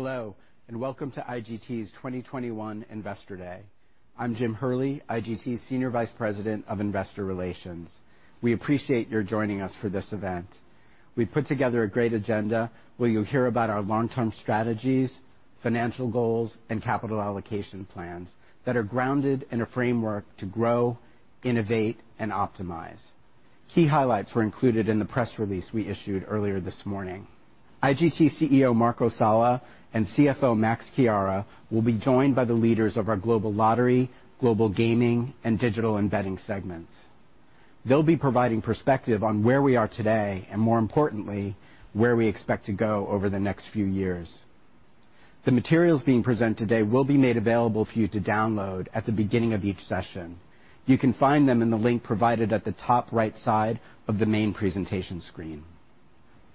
Hello, and welcome to IGT's 2021 Investor Day. I'm Jim Hurley, IGT Senior Vice President of Investor Relations. We appreciate your joining us for this event. We've put together a great agenda where you'll hear about our long-term strategies, financial goals, and capital allocation plans that are grounded in a framework to grow, innovate, and optimize. Key highlights were included in the press release we issued earlier this morning. IGT CEO, Marco Sala, and CFO, Max Chiara will be joined by the leaders of our Global Lottery, Global Gaming, and Digital and Betting segments. They'll be providing perspective on where we are today, and more importantly, where we expect to go over the next few years. The materials being presented today will be made available for you to download at the beginning of each session. You can find them in the link provided at the top right side of the main presentation screen.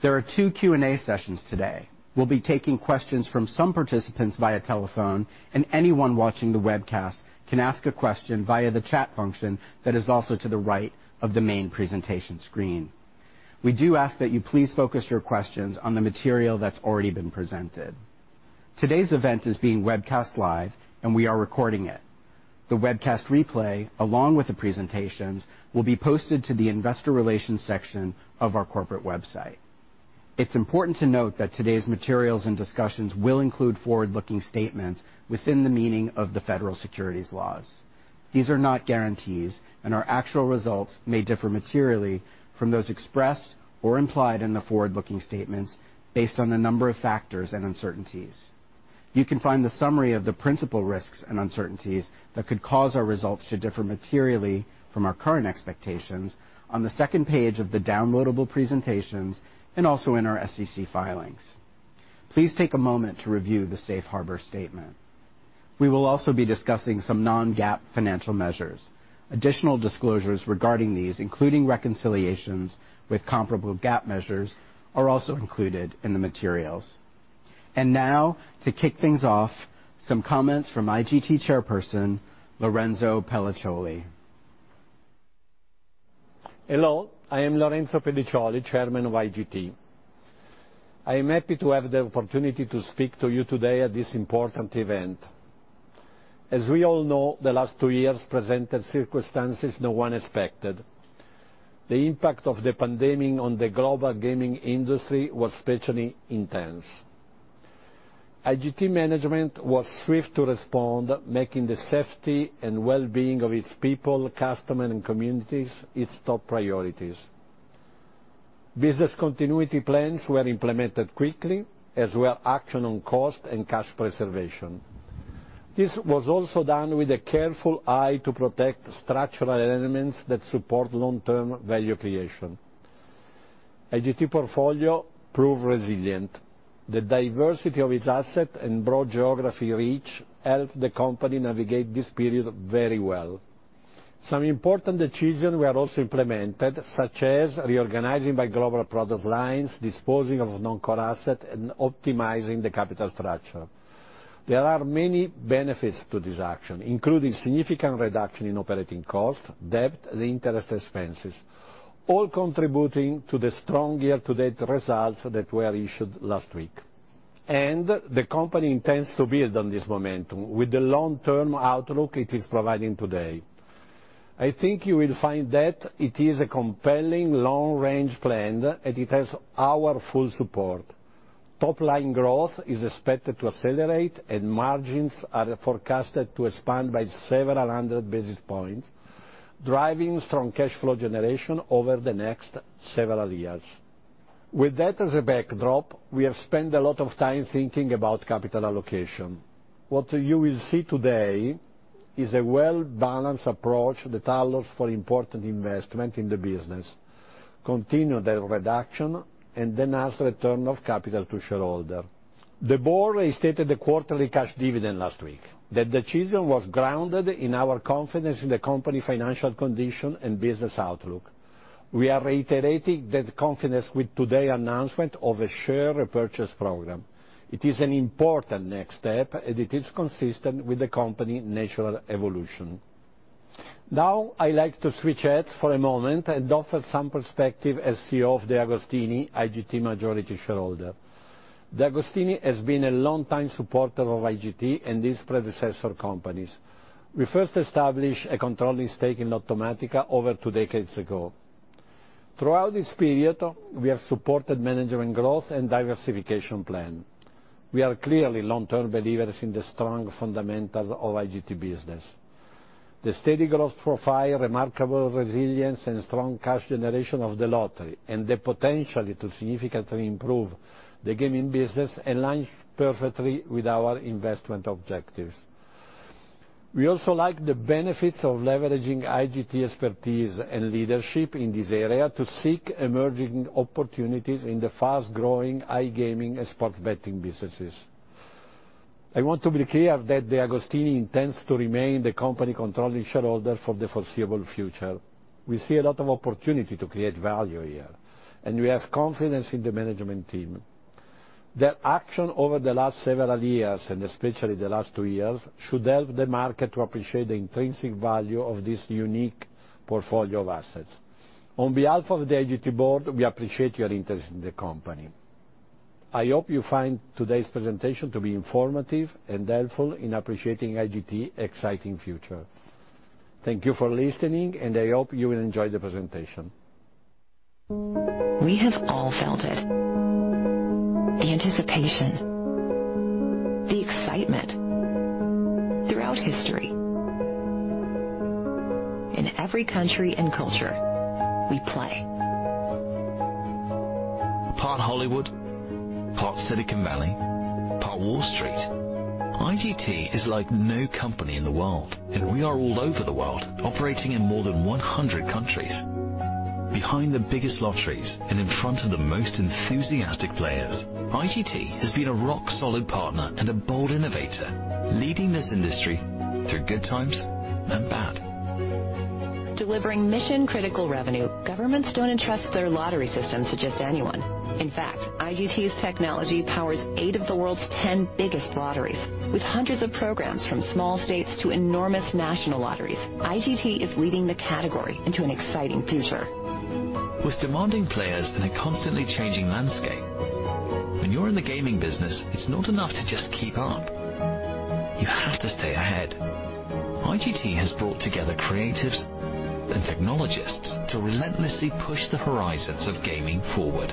There are two Q&A sessions today. We'll be taking questions from some participants via telephone, and anyone watching the webcast can ask a question via the chat function that is also to the right of the main presentation screen. We do ask that you please focus your questions on the material that's already been presented. Today's event is being webcast live, and we are recording it. The webcast replay, along with the presentations, will be posted to the Investor Relations section of our corporate website. It's important to note that today's materials and discussions will include forward-looking statements within the meaning of the federal securities laws. These are not guarantees, and our actual results may differ materially from those expressed or implied in the forward-looking statements based on a number of factors and uncertainties. You can find the summary of the principal risks and uncertainties that could cause our results to differ materially from our current expectations on the second page of the downloadable presentations and also in our SEC filings. Please take a moment to review the Safe Harbor statement. We will also be discussing some non-GAAP financial measures. Additional disclosures regarding these, including reconciliations with comparable GAAP measures, are also included in the materials. Now to kick things off, some comments from IGT Chairperson, Lorenzo Pellicioli. Hello, I am Lorenzo Pellicioli, Chairman of IGT. I am happy to have the opportunity to speak to you today at this important event. As we all know, the last two years presented circumstances no one expected. The impact of the pandemic on the global gaming industry was especially intense. IGT management was swift to respond, making the safety and well-being of its people, customers, and communities its top priorities. Business continuity plans were implemented quickly, as were actions on costs and cash preservation. This was also done with a careful eye to protect structural elements that support long-term value creation. IGT portfolio proved resilient. The diversity of its assets and broad geographical reach helped the company navigate this period very well. Some important decisions were also implemented, such as reorganizing by global product lines, disposing of non-core assets, and optimizing the capital structure. There are many benefits to this action, including significant reduction in operating cost, debt, and interest expenses, all contributing to the strong year-to-date results that were issued last week. The company intends to build on this momentum with the long-term outlook it is providing today. I think you will find that it is a compelling long-range plan, and it has our full support. Top-line growth is expected to accelerate, and margins are forecasted to expand by several hundred basis points, driving strong cash flow generation over the next several years. With that as a backdrop, we have spent a lot of time thinking about capital allocation. What you will see today is a well-balanced approach that allows for important investment in the business, continued debt reduction, and enhanced return of capital to shareholder. The board restated the quarterly cash dividend last week. That decision was grounded in our confidence in the company's financial condition and business outlook. We are reiterating that confidence with today's announcement of a share repurchase program. It is an important next step, and it is consistent with the company's natural evolution. Now, I'd like to switch hats for a moment and offer some perspective as CEO of DeAgostini, IGT's majority shareholder. DeAgostini has been a longtime supporter of IGT and its predecessor companies. We first established a controlling stake in Lottomatica over two decades ago. Throughout this period, we have supported management's growth and diversification plan. We are clearly long-term believers in the strong fundamentals of IGT's business. The steady growth profile, remarkable resilience, and strong cash generation of the lottery, and the potential to significantly improve the gaming business align perfectly with our investment objectives. We also like the benefits of leveraging IGT expertise and leadership in this area to seek emerging opportunities in the fast-growing iGaming and sports betting businesses. I want to be clear that DeAgostini intends to remain the company controlling shareholder for the foreseeable future. We see a lot of opportunity to create value here, and we have confidence in the management team. Their action over the last several years, and especially the last two years, should help the market to appreciate the intrinsic value of this unique portfolio of assets. On behalf of the IGT board, we appreciate your interest in the company. I hope you find today's presentation to be informative and helpful in appreciating IGT's exciting future. Thank you for listening, and I hope you will enjoy the presentation. We have all felt it, the anticipation, the excitement. Throughout history, in every country and culture, we play. Part Hollywood, part Silicon Valley, part Wall Street. IGT is like no company in the world, and we are all over the world, operating in more than 100 countries. Behind the biggest lotteries and in front of the most enthusiastic players, IGT has been a rock-solid partner and a bold innovator, leading this industry through good times and bad. Delivering mission-critical revenue, governments don't entrust their lottery systems to just anyone. In fact, IGT's technology powers eight of the world's 10 biggest lotteries. With hundreds of programs from small states to enormous national lotteries, IGT is leading the category into an exciting future. With demanding players in a constantly changing landscape, when you're in the gaming business, it's not enough to just keep up. You have to stay ahead. IGT has brought together creatives and technologists to relentlessly push the horizons of gaming forward.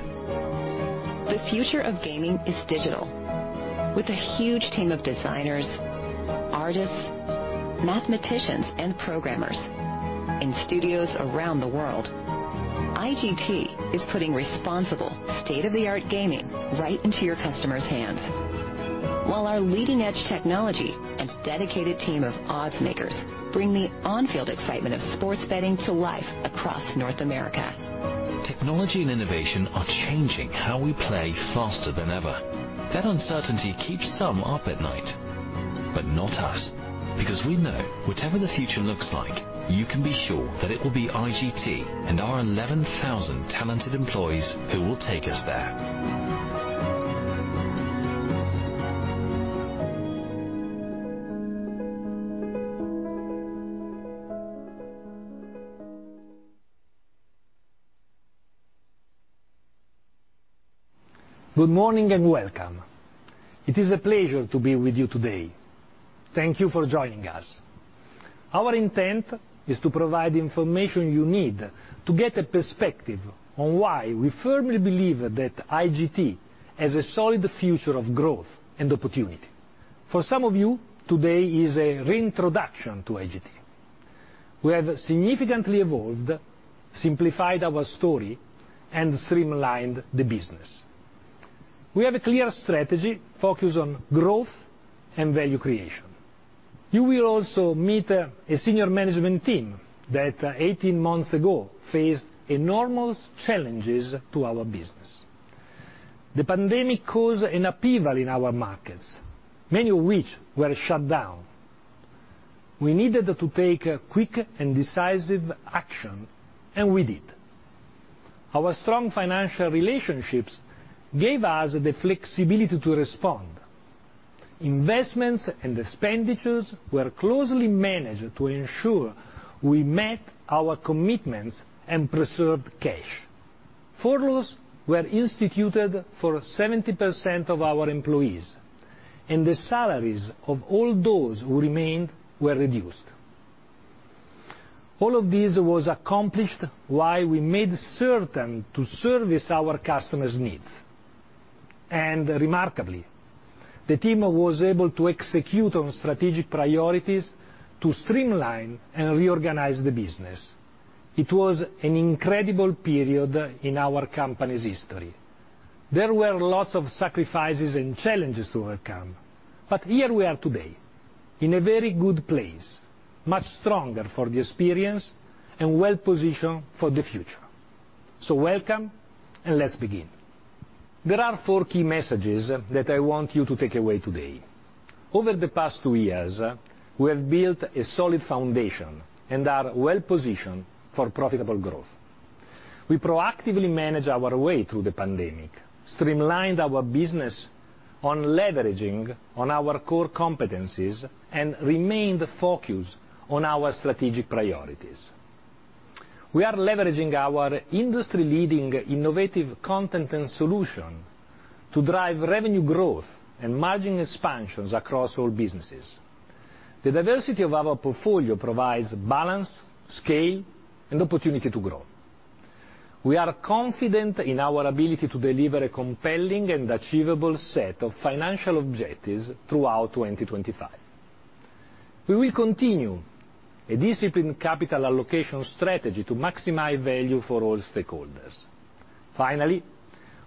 The future of gaming is digital. With a huge team of designers, artists, mathematicians, and programmers in studios around the world, IGT is putting responsible state-of-the-art gaming right into your customer's hands. While our leading-edge technology and dedicated team of oddsmakers bring the on-field excitement of sports betting to life across North America. Technology and innovation are changing how we play faster than ever. That uncertainty keeps some up at night, but not us, because we know whatever the future looks like, you can be sure that it will be IGT and our 11,000 talented employees who will take us there. Good morning and welcome. It is a pleasure to be with you today. Thank you for joining us. Our intent is to provide information you need to get a perspective on why we firmly believe that IGT has a solid future of growth and opportunity. For some of you, today is a reintroduction to IGT. We have significantly evolved, simplified our story, and streamlined the business. We have a clear strategy focused on growth and value creation. You will also meet a senior management team that 18 months ago faced enormous challenges to our business. The pandemic caused an upheaval in our markets, many of which were shut down. We needed to take quick and decisive action, and we did. Our strong financial relationships gave us the flexibility to respond. Investments and expenditures were closely managed to ensure we met our commitments and preserved cash. Furloughs were instituted for 70% of our employees, and the salaries of all those who remained were reduced. All of this was accomplished while we made certain to service our customers' needs. Remarkably, the team was able to execute on strategic priorities to streamline and reorganize the business. It was an incredible period in our company's history. There were lots of sacrifices and challenges to overcome, but here we are today in a very good place, much stronger for the experience and well-positioned for the future. Welcome, and let's begin. There are four key messages that I want you to take away today. Over the past two years, we have built a solid foundation and are well-positioned for profitable growth. We proactively manage our way through the pandemic, streamlined our business on leveraging on our core competencies, and remained focused on our strategic priorities. We are leveraging our industry-leading innovative content and solution to drive revenue growth and margin expansions across all businesses. The diversity of our portfolio provides balance, scale, and opportunity to grow. We are confident in our ability to deliver a compelling and achievable set of financial objectives throughout 2025. We will continue a disciplined capital allocation strategy to maximize value for all stakeholders. Finally,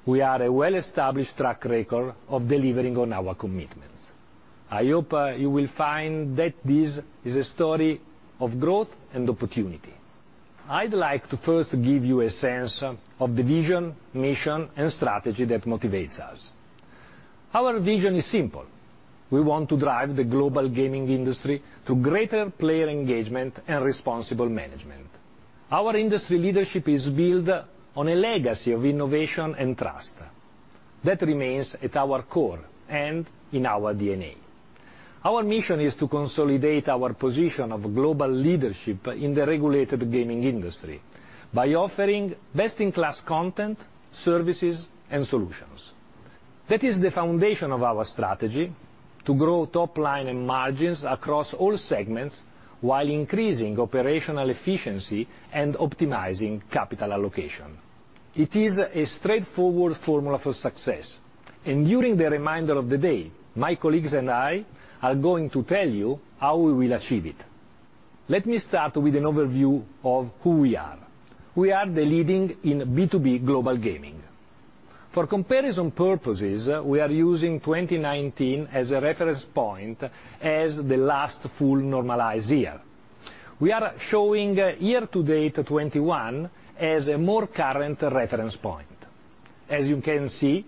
we have a well-established track record of delivering on our commitments. I hope you will find that this is a story of growth and opportunity. I'd like to first give you a sense of the vision, mission, and strategy that motivates us. Our vision is simple. We want to drive the global gaming industry through greater player engagement and responsible management. Our industry leadership is built on a legacy of innovation and trust. That remains at our core and in our DNA. Our mission is to consolidate our position of global leadership in the regulated gaming industry by offering best-in-class content, services, and solutions. That is the foundation of our strategy to grow top line and margins across all segments while increasing operational efficiency and optimizing capital allocation. It is a straightforward formula for success. During the remainder of the day, my colleagues and I are going to tell you how we will achieve it. Let me start with an overview of who we are. We are the leader in B2B global gaming. For comparison purposes, we are using 2019 as a reference point as the last full normalized year. We are showing year-to-date 2021 as a more current reference point. As you can see,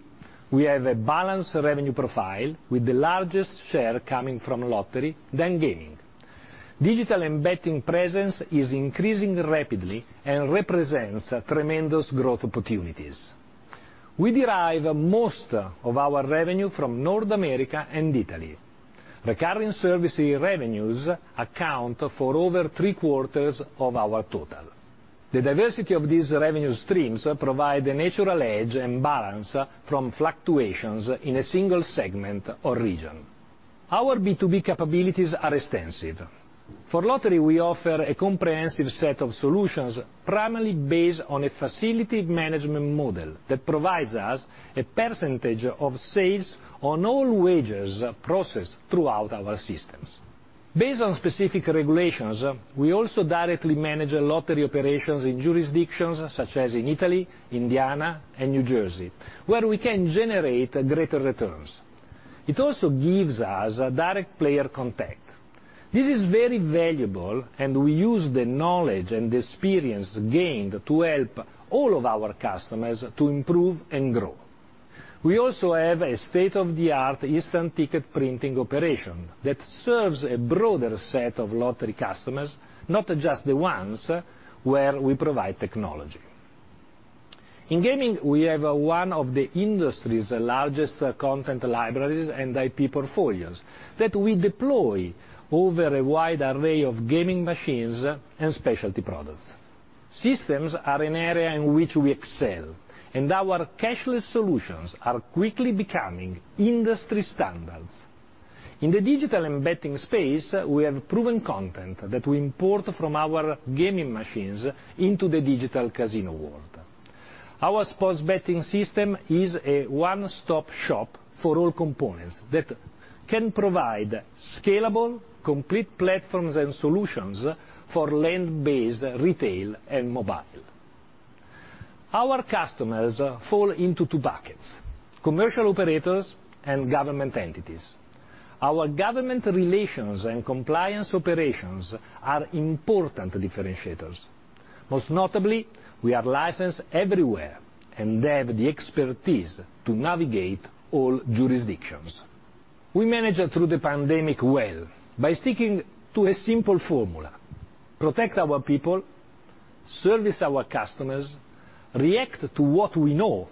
we have a balanced revenue profile with the largest share coming from lottery, then gaming. Digital and betting presence is increasing rapidly and represents tremendous growth opportunities. We derive most of our revenue from North America and Italy. Recurring services revenues account for over 3/4 of our total. The diversity of these revenue streams provide a natural edge and balance from fluctuations in a single segment or region. Our B2B capabilities are extensive. For lottery, we offer a comprehensive set of solutions primarily based on a facility management model that provides us a percentage of sales on all wagers processed throughout our systems. Based on specific regulations, we also directly manage lottery operations in jurisdictions such as in Italy, Indiana, and New Jersey, where we can generate greater returns. It also gives us direct player contact. This is very valuable, and we use the knowledge and experience gained to help all of our customers to improve and grow. We also have a state-of-the-art instant ticket printing operation that serves a broader set of lottery customers, not just the ones where we provide technology. In gaming, we have one of the industry's largest content libraries and IP portfolios that we deploy over a wide array of gaming machines and specialty products. Systems are an area in which we excel, and our cashless solutions are quickly becoming industry standards. In the Digital and Betting space, we have proven content that we import from our gaming machines into the digital casino world. Our sports betting system is a one-stop shop for all components that can provide scalable, complete platforms and solutions for land-based retail and mobile. Our customers fall into two buckets: commercial operators and government entities. Our government relations and compliance operations are important differentiators. Most notably, we are licensed everywhere and have the expertise to navigate all jurisdictions. We managed through the pandemic well by sticking to a simple formula: protect our people, service our customers, react to what we know,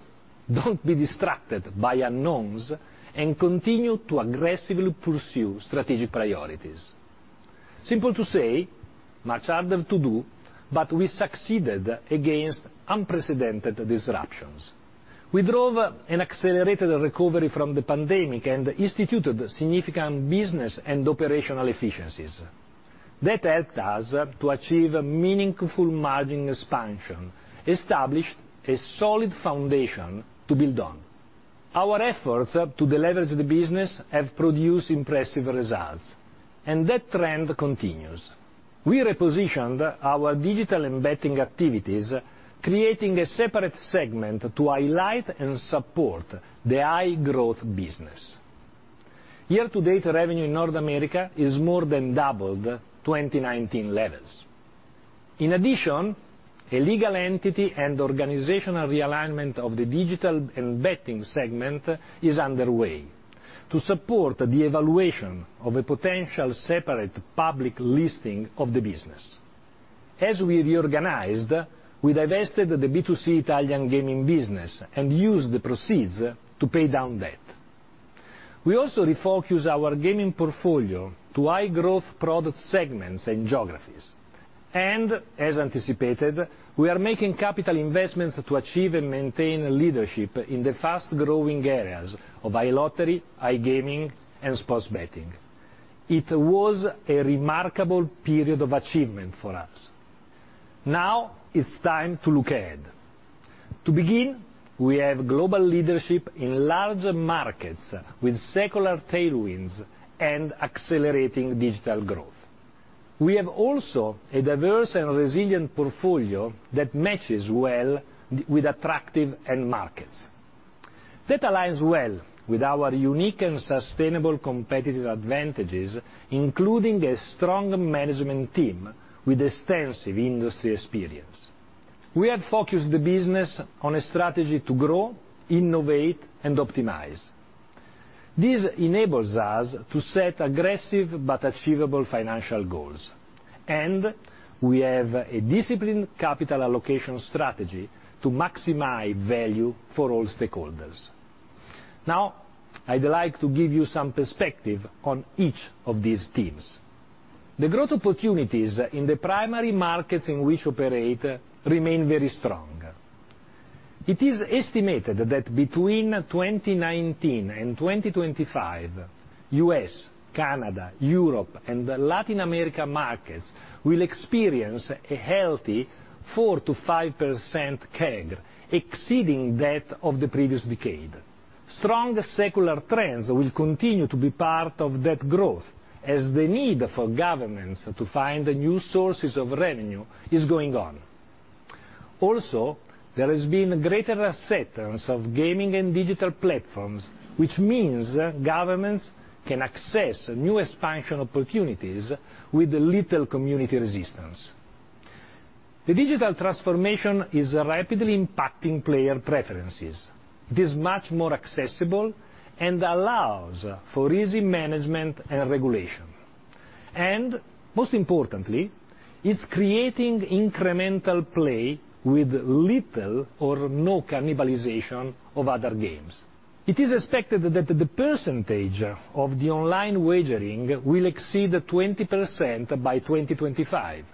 don't be distracted by unknowns, and continue to aggressively pursue strategic priorities. Simple to say, much harder to do, but we succeeded against unprecedented disruptions. We drove an accelerated recovery from the pandemic and instituted significant business and operational efficiencies. That helped us to achieve a meaningful margin expansion, established a solid foundation to build on. Our efforts to deleverage the business have produced impressive results, and that trend continues. We repositioned our digital and betting activities, creating a separate segment to highlight and support the high-growth business. Year-to-date revenue in North America is more than doubled 2019 levels. In addition, a legal entity and organizational realignment of the Digital and Betting segment is underway to support the evaluation of a potential separate public listing of the business. As we reorganized, we divested the B2C Italian gaming business and used the proceeds to pay down debt. We also refocused our gaming portfolio to high-growth product segments and geographies. As anticipated, we are making capital investments to achieve and maintain leadership in the fast-growing areas of iLottery, iGaming, and sports betting. It was a remarkable period of achievement for us. Now it's time to look ahead. To begin, we have global leadership in large markets with secular tailwinds and accelerating digital growth. We have also a diverse and resilient portfolio that matches well with attractive end markets. That aligns well with our unique and sustainable competitive advantages, including a strong management team with extensive industry experience. We have focused the business on a strategy to grow, innovate, and optimize. This enables us to set aggressive but achievable financial goals. We have a disciplined capital allocation strategy to maximize value for all stakeholders. Now, I'd like to give you some perspective on each of these themes. The growth opportunities in the primary markets in which we operate remain very strong. It is estimated that between 2019 and 2025, U.S., Canada, Europe, and the Latin America markets will experience a healthy 4%-5% CAGR, exceeding that of the previous decade. Strong secular trends will continue to be part of that growth as the need for governments to find new sources of revenue is going on. Also, there has been greater acceptance of gaming and digital platforms, which means governments can access new expansion opportunities with little community resistance. The digital transformation is rapidly impacting player preferences. It is much more accessible and allows for easy management and regulation. Most importantly, it's creating incremental play with little or no cannibalization of other games. It is expected that the percentage of the online wagering will exceed 20% by 2025,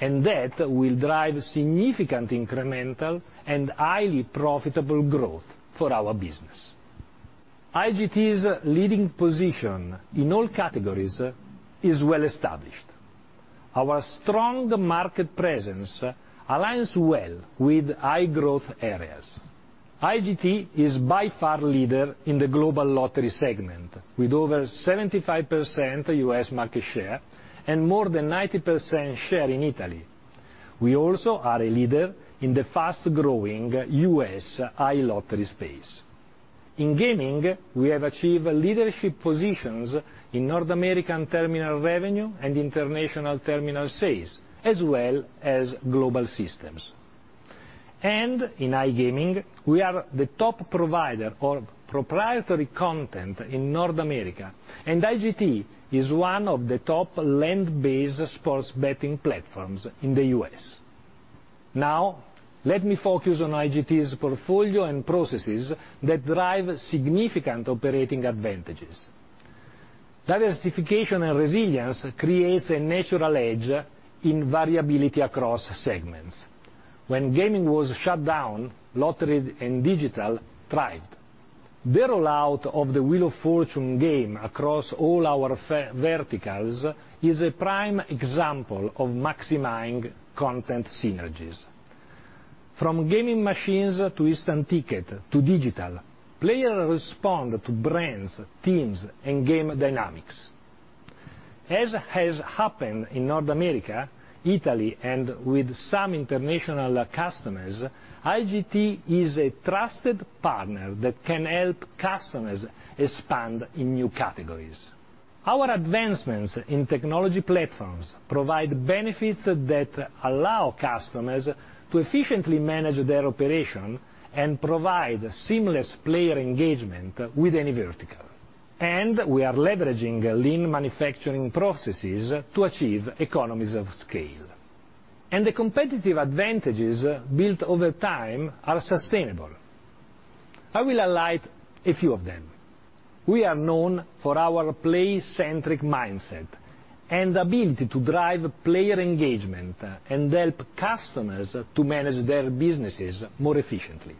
and that will drive significant incremental and highly profitable growth for our business. IGT's leading position in all categories is well established. Our strong market presence aligns well with high-growth areas. IGT is by far leader in the global lottery segment, with over 75% U.S. market share and more than 90% share in Italy. We also are a leader in the fast-growing U.S. iLottery space. In gaming, we have achieved leadership positions in North American terminal revenue and international terminal sales, as well as global systems. In iGaming, we are the top provider of proprietary content in North America, and IGT is one of the top land-based sports betting platforms in the U.S. Now let me focus on IGT's portfolio and processes that drive significant operating advantages. Diversification and resilience creates a natural edge in variability across segments. When gaming was shut down, lottery and digital thrived. The rollout of the Wheel of Fortune game across all our verticals is a prime example of maximizing content synergies. From gaming machines to instant ticket to digital, players respond to brands, themes, and game dynamics. As has happened in North America, Italy, and with some international customers, IGT is a trusted partner that can help customers expand in new categories. Our advancements in technology platforms provide benefits that allow customers to efficiently manage their operation and provide seamless player engagement with any vertical. We are leveraging lean manufacturing processes to achieve economies of scale. The competitive advantages built over time are sustainable. I will highlight a few of them. We are known for our play-centric mindset and ability to drive player engagement and help customers to manage their businesses more efficiently.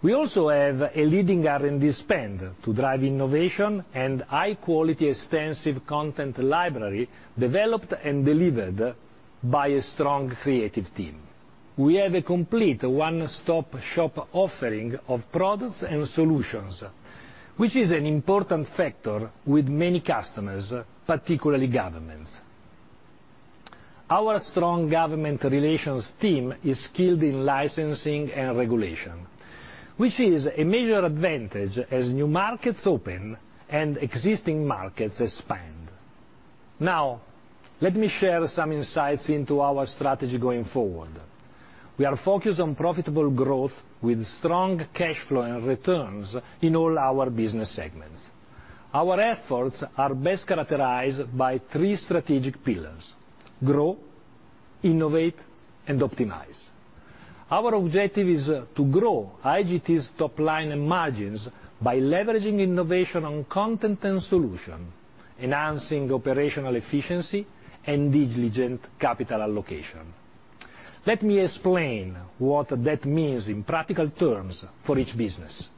We also have a leading R&D spend to drive innovation and high-quality, extensive content library developed and delivered by a strong creative team. We have a complete one-stop shop offering of products and solutions, which is an important factor with many customers, particularly governments. Our strong government relations team is skilled in licensing and regulation, which is a major advantage as new markets open and existing markets expand. Now, let me share some insights into our strategy going forward. We are focused on profitable growth with strong cash flow and returns in all our business segments. Our efforts are best characterized by three strategic pillars: grow, innovate, and optimize. Our objective is to grow IGT's top line and margins by leveraging innovation on content and solution, enhancing operational efficiency, and diligent capital allocation. Let me explain what that means in practical terms for each business.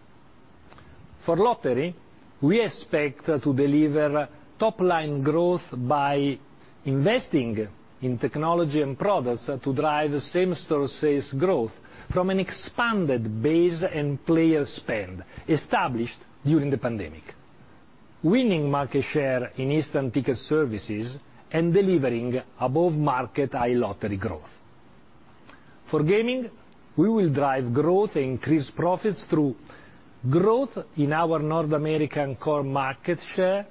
For lottery, we expect to deliver top-line growth by investing in technology and products to drive same-store sales growth from an expanded base and player spend established during the pandemic, winning market share in instant ticket services, and delivering above-market iLottery growth. For gaming, we will drive growth and increase profits through growth in our North American core market share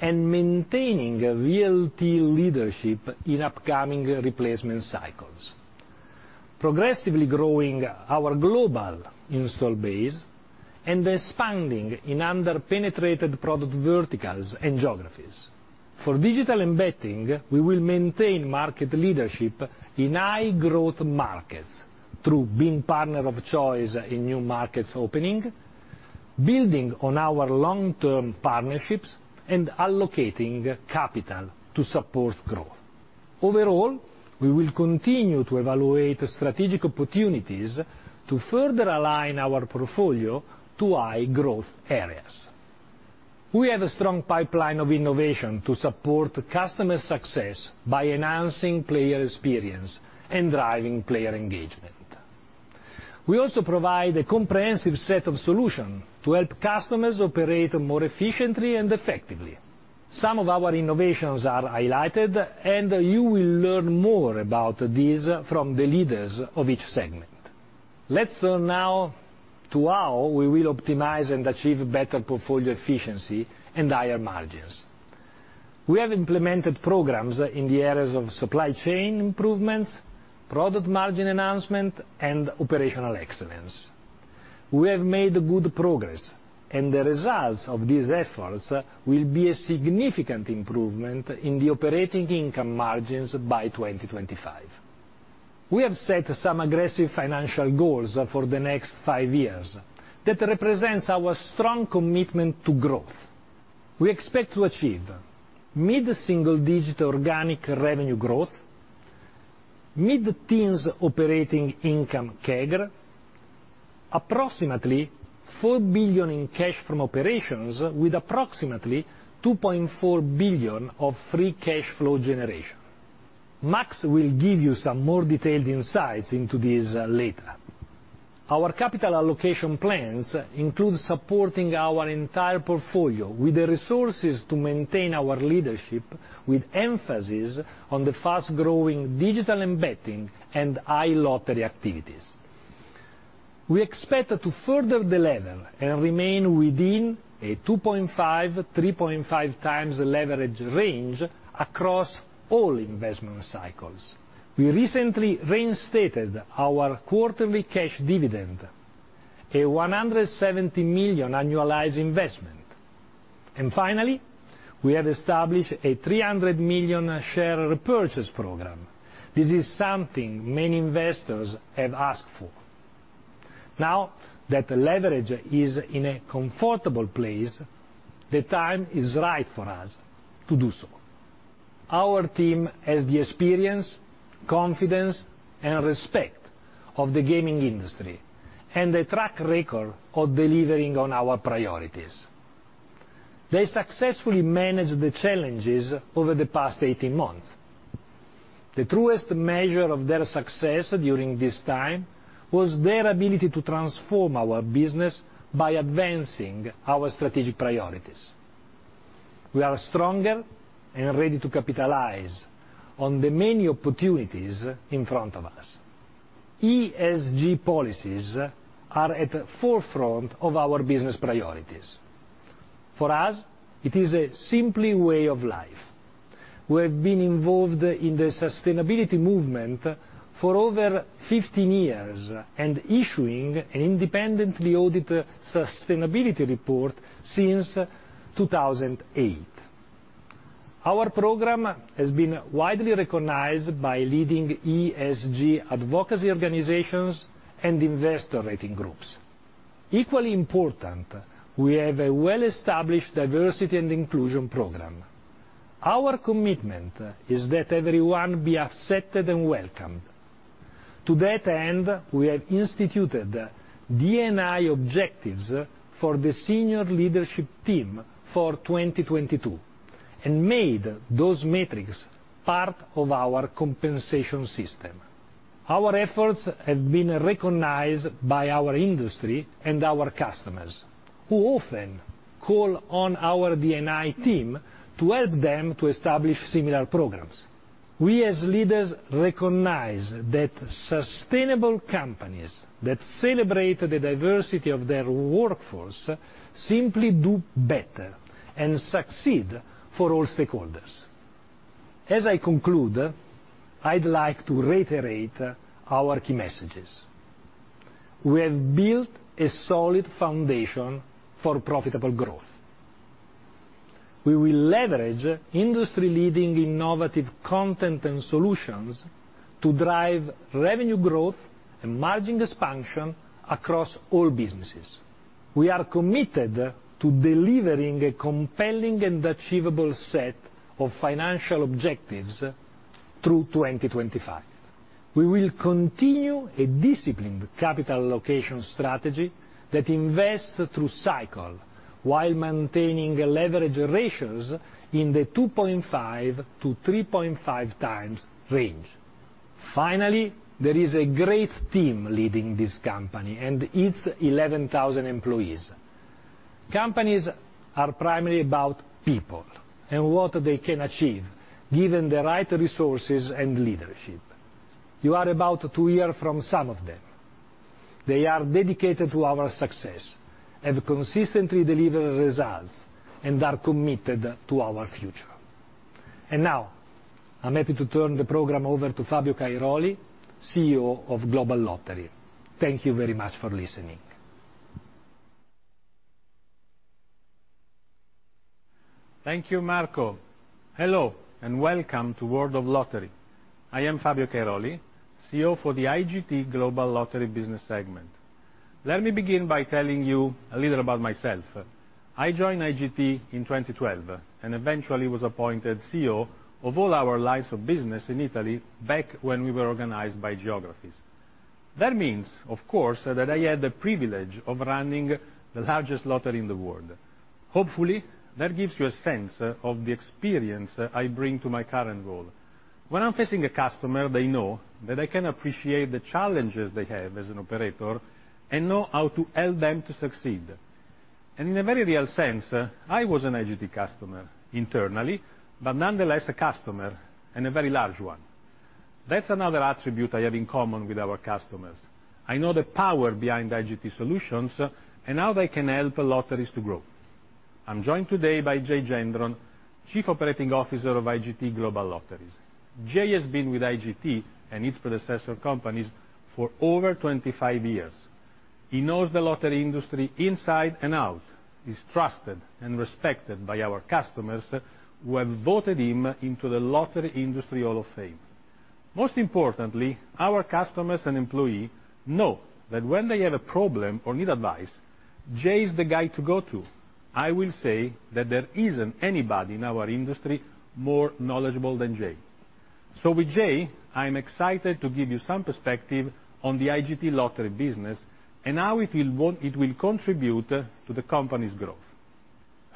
and maintaining a real deal leadership in upcoming replacement cycles, progressively growing our global install base and expanding in under-penetrated product verticals and geographies. For Digital & Betting, we will maintain market leadership in high-growth markets through being partner of choice in new markets opening, building on our long-term partnerships, and allocating capital to support growth. Overall, we will continue to evaluate strategic opportunities to further align our portfolio to high-growth areas. We have a strong pipeline of innovation to support customer success by enhancing player experience and driving player engagement. We also provide a comprehensive set of solution to help customers operate more efficiently and effectively. Some of our innovations are highlighted, and you will learn more about these from the leaders of each segment. Let's turn now to how we will optimize and achieve better portfolio efficiency and higher margins. We have implemented programs in the areas of supply chain improvements, product margin enhancement, and operational excellence. We have made good progress, and the results of these efforts will be a significant improvement in the operating income margins by 2025. We have set some aggressive financial goals for the next five years that represents our strong commitment to growth. We expect to achieve mid-single-digit organic revenue growth, mid-teens operating income CAGR, approximately $4 billion in cash from operations, with approximately $2.4 billion of free cash flow generation. Max will give you some more detailed insights into these later. Our capital allocation plans include supporting our entire portfolio with the resources to maintain our leadership, with emphasis on the fast-growing Digital & Betting and iLottery activities. We expect to further delever and remain within a 2.5x, 3.5x leverage range across all investment cycles. We recently reinstated our quarterly cash dividend, a $170 million annualized investment. Finally, we have established a $300 million share repurchase program. This is something many investors have asked for. Now that the leverage is in a comfortable place, the time is right for us to do so. Our team has the experience, confidence, and respect of the gaming industry, and a track record of delivering on our priorities. They successfully managed the challenges over the past 18 months. The truest measure of their success during this time was their ability to transform our business by advancing our strategic priorities. We are stronger and ready to capitalize on the many opportunities in front of us. ESG policies are at the forefront of our business priorities. For us, it is a simple way of life. We have been involved in the sustainability movement for over 15 years, and issuing an independently-audited sustainability report since 2008. Our program has been widely recognized by leading ESG advocacy organizations and investor rating groups. Equally important, we have a well-established diversity and inclusion program. Our commitment is that everyone be accepted and welcomed. To that end, we have instituted D&I objectives for the senior leadership team for 2022 and made those metrics part of our compensation system. Our efforts have been recognized by our industry and our customers, who often call on our D&I team to help them to establish similar programs. We, as leaders, recognize that sustainable companies that celebrate the diversity of their workforce simply do better and succeed for all stakeholders. As I conclude, I'd like to reiterate our key messages. We have built a solid foundation for profitable growth. We will leverage industry-leading innovative content and solutions to drive revenue growth and margin expansion across all businesses. We are committed to delivering a compelling and achievable set of financial objectives through 2025. We will continue a disciplined capital allocation strategy that invests through cycle while maintaining leverage ratios in the 2.5x-3.5x range. Finally, there is a great team leading this company and its 11,000 employees. Companies are primarily about people and what they can achieve, given the right resources and leadership. You are about to hear from some of them. They are dedicated to our success, have consistently delivered results, and are committed to our future. Now I'm happy to turn the program over to Fabio Cairoli, CEO of Global Lottery. Thank you very much for listening. Thank you, Marco. Hello, and welcome to World of Lottery. I am Fabio Cairoli, CEO for the IGT Global Lottery Business segment. Let me begin by telling you a little about myself. I joined IGT in 2012, and eventually was appointed CEO of all our lines of business in Italy back when we were organized by geographies. That means, of course, that I had the privilege of running the largest lottery in the world. Hopefully, that gives you a sense of the experience I bring to my current role. When I'm facing a customer, they know that I can appreciate the challenges they have as an operator and know how to help them to succeed. In a very real sense, I was an IGT customer internally, but nonetheless a customer and a very large one. That's another attribute I have in common with our customers. I know the power behind IGT solutions and how they can help lotteries to grow. I'm joined today by Jay Gendron, Chief Operating Officer of IGT Global Lotteries. Jay has been with IGT and its predecessor companies for over 25 years. He knows the lottery industry inside and out. He's trusted and respected by our customers who have voted him into the Lottery Industry Hall of Fame. Most importantly, our customers and employees know that when they have a problem or need advice, Jay is the guy to go to. I will say that there isn't anybody in our industry more knowledgeable than Jay. With Jay, I'm excited to give you some perspective on the IGT lottery business and how it will contribute to the company's growth.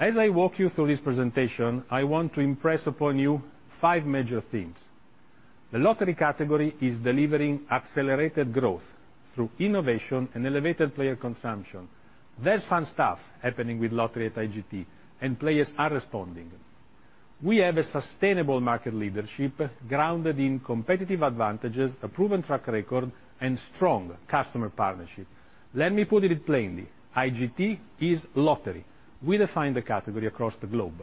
As I walk you through this presentation, I want to impress upon you five major themes. The lottery category is delivering accelerated growth through innovation and elevated player consumption. There's fun stuff happening with lottery at IGT, and players are responding. We have a sustainable market leadership grounded in competitive advantages, a proven track record, and strong customer partnerships. Let me put it plainly. IGT is lottery. We define the category across the globe.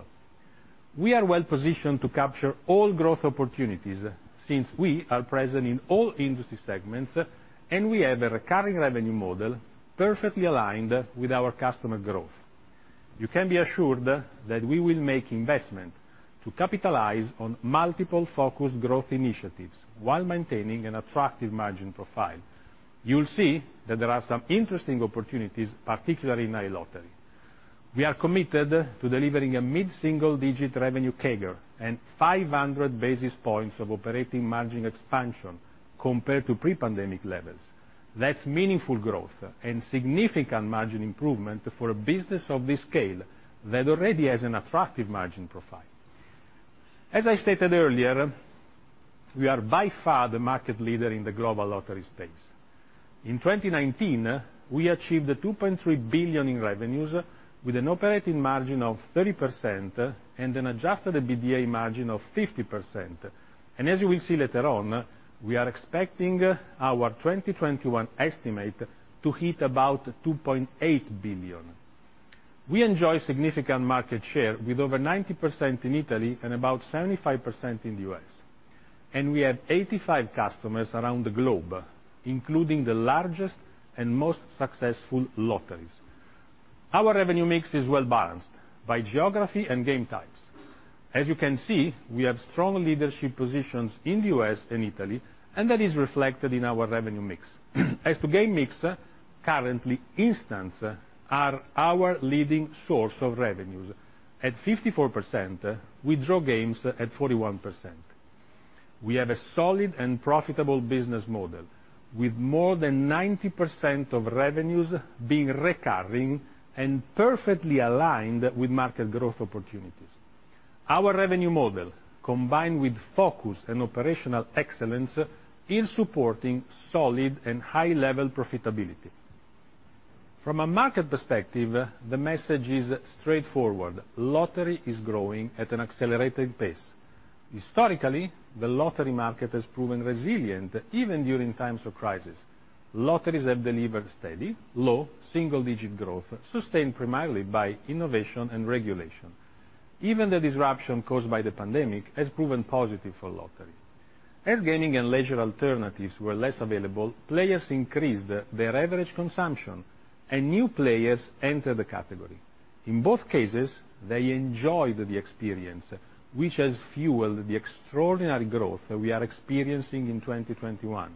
We are well-positioned to capture all growth opportunities since we are present in all industry segments, and we have a recurring revenue model perfectly aligned with our customer growth. You can be assured that we will make investment to capitalize on multiple focused growth initiatives while maintaining an attractive margin profile. You'll see that there are some interesting opportunities, particularly in iLottery. We are committed to delivering a mid-single-digit revenue CAGR and 500 basis points of operating margin expansion compared to pre-pandemic levels. That's meaningful growth and significant margin improvement for a business of this scale that already has an attractive margin profile. As I stated earlier, we are by far the market leader in the global lottery space. In 2019, we achieved $2.3 billion in revenues with an operating margin of 30% and an adjusted EBITDA margin of 50%. As you will see later on, we are expecting our 2021 estimate to hit about $2.8 billion. We enjoy significant market share with over 90% in Italy and about 75% in the U.S. We have 85 customers around the globe, including the largest and most successful lotteries. Our revenue mix is well-balanced by geography and game types. As you can see, we have strong leadership positions in the U.S. and Italy, and that is reflected in our revenue mix. As to game mix, currently instants are our leading source of revenues. At 54%, draw games at 41%. We have a solid and profitable business model with more than 90% of revenues being recurring and perfectly aligned with market growth opportunities. Our revenue model, combined with focus and operational excellence, is supporting solid and high-level profitability. From a market perspective, the message is straightforward. Lottery is growing at an accelerated pace. Historically, the lottery market has proven resilient even during times of crisis. Lotteries have delivered steady, low, single-digit growth, sustained primarily by innovation and regulation. Even the disruption caused by the pandemic has proven positive for lottery. As gaming and leisure alternatives were less available, players increased their average consumption and new players entered the category. In both cases, they enjoyed the experience, which has fueled the extraordinary growth that we are experiencing in 2021.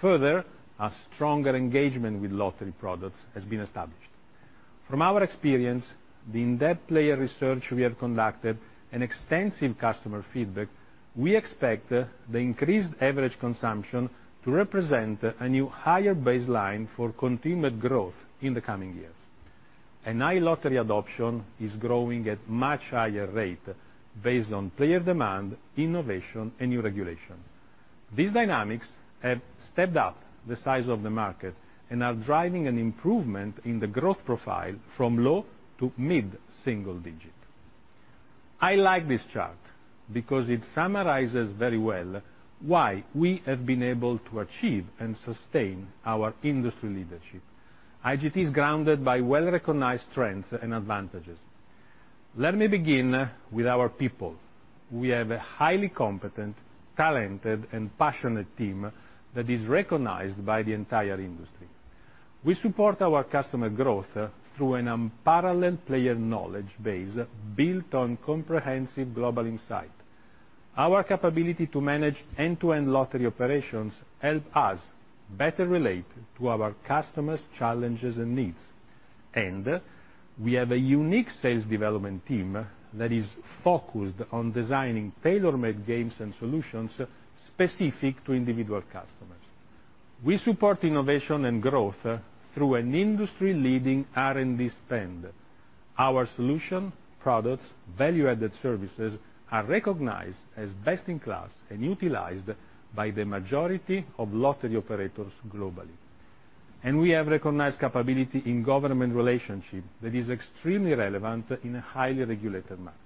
Further, a stronger engagement with lottery products has been established. From our experience, the in-depth player research we have conducted and extensive customer feedback, we expect the increased average consumption to represent a new higher baseline for continued growth in the coming years. iLottery adoption is growing at much higher rate based on player demand, innovation, and new regulation. These dynamics have stepped up the size of the market and are driving an improvement in the growth profile from low- to mid-single digit. I like this chart because it summarizes very well why we have been able to achieve and sustain our industry leadership. IGT is grounded by well-recognized strengths and advantages. Let me begin with our people. We have a highly competent, talented and passionate team that is recognized by the entire industry. We support our customer growth through an unparalleled player knowledge base built on comprehensive global insight. Our capability to manage end-to-end lottery operations help us better relate to our customers' challenges and needs. We have a unique sales development team that is focused on designing tailor-made games and solutions specific to individual customers. We support innovation and growth through an industry-leading R&D spend. Our solution, products, value-added services are recognized as best in class and utilized by the majority of lottery operators globally. We have recognized capability in government relationship that is extremely relevant in a highly regulated market.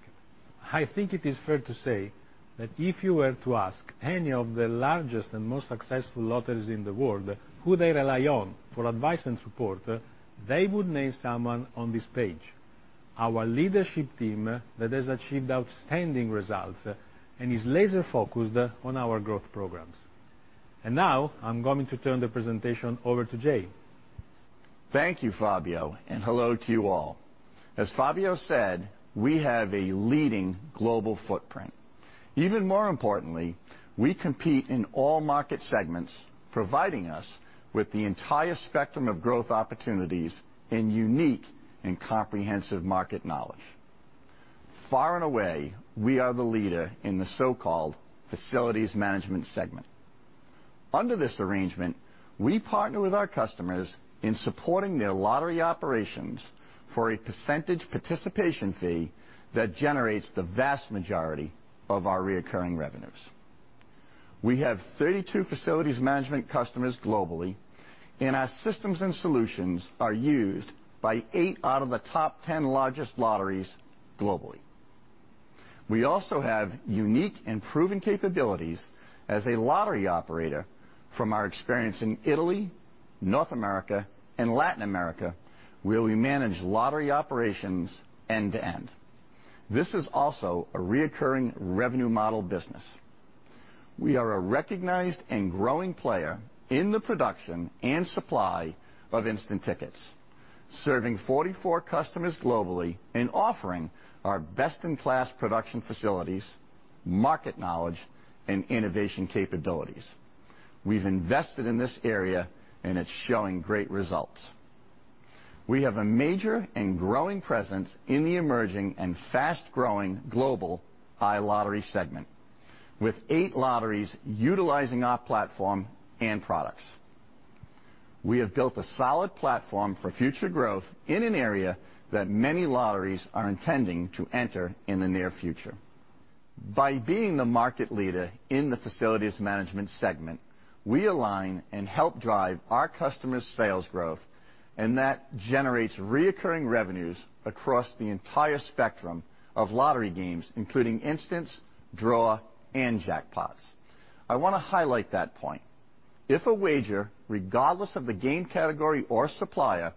I think it is fair to say that if you were to ask any of the largest and most successful lotteries in the world who they rely on for advice and support, they would name someone on this page, our leadership team that has achieved outstanding results and is laser-focused on our growth programs. Now I'm going to turn the presentation over to Jay. Thank you, Fabio, and hello to you all. As Fabio said, we have a leading global footprint. Even more importantly, we compete in all market segments, providing us with the entire spectrum of growth opportunities and unique and comprehensive market knowledge. Far and away, we are the leader in the so-called facilities management segment. Under this arrangement, we partner with our customers in supporting their lottery operations for a percentage participation fee that generates the vast majority of our recurring revenues. We have 32 facilities management customers globally, and our systems and solutions are used by eight out of the top 10 largest lotteries globally. We also have unique and proven capabilities as a lottery operator from our experience in Italy, North America, and Latin America, where we manage lottery operations end-to-end. This is also a recurring revenue model business. We are a recognized and growing player in the production and supply of instant tickets, serving 44 customers globally and offering our best-in-class production facilities, market knowledge, and innovation capabilities. We've invested in this area, and it's showing great results. We have a major and growing presence in the emerging and fast-growing global iLottery segment, with eight lotteries utilizing our platform and products. We have built a solid platform for future growth in an area that many lotteries are intending to enter in the near future. By being the market leader in the facilities management segment, we align and help drive our customers' sales growth, and that generates recurring revenues across the entire spectrum of lottery games, including instants, draw, and jackpots. I wanna highlight that point. If a wager, regardless of the game category or supplier,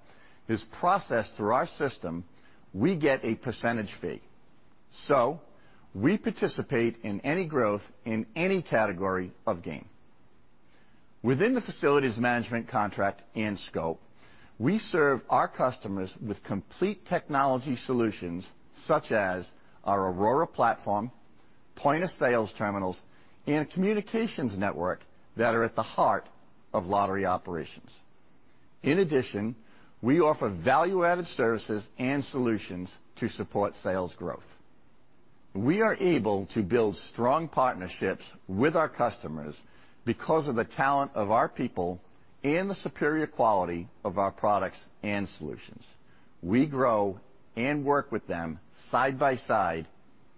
is processed through our system, we get a percentage fee. We participate in any growth in any category of game. Within the facilities management contract and scope, we serve our customers with complete technology solutions, such as our Aurora platform, point-of-sale terminals, and communications network that are at the heart of lottery operations. In addition, we offer value-added services and solutions to support sales growth. We are able to build strong partnerships with our customers because of the talent of our people and the superior quality of our products and solutions. We grow and work with them side by side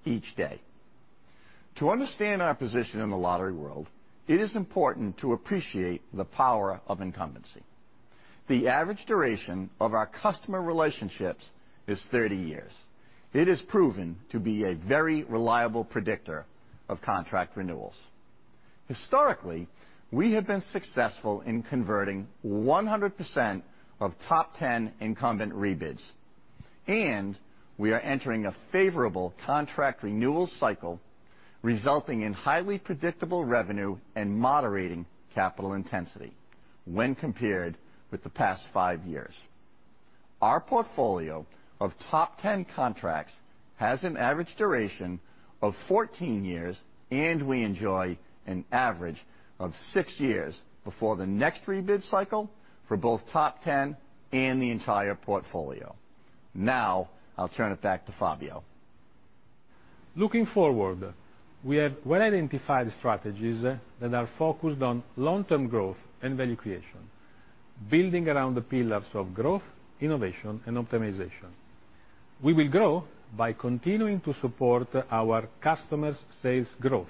each day. To understand our position in the lottery world, it is important to appreciate the power of incumbency. The average duration of our customer relationships is 30 years. It has proven to be a very reliable predictor of contract renewals. Historically, we have been successful in converting 100% of top 10 incumbent rebids, and we are entering a favorable contract renewal cycle, resulting in highly predictable revenue and moderating capital intensity when compared with the past five years. Our portfolio of top 10 contracts has an average duration of 14 years, and we enjoy an average of six years before the next rebid cycle for both top 10 and the entire portfolio. Now I'll turn it back to Fabio. Looking forward, we have well-identified strategies that are focused on long-term growth and value creation, building around the pillars of growth, innovation, and optimization. We will grow by continuing to support our customers' sales growth,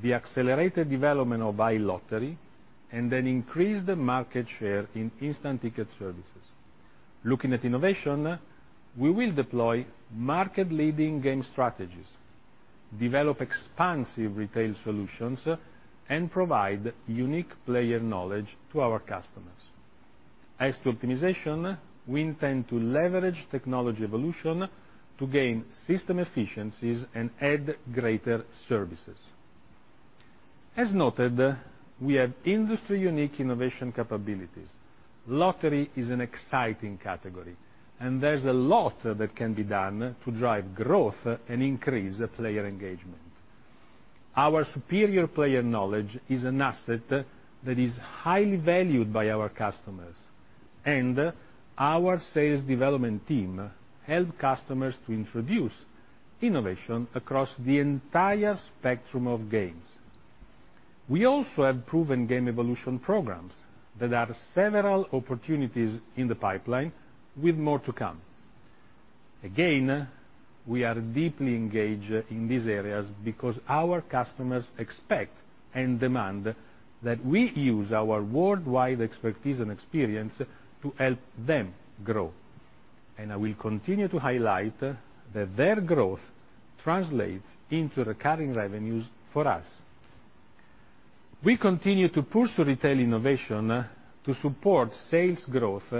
the accelerated development of iLottery, and an increased market share in instant ticket services. Looking at innovation, we will deploy market-leading game strategies, develop expansive retail solutions, and provide unique player knowledge to our customers. As to optimization, we intend to leverage technology evolution to gain system efficiencies and add greater services. As noted, we have industry-unique innovation capabilities. Lottery is an exciting category, and there's a lot that can be done to drive growth and increase player engagement. Our superior player knowledge is an asset that is highly valued by our customers, and our sales development team help customers to introduce innovation across the entire spectrum of games. We also have proven game evolution programs. There are several opportunities in the pipeline with more to come. Again, we are deeply engaged in these areas because our customers expect and demand that we use our worldwide expertise and experience to help them grow, and I will continue to highlight that their growth translates into recurring revenues for us. We continue to push retail innovation to support sales growth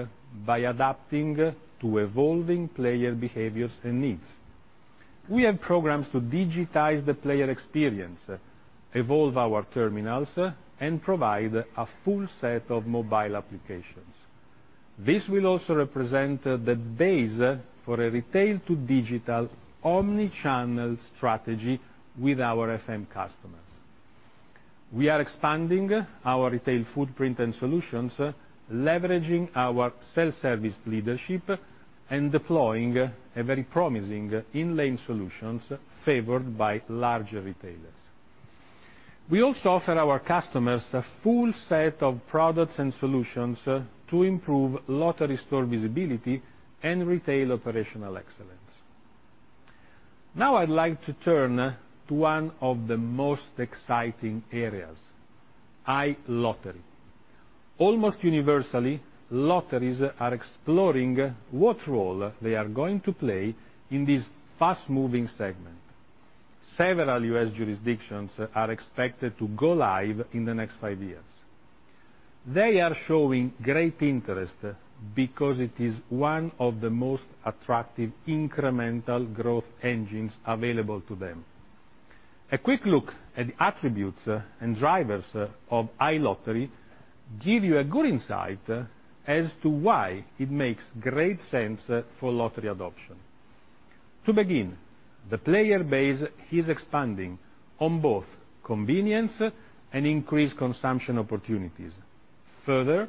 by adapting to evolving player behaviors and needs. We have programs to digitize the player experience, evolve our terminals, and provide a full set of mobile applications. This will also represent the base for a retail-to-digital omni-channel strategy with our FM customers. We are expanding our retail footprint and solutions, leveraging our self-service leadership and deploying a very promising in-lane solutions favored by larger retailers. We also offer our customers a full set of products and solutions to improve lottery store visibility and retail operational excellence. Now I'd like to turn to one of the most exciting areas, iLottery. Almost universally, lotteries are exploring what role they are going to play in this fast-moving segment. Several U.S. jurisdictions are expected to go live in the next five years. They are showing great interest because it is one of the most attractive incremental growth engines available to them. A quick look at attributes and drivers of iLottery give you a good insight as to why it makes great sense for lottery adoption. To begin, the player base is expanding on both convenience and increased consumption opportunities. Further,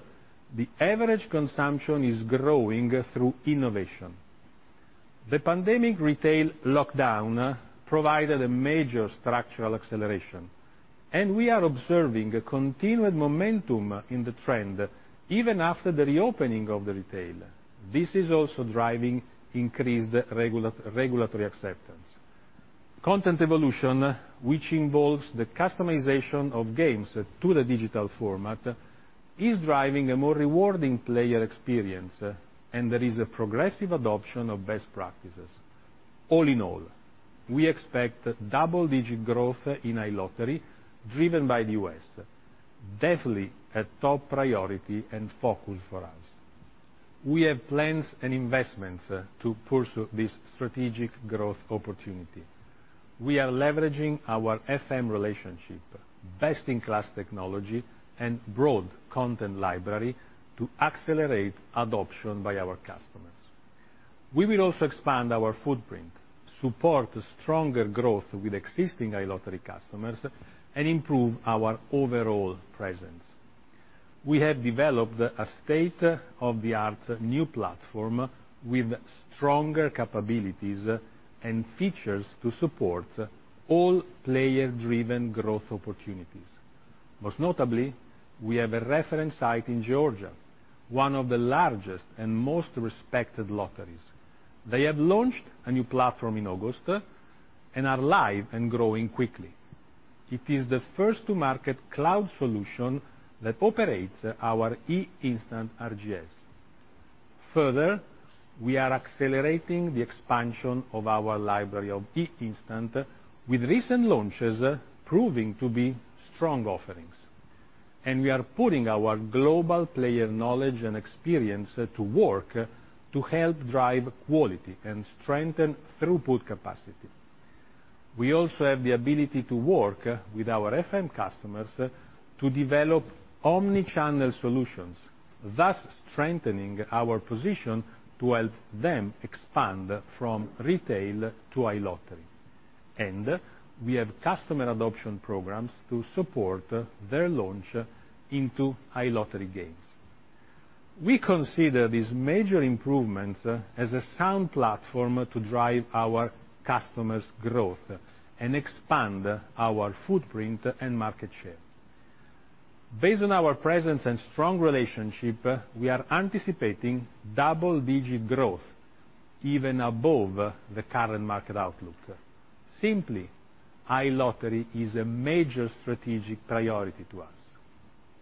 the average consumption is growing through innovation. The pandemic retail lockdown provided a major structural acceleration, and we are observing a continued momentum in the trend even after the reopening of the retail. This is also driving increased regulatory acceptance. Content evolution, which involves the customization of games to the digital format, is driving a more rewarding player experience, and there is a progressive adoption of best practices. All in all, we expect double-digit growth in iLottery driven by the U.S., definitely a top priority and focus for us. We have plans and investments to pursue this strategic growth opportunity. We are leveraging our FM relationship, best-in-class technology, and broad content library to accelerate adoption by our customers. We will also expand our footprint, support stronger growth with existing iLottery customers, and improve our overall presence. We have developed a state-of-the-art new platform with stronger capabilities and features to support all player-driven growth opportunities. Most notably, we have a reference site in Georgia, one of the largest and most respected lotteries. They have launched a new platform in August and are live and growing quickly. It is the first to market cloud solution that operates our eInstant RGS. Further, we are accelerating the expansion of our library of eInstant, with recent launches proving to be strong offerings, and we are putting our global player knowledge and experience to work to help drive quality and strengthen throughput capacity. We also have the ability to work with our FM customers to develop omni-channel solutions, thus strengthening our position to help them expand from retail to iLottery. We have customer adoption programs to support their launch into iLottery games. We consider these major improvements as a sound platform to drive our customers' growth and expand our footprint and market share. Based on our presence and strong relationship, we are anticipating double-digit growth even above the current market outlook. Simply, iLottery is a major strategic priority to us.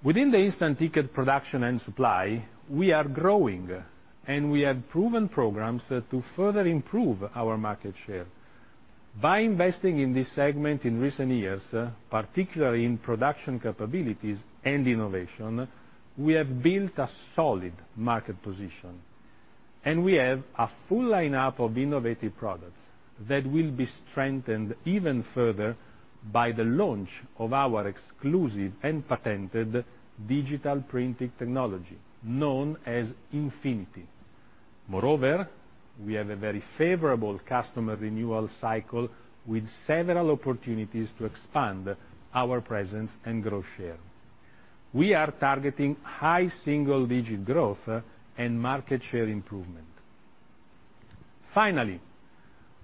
Within the instant ticket production and supply, we are growing, and we have proven programs to further improve our market share. By investing in this segment in recent years, particularly in production capabilities and innovation, we have built a solid market position, and we have a full lineup of innovative products that will be strengthened even further by the launch of our exclusive and patented digital printing technology, known as Infinity. Moreover, we have a very favorable customer renewal cycle with several opportunities to expand our presence and grow share. We are targeting high single-digit growth and market share improvement. Finally,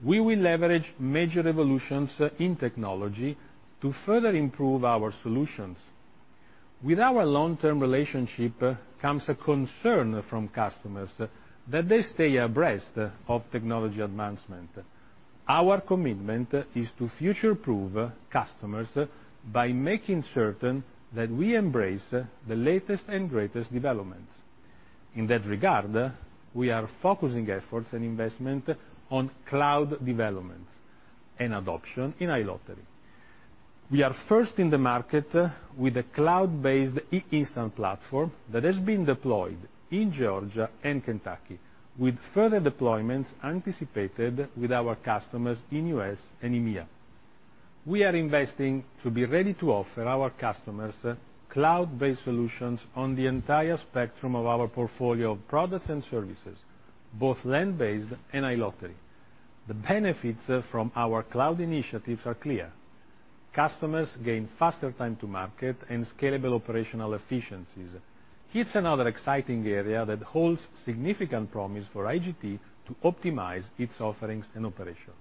we will leverage major revolutions in technology to further improve our solutions. With our long-term relationship comes a concern from customers that they stay abreast of technology advancement. Our commitment is to future-proof customers by making certain that we embrace the latest and greatest developments. In that regard, we are focusing efforts and investment on cloud development and adoption in iLottery. We are first in the market with a cloud-based eInstant platform that has been deployed in Georgia and Kentucky, with further deployments anticipated with our customers in U.S. and EMEA. We are investing to be ready to offer our customers cloud-based solutions on the entire spectrum of our portfolio of products and services, both land-based and iLottery. The benefits from our cloud initiatives are clear. Customers gain faster time to market and scalable operational efficiencies. It's another exciting area that holds significant promise for IGT to optimize its offerings and operations.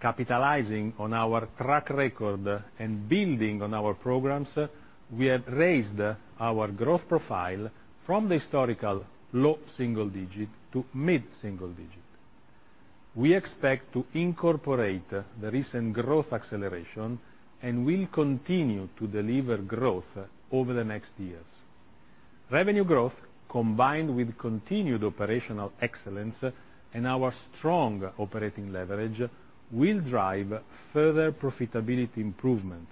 Capitalizing on our track record and building on our programs, we have raised our growth profile from the historical low single digit to mid-single digit. We expect to incorporate the recent growth acceleration, and will continue to deliver growth over the next years. Revenue growth, combined with continued operational excellence and our strong operating leverage, will drive further profitability improvement,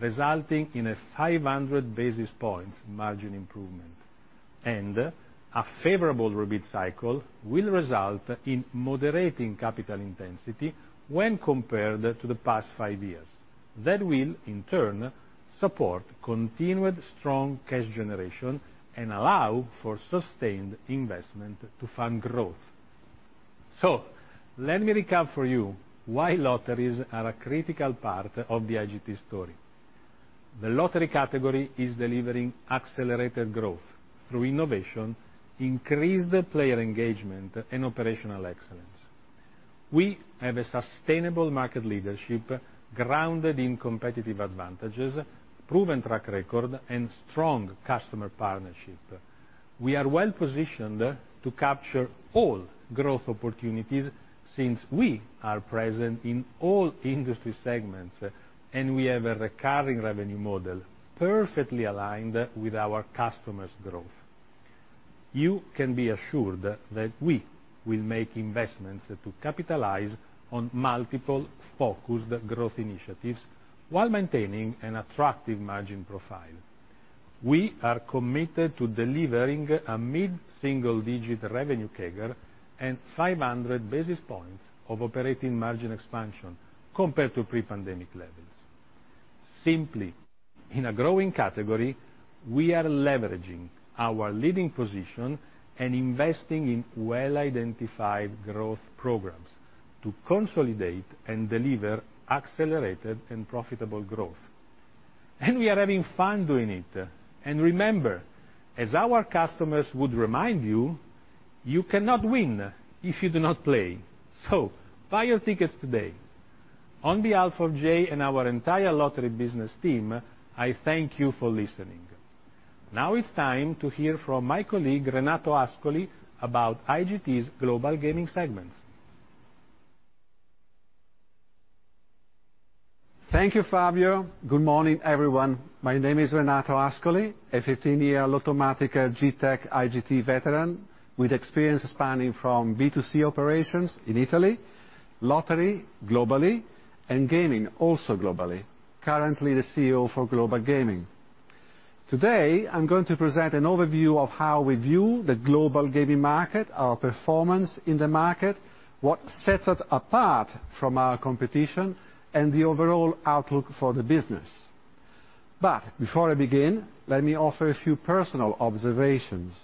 resulting in a 500 basis points margin improvement. A favorable rebid cycle will result in moderating capital intensity when compared to the past five years. That will, in turn, support continued strong cash generation and allow for sustained investment to fund growth. Let me recap for you why lotteries are a critical part of the IGT story. The lottery category is delivering accelerated growth through innovation, increased player engagement, and operational excellence. We have a sustainable market leadership grounded in competitive advantages, proven track record, and strong customer partnership. We are well-positioned to capture all growth opportunities since we are present in all industry segments, and we have a recurring revenue model perfectly aligned with our customers' growth. You can be assured that we will make investments to capitalize on multiple focused growth initiatives while maintaining an attractive margin profile. We are committed to delivering a mid-single-digit revenue CAGR and 500 basis points of operating margin expansion compared to pre-pandemic levels. Simply, in a growing category, we are leveraging our leading position and investing in well-identified growth programs to consolidate and deliver accelerated and profitable growth. We are having fun doing it. Remember, as our customers would remind you cannot win if you do not play. Buy your tickets today. On behalf of Jay and our entire lottery business team, I thank you for listening. Now it's time to hear from my colleague, Renato Ascoli, about IGT's Global Gaming segment. Thank you, Fabio. Good morning, everyone. My name is Renato Ascoli, a 15-year Lottomatica GTech IGT veteran with experience spanning from B2C operations in Italy, lottery globally, and gaming also globally, currently the CEO for Global Gaming. Today, I'm going to present an overview of how we view the global gaming market, our performance in the market, what sets us apart from our competition, and the overall outlook for the business. Before I begin, let me offer a few personal observations.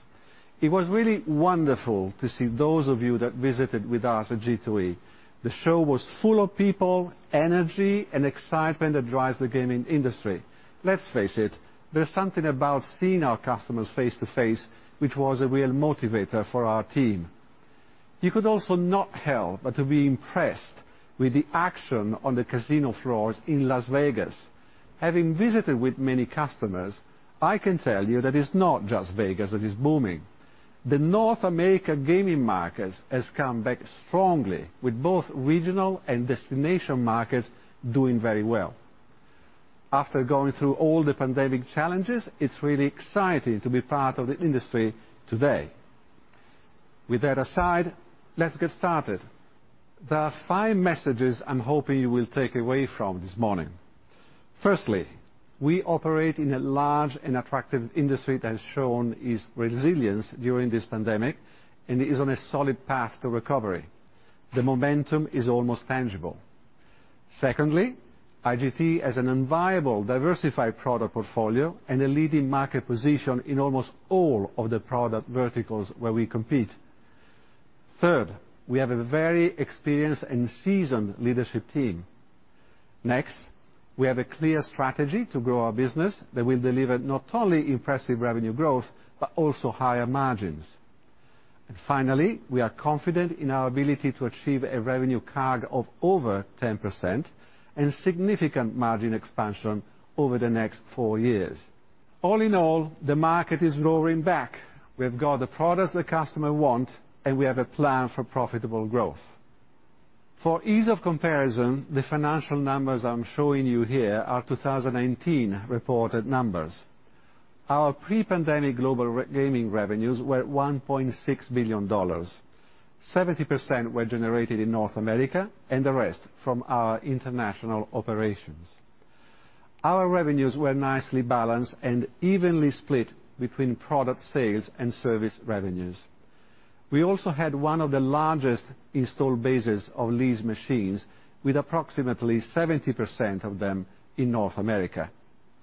It was really wonderful to see those of you that visited with us at G2E. The show was full of people, energy, and excitement that drives the gaming industry. Let's face it, there's something about seeing our customers face-to-face, which was a real motivator for our team. You could also not help but to be impressed with the action on the casino floors in Las Vegas. Having visited with many customers, I can tell you that it's not just Vegas that is booming. The North American gaming market has come back strongly with both regional and destination markets doing very well. After going through all the pandemic challenges, it's really exciting to be part of the industry today. With that aside, let's get started. There are five messages I'm hoping you will take away from this morning. Firstly, we operate in a large and attractive industry that has shown its resilience during this pandemic and is on a solid path to recovery. The momentum is almost tangible. Secondly, IGT has an enviable diversified product portfolio and a leading market position in almost all of the product verticals where we compete. Third, we have a very experienced and seasoned leadership team. Next, we have a clear strategy to grow our business that will deliver not only impressive revenue growth, but also higher margins. Finally, we are confident in our ability to achieve a revenue CAGR of over 10% and significant margin expansion over the next four years. All in all, the market is roaring back. We have got the products that customers want, and we have a plan for profitable growth. For ease of comparison, the financial numbers I'm showing you here are 2019 reported numbers. Our pre-pandemic global gaming revenues were $1.6 billion. 70% were generated in North America and the rest from our international operations. Our revenues were nicely balanced and evenly split between product sales and service revenues. We also had one of the largest installed bases of leased machines, with approximately 70% of them in North America.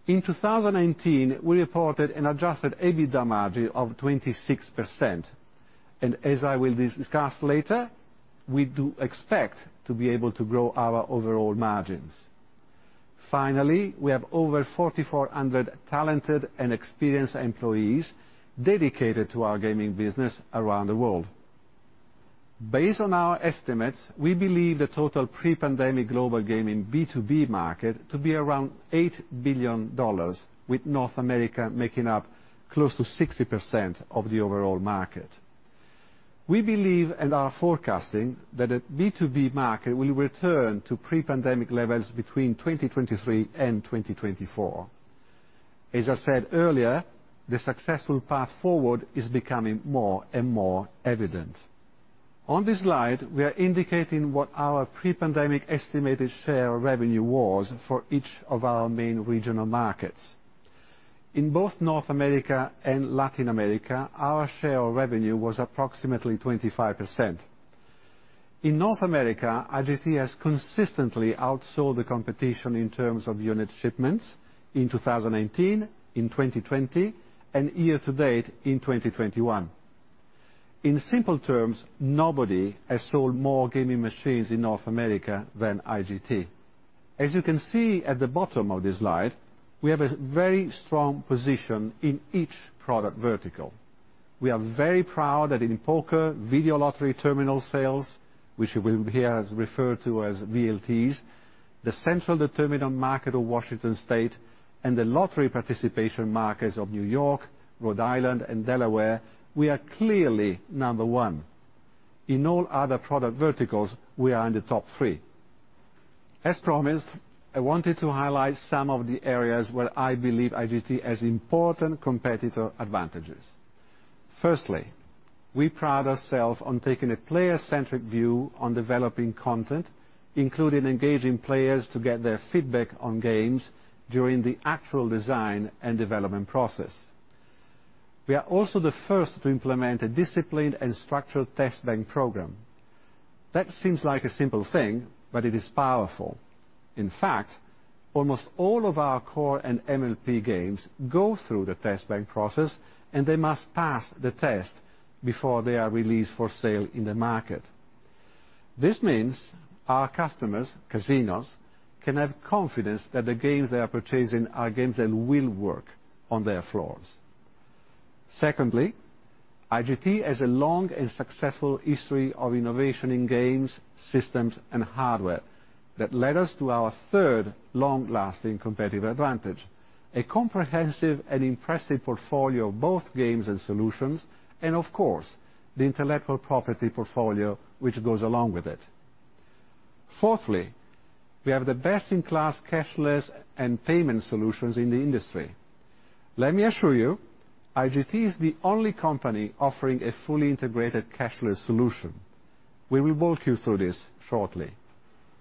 In 2019, we reported an adjusted EBITDA margin of 26%, and as I will discuss later, we do expect to be able to grow our overall margins. Finally, we have over 4,400 talented and experienced employees dedicated to our gaming business around the world. Based on our estimates, we believe the total pre-pandemic global gaming B2B market to be around $8 billion, with North America making up close to 60% of the overall market. We believe and are forecasting that the B2B market will return to pre-pandemic levels between 2023 and 2024. As I said earlier, the successful path forward is becoming more and more evident. On this slide, we are indicating what our pre-pandemic estimated share of revenue was for each of our main regional markets. In both North America and Latin America, our share of revenue was approximately 25%. In North America, IGT has consistently outsold the competition in terms of unit shipments in 2019, in 2020, and year-to-date, in 2021. In simple terms, nobody has sold more gaming machines in North America than IGT. As you can see at the bottom of this slide, we have a very strong position in each product vertical. We are very proud that in poker, video lottery terminal sales, which you will hear us refer to as VLTs, the centrally-determined market of Washington State and the lottery participation markets of New York, Rhode Island, and Delaware, we are clearly number one. In all other product verticals, we are in the top three. As promised, I wanted to highlight some of the areas where I believe IGT has important competitive advantages. Firstly, we pride ourselves on taking a player-centric view on developing content, including engaging players to get their feedback on games during the actual design and development process. We are also the first to implement a disciplined and structured test bank program. That seems like a simple thing, but it is powerful. In fact, almost all of our core and MLP games go through the test bank process, and they must pass the test before they are released for sale in the market. This means our customers, casinos, can have confidence that the games they are purchasing are games that will work on their floors. Secondly, IGT has a long and successful history of innovation in games, systems, and hardware that led us to our third long-lasting competitive advantage, a comprehensive and impressive portfolio of both games and solutions, and of course, the intellectual property portfolio which goes along with it. Fourthly, we have the best-in-class cashless and payment solutions in the industry. Let me assure you, IGT is the only company offering a fully integrated cashless solution. We will walk you through this shortly.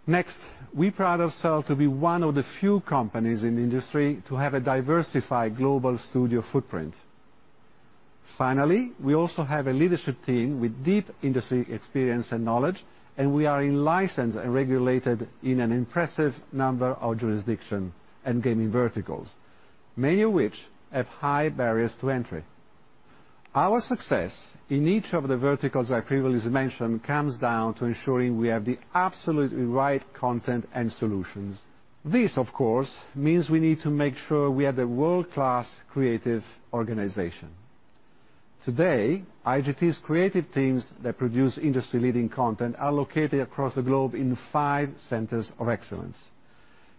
Next, we pride ourselves to be one of the few companies in the industry to have a diversified global studio footprint. Finally, we also have a leadership team with deep industry experience and knowledge, and we are licensed and regulated in an impressive number of jurisdictions and gaming verticals, many of which have high barriers to entry. Our success in each of the verticals I previously mentioned comes down to ensuring we have the absolutely right content and solutions. This, of course, means we need to make sure we have a world-class creative organization. Today, IGT's creative teams that produce industry-leading content are located across the globe in five centers of excellence.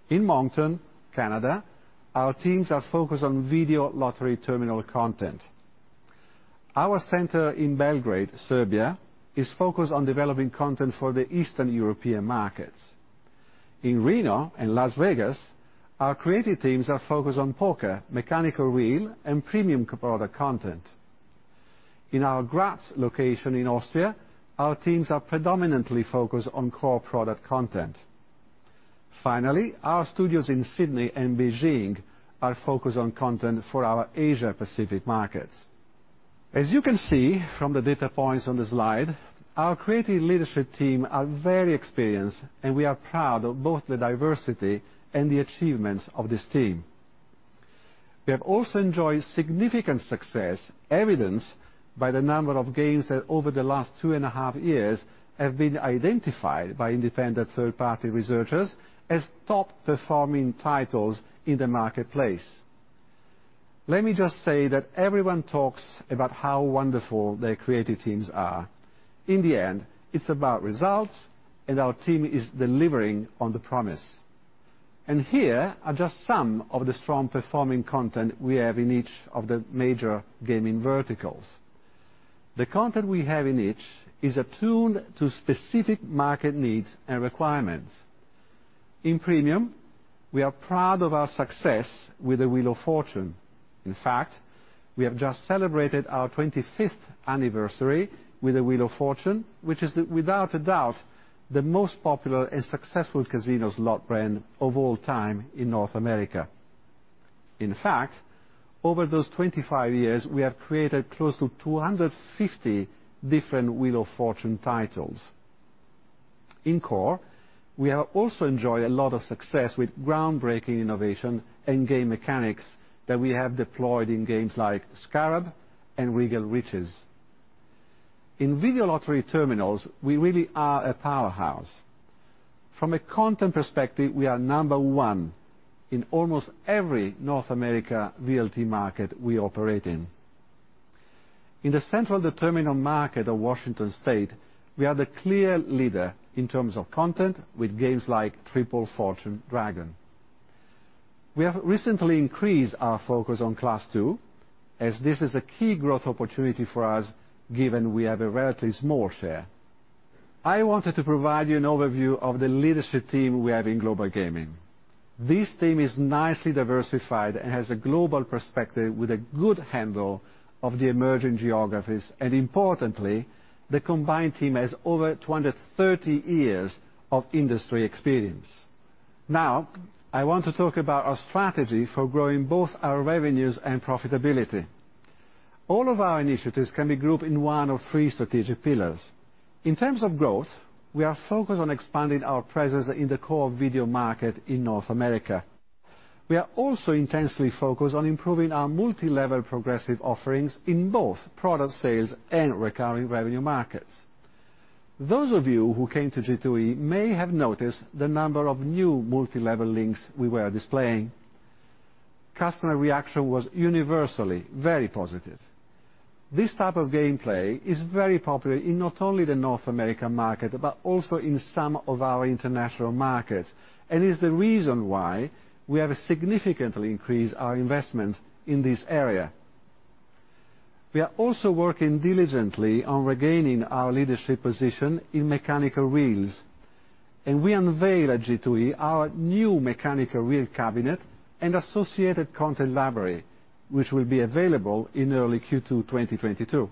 In Moncton, Canada, our teams are focused on video lottery terminal content. Our center in Belgrade, Serbia is focused on developing content for the Eastern European markets. In Reno and Las Vegas, our creative teams are focused on poker, mechanical wheel, and premium product content. In our Graz location in Austria, our teams are predominantly focused on core product content. Finally, our studios in Sydney and Beijing are focused on content for our Asia Pacific markets. As you can see from the data points on the slide, our creative leadership team are very experienced, and we are proud of both the diversity and the achievements of this team. We have also enjoyed significant success evidenced by the number of games that over the last two and a half years have been identified by independent third-party researchers as top-performing titles in the marketplace. Let me just say that everyone talks about how wonderful their creative teams are. In the end, it's about results, and our team is delivering on the promise. Here are just some of the strong performing content we have in each of the major gaming verticals. The content we have in each is attuned to specific market needs and requirements. In premium, we are proud of our success with the Wheel of Fortune. In fact, we have just celebrated our 25th anniversary with the Wheel of Fortune, which is, without a doubt, the most popular and successful casino slot brand of all time in North America. In fact, over those 25 years, we have created close to 250 different Wheel of Fortune titles. In core, we have also enjoyed a lot of success with groundbreaking innovation and game mechanics that we have deployed in games like Scarab and Regal Riches. In video lottery terminals, we really are a powerhouse. From a content perspective, we are number one in almost every North America VLT market we operate in. In the central terminal market of Washington state, we are the clear leader in terms of content with games like Triple Fortune Dragon. We have recently increased our focus on Class II, as this is a key growth opportunity for us given we have a relatively small share. I wanted to provide you an overview of the leadership team we have in Global Gaming. This team is nicely diversified and has a global perspective with a good handle of the emerging geographies. Importantly, the combined team has over 230 years of industry experience. Now, I want to talk about our strategy for growing both our revenues and profitability. All of our initiatives can be grouped in one of three strategic pillars. In terms of growth, we are focused on expanding our presence in the core video market in North America. We are also intensely focused on improving our multi-level progressive offerings in both product sales and recurring revenue markets. Those of you who came to G2E may have noticed the number of new multi-level links we were displaying. Customer reaction was universally very positive. This type of gameplay is very popular in not only the North American market, but also in some of our international markets, and is the reason why we have significantly increased our investment in this area. We are also working diligently on regaining our leadership position in mechanical reels, and we unveiled at G2E our new mechanical reel cabinet and associated content library, which will be available in early Q2 2022.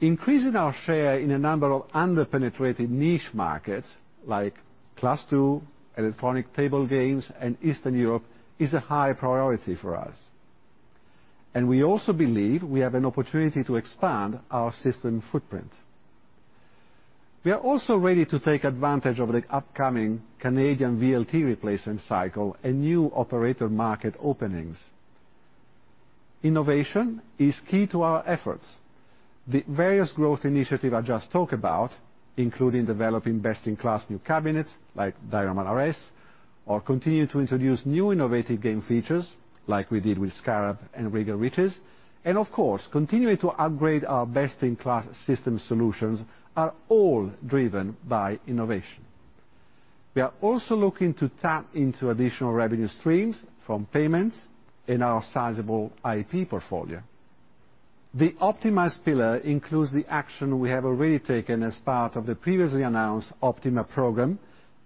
Increasing our share in a number of under-penetrated niche markets like Class II, electronic table games, and Eastern Europe is a high priority for us. We also believe we have an opportunity to expand our system footprint. We are also ready to take advantage of the upcoming Canadian VLT replacement cycle and new operator market openings. Innovation is key to our efforts. The various growth initiative I just talked about, including developing best-in-class new cabinets like DiamondRS or continue to introduce new innovative game features like we did with Scarab and Regal Riches, and of course continuing to upgrade our best-in-class system solutions are all driven by innovation. We are also looking to tap into additional revenue streams from payments in our sizable IP portfolio. The optimize pillar includes the action we have already taken as part of the previously announced optimize program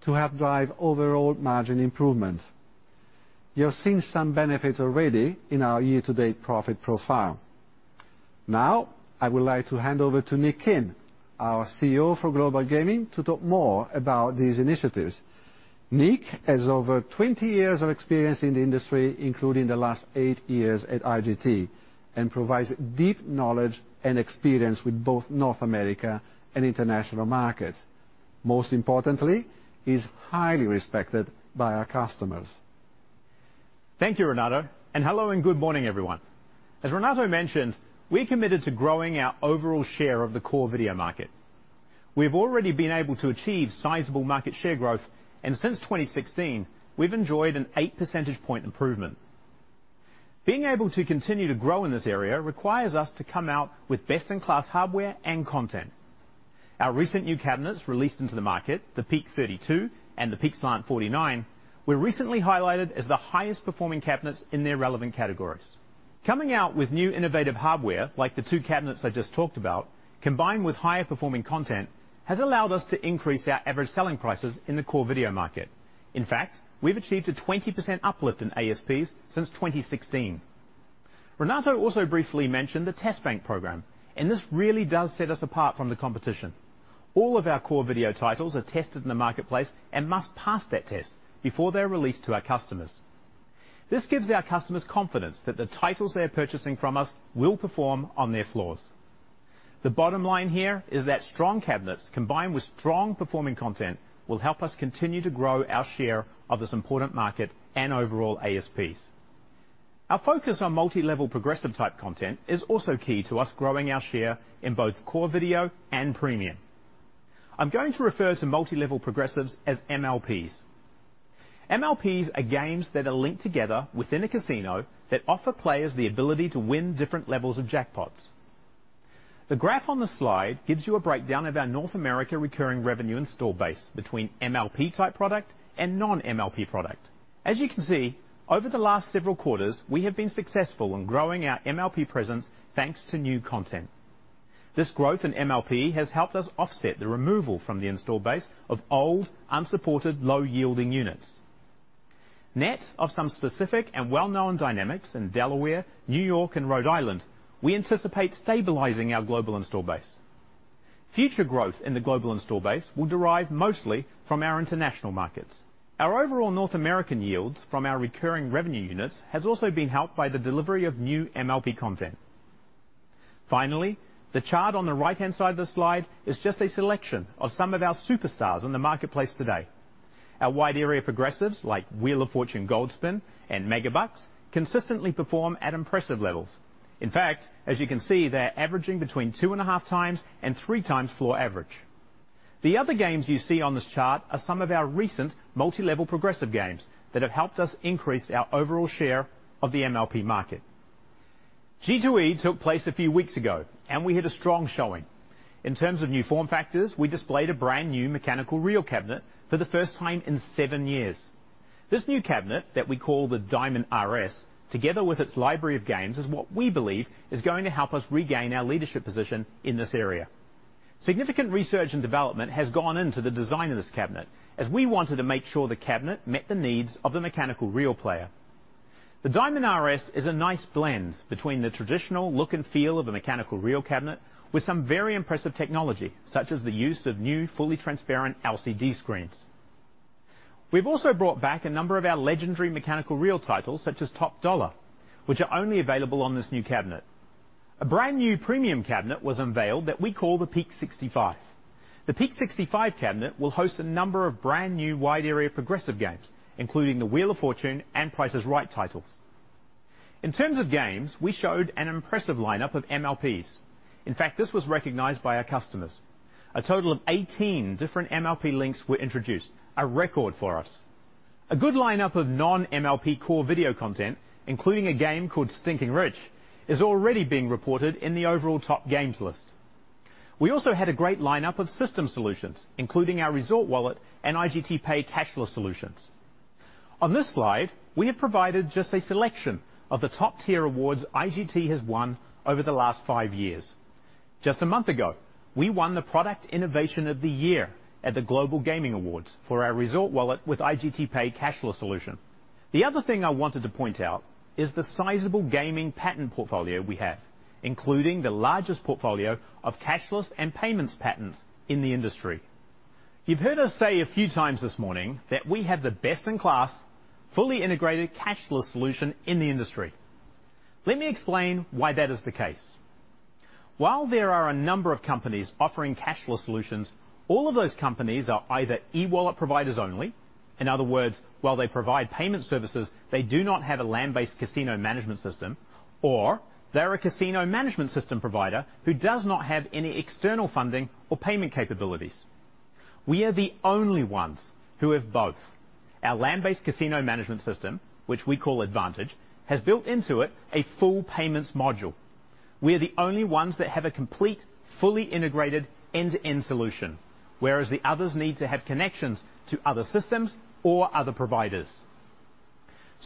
to help drive overall margin improvement. You have seen some benefits already in our year-to-date profit profile. Now, I would like to hand over to Nick Khin, our CEO for Global Gaming, to talk more about these initiatives. Nick has over 20 years of experience in the industry, including the last eight years at IGT, and provides deep knowledge and experience with both North America and international markets. Most importantly, he's highly respected by our customers. Thank you, Renato, and hello and good morning, everyone. As Renato mentioned, we're committed to growing our overall share of the core video market. We've already been able to achieve sizable market share growth, and since 2016, we've enjoyed an 8 percentage point improvement. Being able to continue to grow in this area requires us to come out with best-in-class hardware and content. Our recent new cabinets released into the market, the PeakSlant32 and the PeakSlant49 were recently highlighted as the highest performing cabinets in their relevant categories. Coming out with new innovative hardware, like the two cabinets I just talked about, combined with higher performing content, has allowed us to increase our average selling prices in the core video market. In fact, we've achieved a 20% uplift in ASPs since 2016. Renato also briefly mentioned the test bank program, and this really does set us apart from the competition. All of our core video titles are tested in the marketplace and must pass that test before they're released to our customers. This gives our customers confidence that the titles they're purchasing from us will perform on their floors. The bottom line here is that strong cabinets combined with strong performing content will help us continue to grow our share of this important market and overall ASPs. Our focus on multi-level progressive type content is also key to us growing our share in both core video and premium. I'm going to refer to multi-level progressives as MLPs. MLPs are games that are linked together within a casino that offer players the ability to win different levels of jackpots. The graph on the slide gives you a breakdown of our North America recurring revenue install base between MLP-type product and non-MLP product. As you can see, over the last several quarters, we have been successful in growing our MLP presence thanks to new content. This growth in MLP has helped us offset the removal from the install base of old unsupported low-yielding units. Net of some specific and well-known dynamics in Delaware, New York, and Rhode Island, we anticipate stabilizing our global install base. Future growth in the global install base will derive mostly from our international markets. Our overall North American yields from our recurring revenue units has also been helped by the delivery of new MLP content. Finally, the chart on the right-hand side of the slide is just a selection of some of our superstars in the marketplace today. Our wide area progressives like Wheel of Fortune Gold Spin and Megabucks consistently perform at impressive levels. In fact, as you can see, they're averaging between 2.5x and 3x floor average. The other games you see on this chart are some of our recent multi-level progressive games that have helped us increase our overall share of the MLP market. G2E took place a few weeks ago, and we had a strong showing. In terms of new form factors, we displayed a brand-new mechanical reel cabinet for the first time in seven years. This new cabinet that we call the DiamondRS, together with its library of games, is what we believe is going to help us regain our leadership position in this area. Significant research and development has gone into the design of this cabinet as we wanted to make sure the cabinet met the needs of the mechanical reel player. The DiamondRS is a nice blend between the traditional look and feel of a mechanical reel cabinet with some very impressive technology, such as the use of new fully transparent LCD screens. We've also brought back a number of our legendary mechanical reel titles such as Top Dollar, which are only available on this new cabinet. A brand-new premium cabinet was unveiled that we call the Peak65. The Peak65 cabinet will host a number of brand-new wide-area progressive games, including the Wheel of Fortune and Price Is Right titles. In terms of games, we showed an impressive lineup of MLPs. In fact, this was recognized by our customers. A total of 18 different MLP links were introduced, a record for us. A good lineup of non-MLP core video content, including a game called Stinkin' Rich, is already being reported in the overall top games list. We also had a great lineup of system solutions, including our Resort Wallet and IGTPay cashless solutions. On this slide, we have provided just a selection of the top-tier awards IGT has won over the last five years. Just a month ago, we won the Product Innovation of the Year at the Global Gaming Awards for our Resort Wallet with IGTPay cashless solution. The other thing I wanted to point out is the sizable gaming patent portfolio we have, including the largest portfolio of cashless and payments patents in the industry. You've heard us say a few times this morning that we have the best-in-class, fully integrated cashless solution in the industry. Let me explain why that is the case. While there are a number of companies offering cashless solutions, all of those companies are either e-wallet providers only. In other words, while they provide payment services, they do not have a land-based casino management system, or they're a casino management system provider who does not have any external funding or payment capabilities. We are the only ones who have both. Our land-based casino management system, which we call Advantage, has built into it a full payments module. We are the only ones that have a complete, fully integrated end-to-end solution, whereas the others need to have connections to other systems or other providers.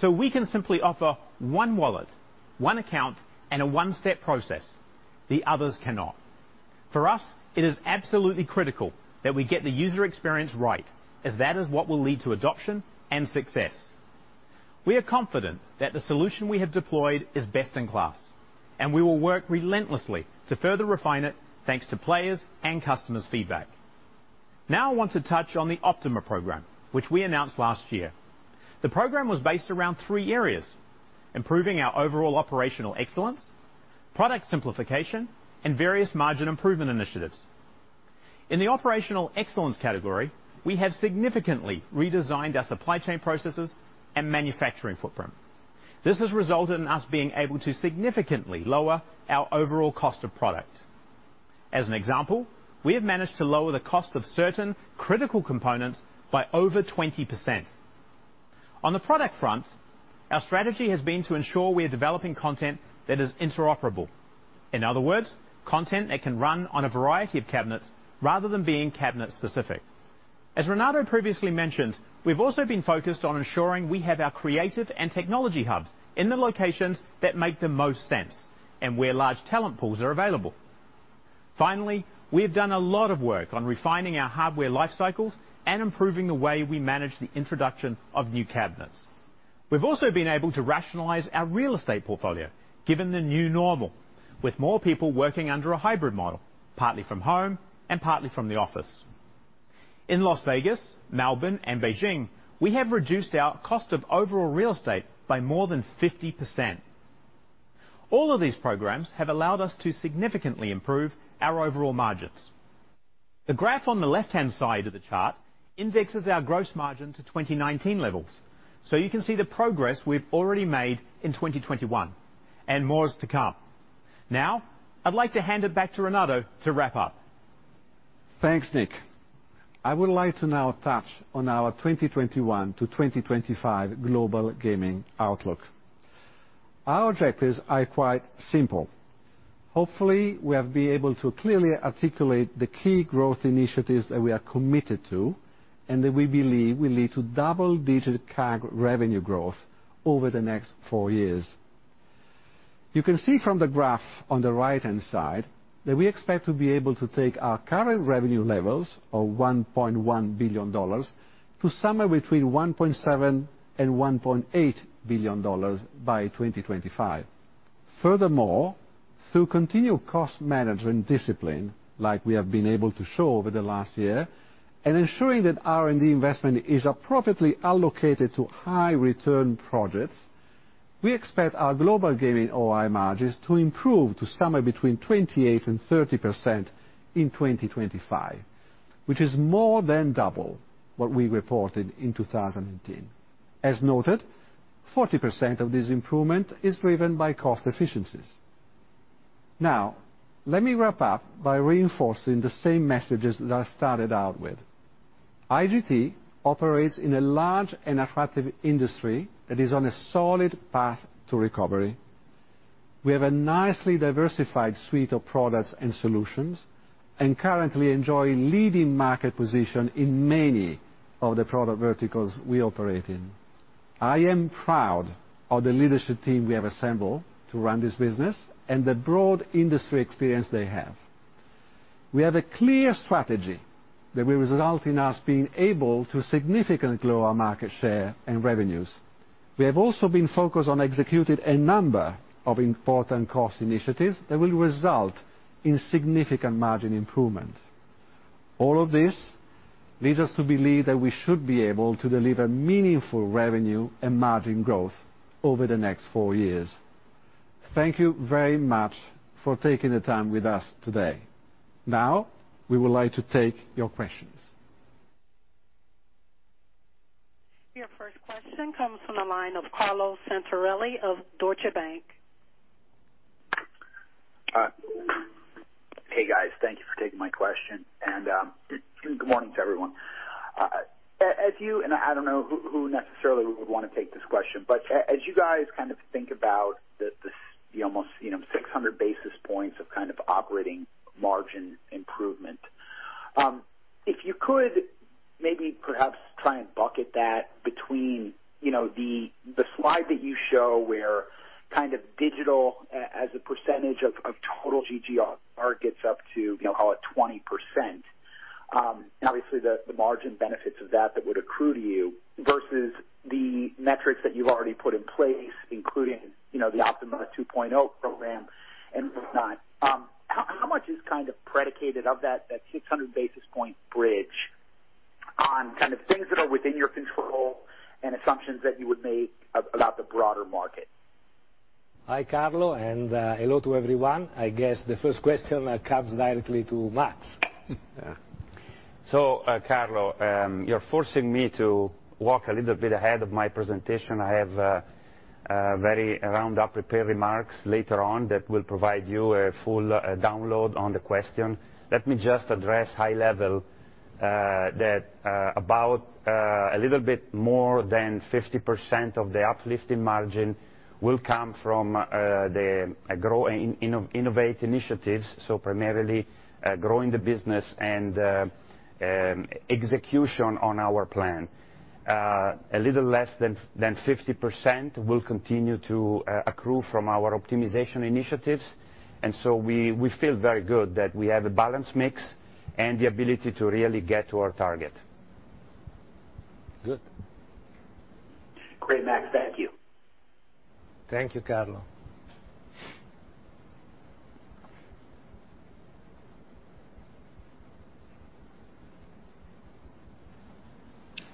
We can simply offer one wallet, one account, and a one-step process, the others cannot. For us, it is absolutely critical that we get the user experience right as that is what will lead to adoption and success. We are confident that the solution we have deployed is best in class, and we will work relentlessly to further refine it thanks to players' and customers' feedback. Now, I want to touch on the OPtiMA program, which we announced last year. The program was based around three areas: improving our overall operational excellence, product simplification, and various margin improvement initiatives. In the operational excellence category, we have significantly redesigned our supply chain processes and manufacturing footprint. This has resulted in us being able to significantly lower our overall cost of product. As an example, we have managed to lower the cost of certain critical components by over 20%. On the product front, our strategy has been to ensure we are developing content that is interoperable. In other words, content that can run on a variety of cabinets rather than being cabinet-specific. As Renato previously mentioned, we've also been focused on ensuring we have our creative and technology hubs in the locations that make the most sense and where large talent pools are available. Finally, we have done a lot of work on refining our hardware life cycles and improving the way we manage the introduction of new cabinets. We've also been able to rationalize our real estate portfolio, given the new normal, with more people working under a hybrid model, partly from home and partly from the office. In Las Vegas, Melbourne, and Beijing, we have reduced our cost of overall real estate by more than 50%. All of these programs have allowed us to significantly improve our overall margins. The graph on the left-hand side of the chart indexes our gross margin to 2019 levels, so you can see the progress we've already made in 2021, and more is to come. I'd like to hand it back to Renato to wrap up. Thanks, Nick. I would like to now touch on our 2021-2025 global gaming outlook. Our objectives are quite simple. Hopefully, we have been able to clearly articulate the key growth initiatives that we are committed to, and that we believe will lead to double-digit CAGR revenue growth over the next four years. You can see from the graph on the right-hand side that we expect to be able to take our current revenue levels of $1.1 billion to somewhere between $1.7 billion and $1.8 billion by 2025. Furthermore, through continued cost management discipline, like we have been able to show over the last year, and ensuring that R&D investment is appropriately allocated to high-return projects, we expect our global gaming OI margins to improve to somewhere between 28% and 30% in 2025, which is more than double what we reported in 2018. As noted, 40% of this improvement is driven by cost efficiencies. Now, let me wrap up by reinforcing the same messages that I started out with. IGT operates in a large and attractive industry that is on a solid path to recovery. We have a nicely diversified suite of products and solutions, and currently enjoy leading market position in many of the product verticals we operate in. I am proud of the leadership team we have assembled to run this business and the broad industry experience they have. We have a clear strategy that will result in us being able to significantly grow our market share and revenues. We have also been focused on executing a number of important cost initiatives that will result in significant margin improvements. All of this leads us to believe that we should be able to deliver meaningful revenue and margin growth over the next four years. Thank you very much for taking the time with us today. Now, we would like to take your questions. Your first question comes from the line of Carlo Santarelli of Deutsche Bank. Hey, guys. Thank you for taking my question, and good morning to everyone. As you, and I don't know who necessarily would wanna take this question, but as you guys kind of think about the almost, you know, 600 basis points of kind of operating margin improvement, if you could maybe perhaps try and bucket that between, you know, the slide that you show where kind of digital as a percentage of total GGR gets up to, you know, call it 20%. Obviously the margin benefits of that would accrue to you versus the metrics that you've already put in place, including, you know, the OPtiMA 2.0 program and whatnot. How much is kind of predicated on that 600 basis point bridge on kind of things that are within your control and assumptions that you would make about the broader market? Hi, Carlo, and hello to everyone. I guess the first question comes directly to Max. Carlo, you're forcing me to walk a little bit ahead of my presentation. I have a very rundown prepared remarks later on that will provide you a full rundown on the question. Let me just address high level that about a little bit more than 50% of the uplift in margin will come from the Grow and Innovate initiatives, primarily growing the business and execution on our plan. A little less than 50% will continue to accrue from our optimization initiatives. We feel very good that we have a balanced mix and the ability to really get to our target. Good. Great, Max. Thank you. Thank you, Carlo.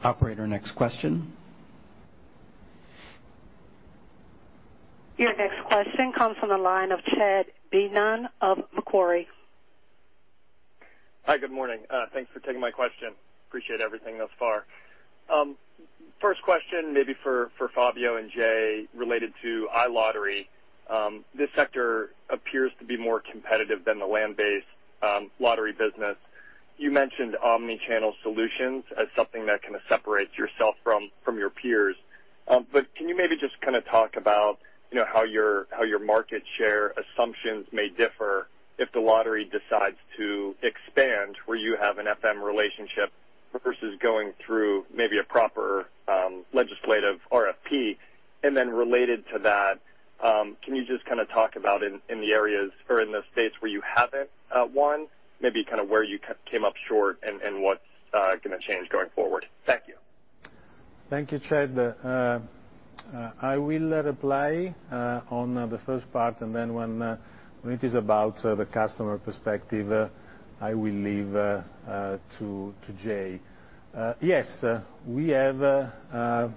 Operator, next question. Your next question comes from the line of Chad Beynon of Macquarie. Hi, good morning. Thanks for taking my question. Appreciate everything thus far. First question maybe for Fabio and Jay related to iLottery. This sector appears to be more competitive than the land-based lottery business. You mentioned omni-channel solutions as something that kind of separates yourself from your peers. But can you maybe just kind of talk about, you know, how your market share assumptions may differ if the lottery decides to expand where you have an FM relationship versus going through maybe a proper legislative RFP? Related to that, can you just kind of talk about in the areas or in the states where you haven't won, maybe kind of where you came up short and what's gonna change going forward? Thank you. Thank you, Chad. I will reply on the first part, and then when it is about the customer perspective, I will leave to Jay. Yes, we have a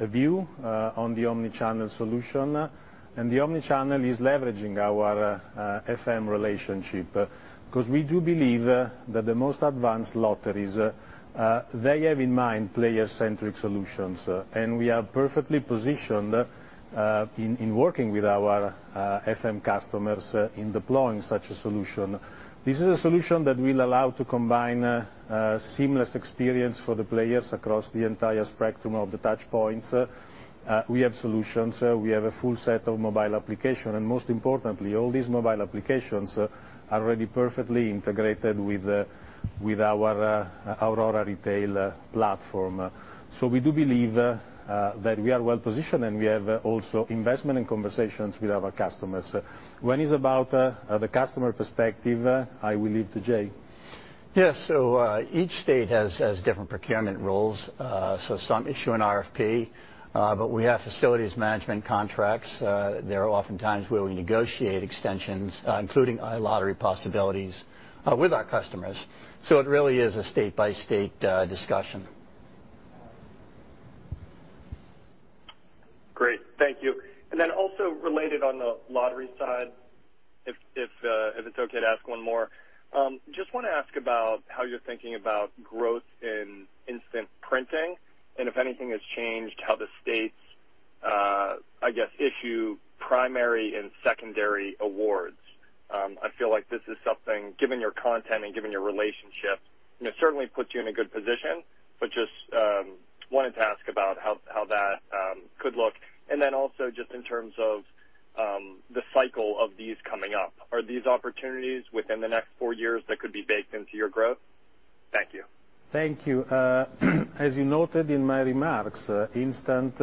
view on the omni-channel solution. The omni-channel is leveraging our FM relationship, 'cause we do believe that the most advanced lotteries they have in mind player-centric solutions. We are perfectly positioned in working with our FM customers in deploying such a solution. This is a solution that will allow to combine a seamless experience for the players across the entire spectrum of the touchpoints. We have solutions. We have a full set of mobile application, and most importantly, all these mobile applications are already perfectly integrated with our Aurora retail platform. We do believe that we are well positioned, and we have also investment and conversations with our customers. When it's about the customer perspective, I will leave to Jay. Yes. Each state has different procurement rules. Some issue an RFP, but we have facilities management contracts. There are oftentimes where we negotiate extensions, including lottery possibilities, with our customers. It really is a state-by-state discussion. Great. Thank you. Then also related on the lottery side, if it's okay to ask one more, just wanna ask about how you're thinking about growth in instant printing and if anything has changed how the states, I guess, issue primary and secondary awards. I feel like this is something, given your content and given your relationships, you know, certainly puts you in a good position, but just wanted to ask about how that could look. Then also just in terms of the cycle of these coming up. Are these opportunities within the next four years that could be baked into your growth? Thank you. Thank you. As you noted in my remarks, instant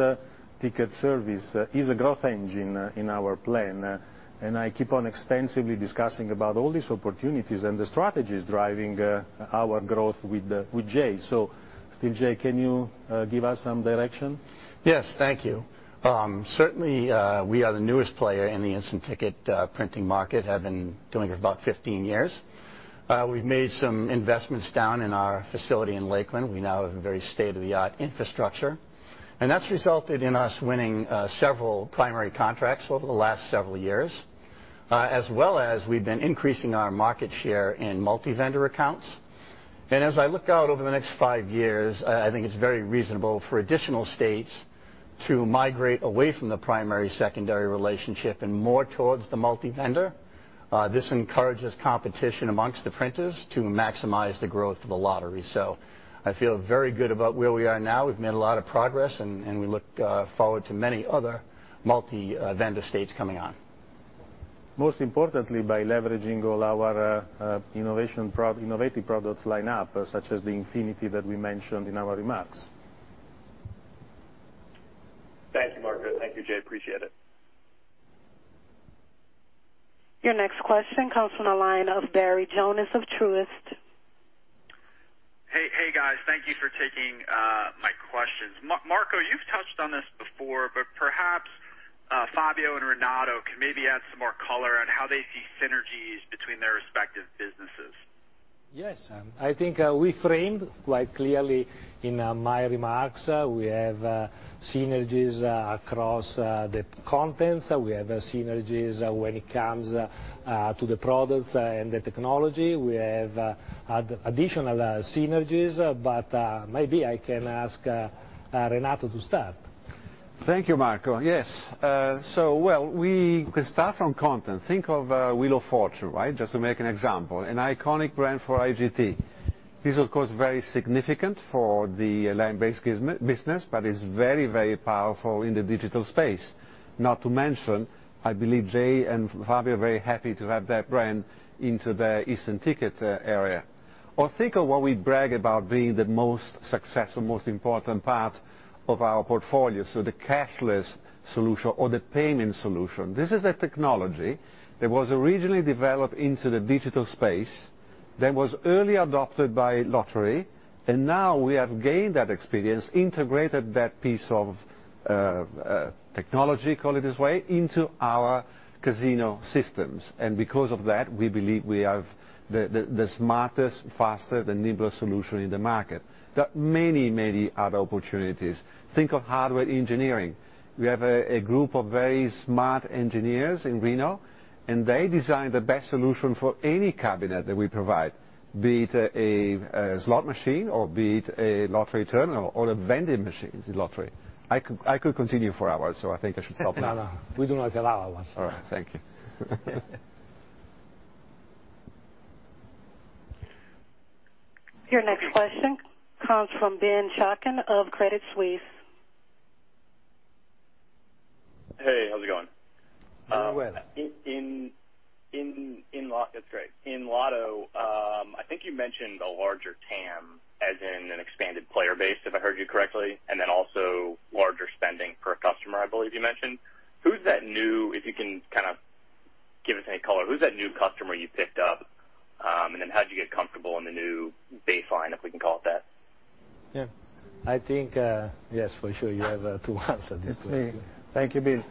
ticket service is a growth engine in our plan. I keep on extensively discussing about all these opportunities and the strategies driving our growth with Jay. Still, Jay, can you give us some direction? Yes. Thank you. Certainly, we are the newest player in the instant ticket printing market and have been doing it about 15 years. We've made some investments down in our facility in Lakeland. We now have a very state-of-the-art infrastructure, and that's resulted in us winning several primary contracts over the last several years, as well as we've been increasing our market share in multi-vendor accounts. As I look out over the next five years, I think it's very reasonable for additional states to migrate away from the primary-secondary relationship and more towards the multi-vendor. This encourages competition amongst the printers to maximize the growth of the lottery. I feel very good about where we are now. We've made a lot of progress, and we look forward to many other multi-vendor states coming on. Most importantly, by leveraging all our innovative product lineup, such as the Infinity that we mentioned in our remarks. Thank you, Marco. Thank you, Jay. Appreciate it. Your next question comes from the line of Barry Jonas of Truist. Hey, guys. Thank you for taking my questions. Marco, you've touched on this before, perhaps Fabio and Renato can maybe add some more color on how they see synergies between their respective businesses. Yes. I think we framed quite clearly in my remarks, we have synergies across the continents. We have synergies when it comes to the products and the technology. We have additional synergies, but maybe I can ask Renato to start. Thank you, Marco. Yes. Well, we can start from content. Think of Wheel of Fortune, right? Just to make an example, an iconic brand for IGT. This is of course very significant for the land-based business, but it's very, very powerful in the digital space. Not to mention, I believe Jay and Fabio are very happy to have that brand into the instant ticket area. Or think of what we brag about being the most successful, most important part of our portfolio, so the cashless solution or the payment solution. This is a technology that was originally developed into the digital space, that was early adopted by lottery, and now we have gained that experience, integrated that piece of technology, call it this way, into our casino systems. Because of that, we believe we have the smartest, faster, nimblest solution in the market. There are many other opportunities. Think of hardware engineering. We have a group of very smart engineers in Reno, and they design the best solution for any cabinet that we provide, be it a slot machine or be it a lottery terminal or a vending machine lottery. I could continue for hours, so I think I should stop now. We do not allow hours. All right. Thank you. Your next question comes from Ben Chaiken of Credit Suisse. Hey, how's it going? Very well. That's great. In lotto, I think you mentioned a larger TAM, as in an expanded player base, if I heard you correctly, and then also larger spending per customer, I believe you mentioned. If you can kind of give us any color, who's that new customer you picked up? How'd you get comfortable in the new baseline, if we can call it that? Yeah. I think, yes, for sure. You have to answer this question. Thank you, Ben.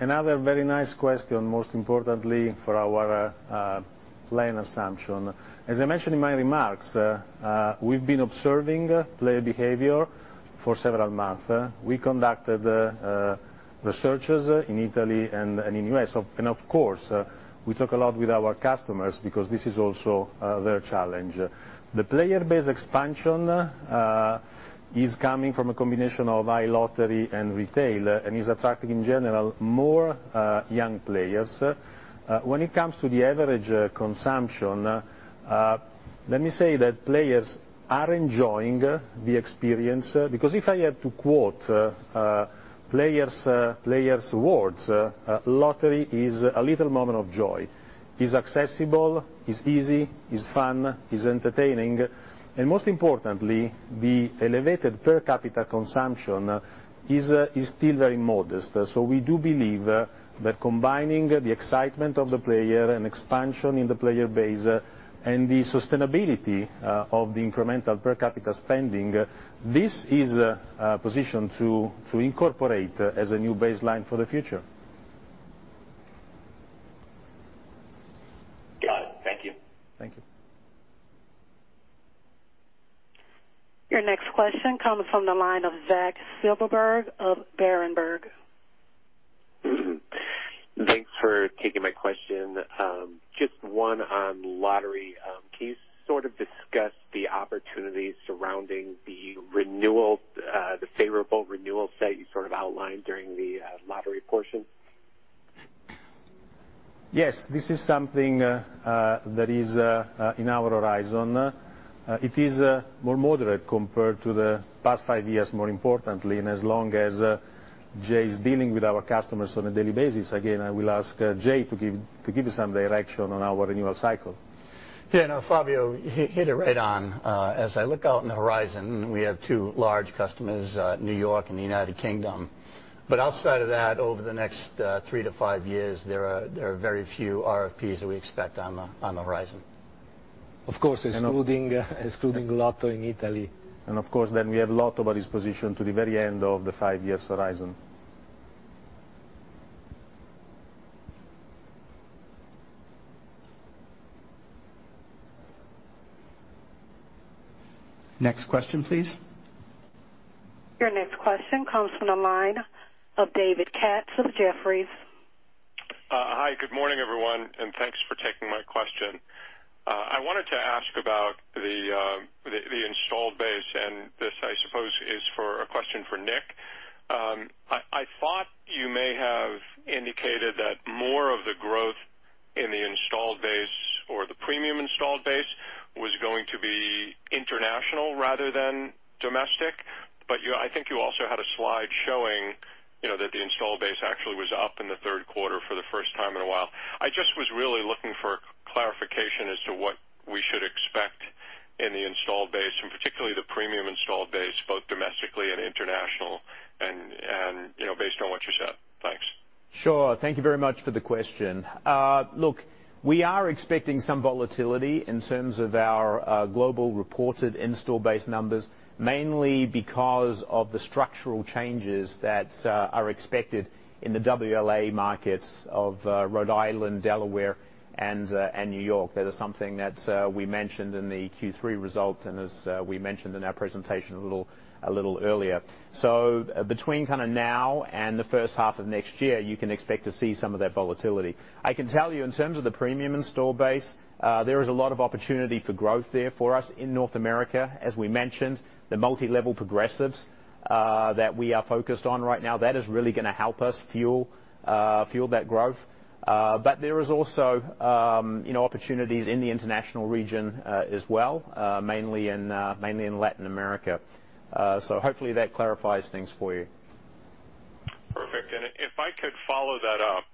Another very nice question, most importantly for our plan assumption. As I mentioned in my remarks, we've been observing player behavior for several months. We conducted research in Italy and in U.S. Of course, we talk a lot with our customers because this is also their challenge. The player base expansion is coming from a combination of iLottery and retail and is attracting, in general, more young players. When it comes to the average consumption, let me say that players are enjoying the experience, because if I had to quote players' words, lottery is a little moment of joy. It's accessible, it's easy, it's fun, it's entertaining, and most importantly, the elevated per capita consumption is still very modest. We do believe that combining the excitement of the player and expansion in the player base and the sustainability of the incremental per capita spending, this is a position to incorporate as a new baseline for the future. Got it. Thank you. Thank you. Your next question comes from the line of Zach Silverberg of Berenberg. Thanks for taking my question. Just one on lottery. Can you sort of discuss the opportunities surrounding the renewal, the favorable renewal set you sort of outlined during the lottery portion? Yes. This is something that is in our horizon. It is more moderate compared to the past five years, more importantly, and as long as Jay is dealing with our customers on a daily basis, again, I will ask Jay to give you some direction on our renewal cycle. Yeah, no, Fabio, you hit it right on. As I look out in the horizon, we have two large customers, New York and the United Kingdom. But outside of that, over the next three to five years, there are very few RFPs that we expect on the horizon. Of course, excluding lotto in Italy. Of course, then we have lotto, but it's positioned to the very end of the five years horizon. Next question, please. Your next question comes from the line of David Katz of Jefferies. Hi, good morning, everyone, and thanks for taking my question. I wanted to ask about the installed base, and this, I suppose, is a question for Nick Khin. I thought you may have indicated that more of the growth in the installed base or the premium installed base was going to be international rather than domestic. You, I think you also had a slide showing, you know, that the installed base actually was up in the third quarter for the first time in a while. I just was really looking for clarification as to what we should expect in the installed base, and particularly the premium installed base, both domestically and international, you know, based on what you said. Thanks. Sure. Thank you very much for the question. Look, we are expecting some volatility in terms of our global reported install base numbers, mainly because of the structural changes that are expected in the WLA markets of Rhode Island, Delaware, and New York. That is something that we mentioned in the Q3 results and as we mentioned in our presentation a little earlier. Between kinda now and the first half of next year, you can expect to see some of that volatility. I can tell you in terms of the premium install base, there is a lot of opportunity for growth there for us in North America. As we mentioned, the multi-level progressives that we are focused on right now, that is really gonna help us fuel that growth. There is also, you know, opportunities in the international region, as well, mainly in Latin America. So hopefully that clarifies things for you. Perfect. If I could follow that up,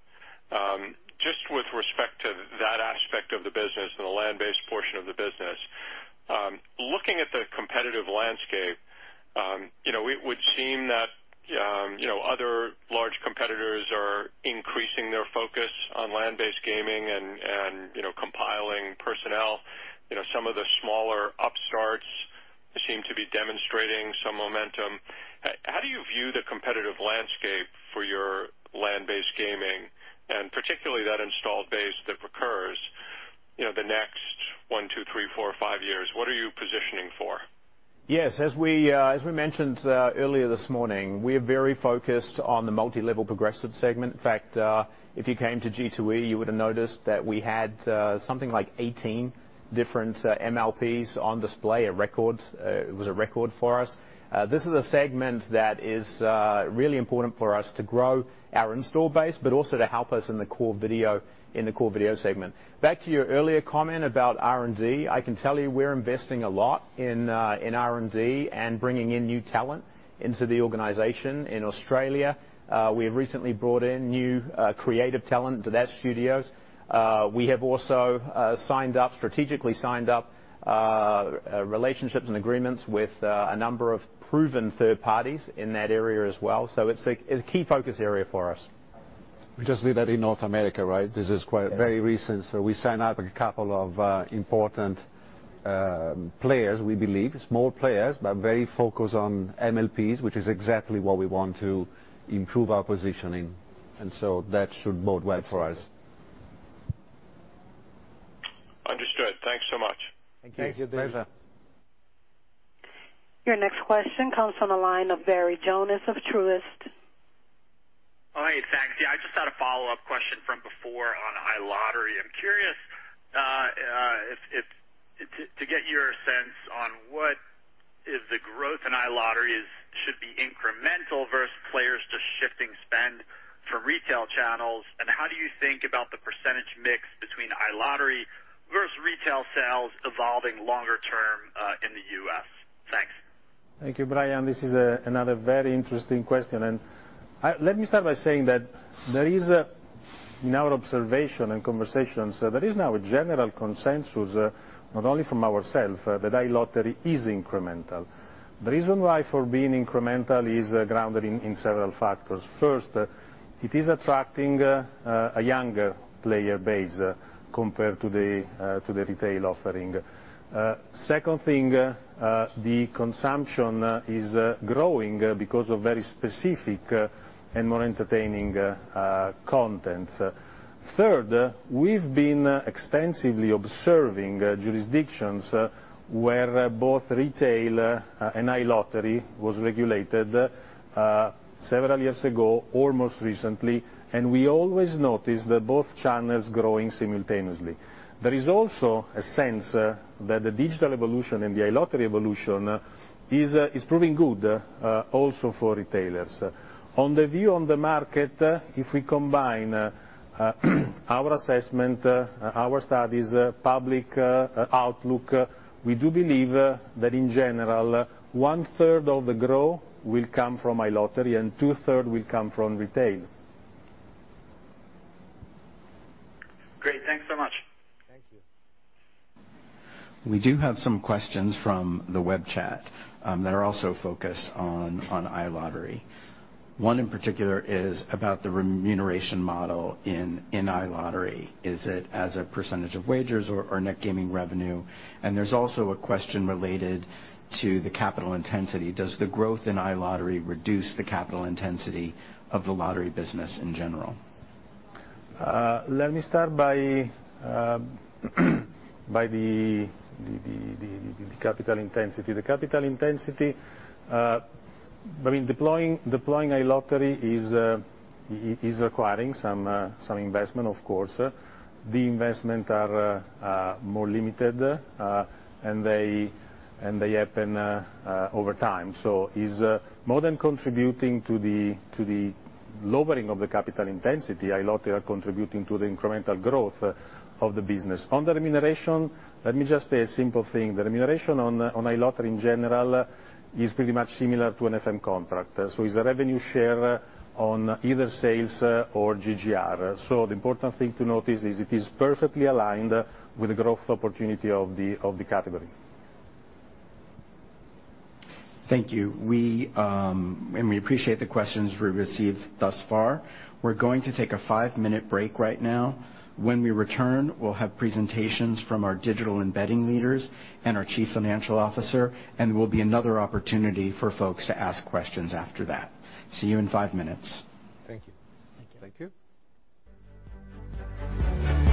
just with respect to that aspect of the business and the land-based portion of the business, looking at the competitive landscape, you know, it would seem that, you know, other large competitors are increasing their focus on land-based gaming and, you know, compiling personnel. You know, some of the smaller upstarts seem to be demonstrating some momentum. How do you view the competitive landscape for your land-based gaming, and particularly that installed base that recurs? You know, the next one, two, three, four, five years, what are you positioning for? Yes, as we mentioned earlier this morning, we're very focused on the multi-level progressive segment. In fact, if you came to G2E, you would have noticed that we had something like 18 different MLPs on display, a record. It was a record for us. This is a segment that is really important for us to grow our install base, but also to help us in the core video segment. Back to your earlier comment about R&D. I can tell you we're investing a lot in R&D and bringing in new talent into the organization. In Australia, we have recently brought in new creative talent to that studios. We have also strategically signed up relationships and agreements with a number of proven third parties in that area as well. It's a key focus area for us. We just did that in North America, right? This is quite very recent. We signed up a couple of important players, we believe, small players, but very focused on MLPs, which is exactly what we want to improve our positioning. That should bode well for us. Understood. Thanks so much. Thank you. Thank you. Pleasure. Your next question comes from the line of Barry Jonas of Truist. Oh, hey, thanks. Yeah, I just had a follow-up question from before on iLottery. I'm curious to get your sense on what is the growth in iLottery is should be incremental versus players just shifting spend from retail channels, and how do you think about the percentage mix between iLottery versus retail sales evolving longer term in the U.S.? Thanks. Thank you, Barry. This is another very interesting question. Let me start by saying that in our observation and conversations, there is now a general consensus, not only from ourselves, that iLottery is incremental. The reason why for being incremental is grounded in several factors. First, it is attracting a younger player base compared to the retail offering. Second, the consumption is growing because of very specific and more entertaining content. Third, we've been extensively observing jurisdictions where both retail and iLottery was regulated several years ago or most recently, and we always notice that both channels growing simultaneously. There is also a sense that the digital evolution and the iLottery evolution is proving good also for retailers. On the view on the market, if we combine our assessment, our studies, public outlook, we do believe that in general, 1/3 of the growth will come from iLottery and 2/3 will come from retail. Great. Thanks so much. Thank you. We do have some questions from the web chat that are also focused on iLottery. One in particular is about the remuneration model in iLottery. Is it as a percentage of wagers or net gaming revenue? There's also a question related to the capital intensity. Does the growth in iLottery reduce the capital intensity of the lottery business in general? Let me start by the capital intensity. The capital intensity, I mean, deploying iLottery is requiring some investment, of course. The investment are more limited, and they happen over time. It is more than contributing to the lowering of the capital intensity. iLottery are contributing to the incremental growth of the business. On the remuneration, let me just say a simple thing. The remuneration on iLottery in general is pretty much similar to an FM contract. It's a revenue share on either sales or GGR. The important thing to notice is it is perfectly aligned with the growth opportunity of the category. Thank you. We appreciate the questions we've received thus far. We're going to take a five-minute break right now. When we return, we'll have presentations from our Digital and Betting leaders and our Chief Financial Officer, and there will be another opportunity for folks to ask questions after that. See you in five minutes. Thank you. Thank you. Thank you.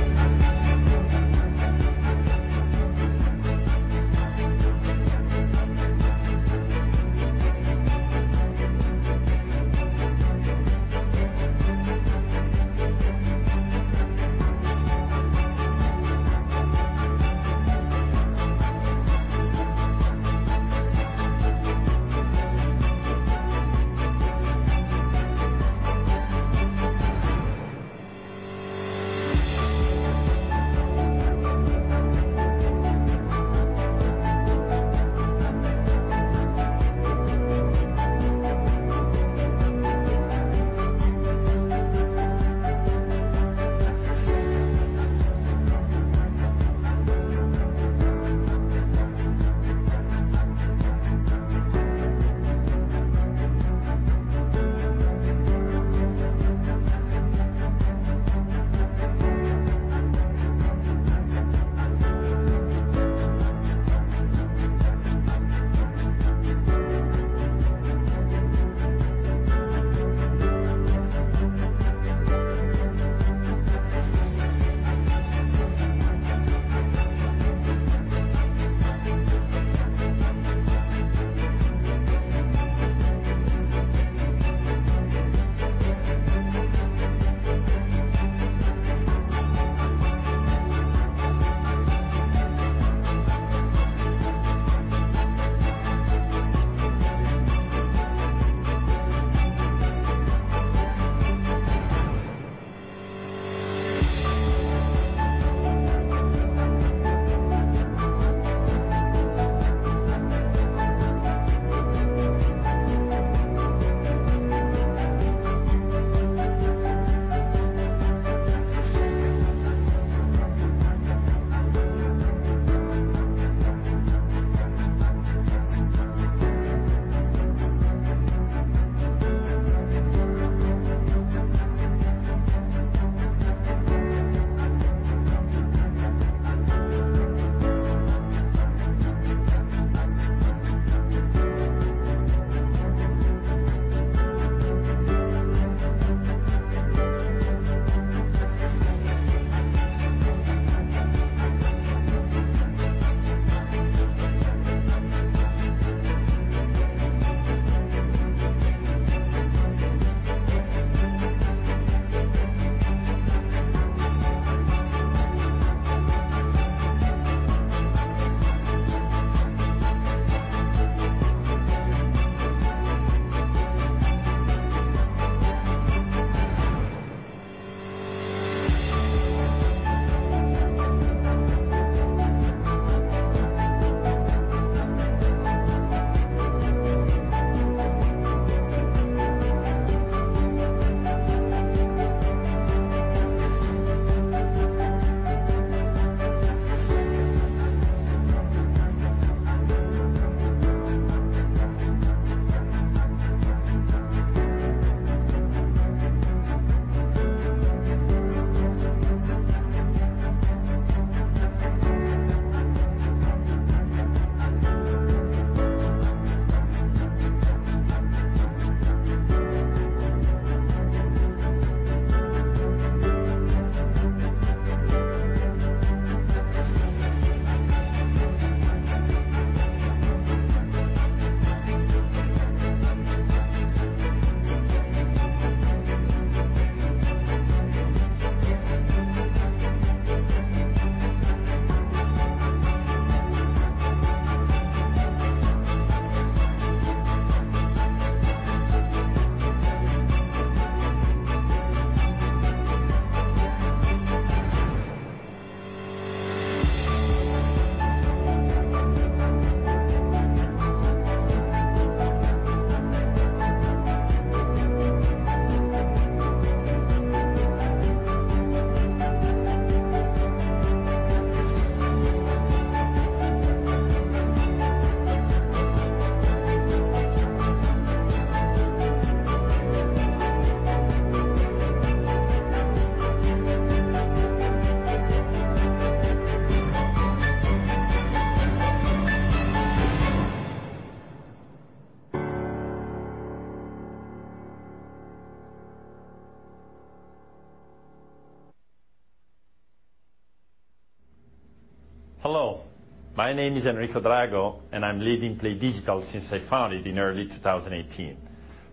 Hello, my name is Enrico Drago, and I'm leading PlayDigital since I found it in early 2018.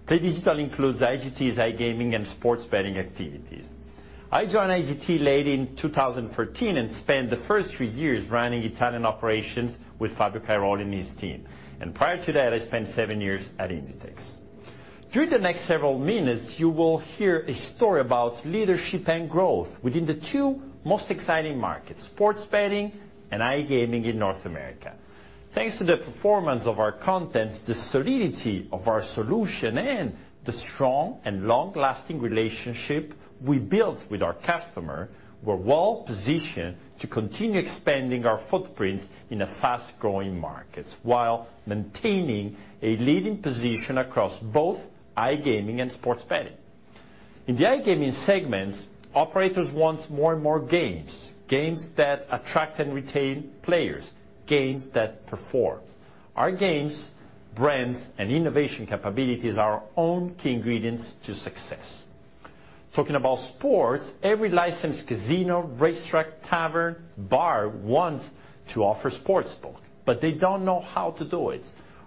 PlayDigital includes IGT's iGaming and sports betting activities. I joined IGT late in 2013, and spent the first three years running Italian operations with Fabio Cairoli and his team. Prior to that, I spent seven years at Inditex. During the next several minutes, you will hear a story about leadership and growth within the two most exciting markets, sports betting and iGaming in North America. Thanks to the performance of our contents, the solidity of our solution, and the strong and long-lasting relationship we built with our customer, we're well-positioned to continue expanding our footprints in the fast-growing markets while maintaining a leading position across both iGaming and sports betting. In the iGaming segments, operators want more and more games that attract and retain players, games that perform. Our games, brands, and innovation capabilities are our own key ingredients to success. Talking about sports, every licensed casino, racetrack, tavern, bar wants to offer sports book, but they don't know how to do it.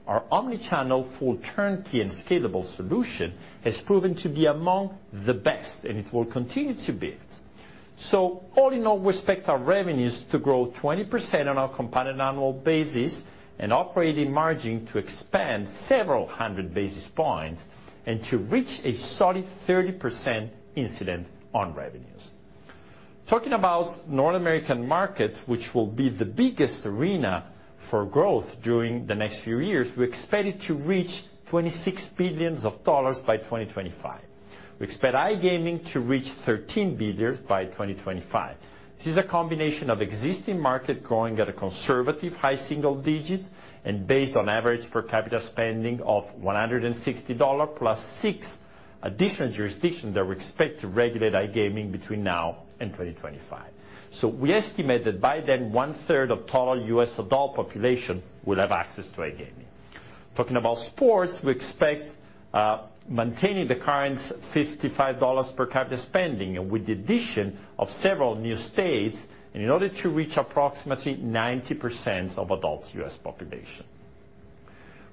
Our omni-channel full turnkey and scalable solution has proven to be among the best, and it will continue to be. All in all, we expect our revenues to grow 20% on a compounded annual basis and operating margin to expand several hundred basis points and to reach a solid 30% incident on revenues. Talking about North American market, which will be the biggest arena for growth during the next few years, we expect it to reach $26 billion by 2025. We expect iGaming to reach $13 billion by 2025. This is a combination of existing market growing at a conservative high single digits and based on average per capita spending of $160, plus six additional jurisdictions that we expect to regulate iGaming between now and 2025. We estimate that by then 1/3 of total U.S. adult population will have access to iGaming. Talking about sports, we expect maintaining the current $55 per capita spending with the addition of several new states in order to reach approximately 90% of adult U.S. population.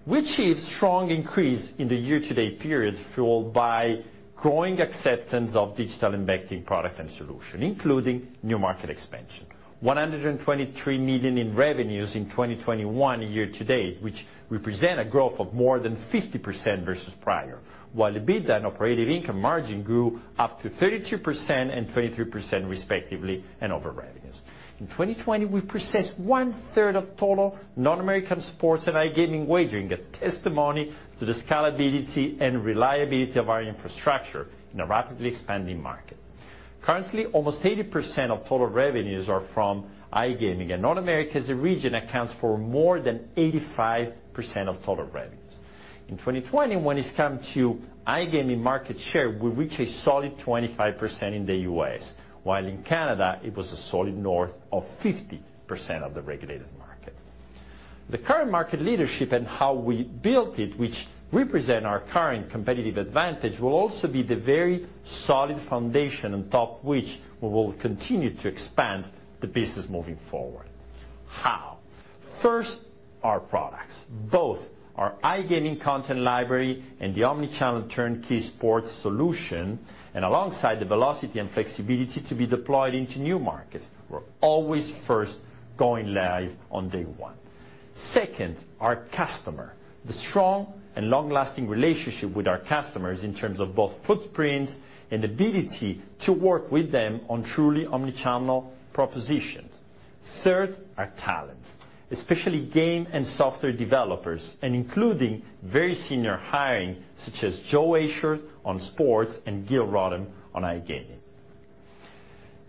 We achieved strong increase in the year-to-date period, fueled by growing acceptance of digital betting product and solution, including new market expansion. $123 million in revenues in 2021 year-to-date, which represent a growth of more than 50% versus prior, while EBITDA and operating income margin grew up to 32% and 23% respectively and over revenues. In 2020, we processed 1/3 of total North American sports and iGaming wagering, a testimony to the scalability and reliability of our infrastructure in a rapidly expanding market. Currently, almost 80% of total revenues are from iGaming, and North America as a region accounts for more than 85% of total revenues. In 2020, when it comes to iGaming market share, we reached a solid 25% in the U.S., while in Canada it was a solid north of 50% of the regulated market. The current market leadership and how we built it, which represent our current competitive advantage, will also be the very solid foundation on top of which we will continue to expand the business moving forward. How? First, our products, both our iGaming content library and the omni-channel turnkey sports solution, and alongside the velocity and flexibility to be deployed into new markets. We're always first going live on day one. Second, our customer. The strong and long-lasting relationship with our customers in terms of both footprint and ability to work with them on truly omni-channel propositions. Third, our talent, especially game and software developers, and including very senior hiring, such as Joe Asher on sports and Gil Rotem on iGaming.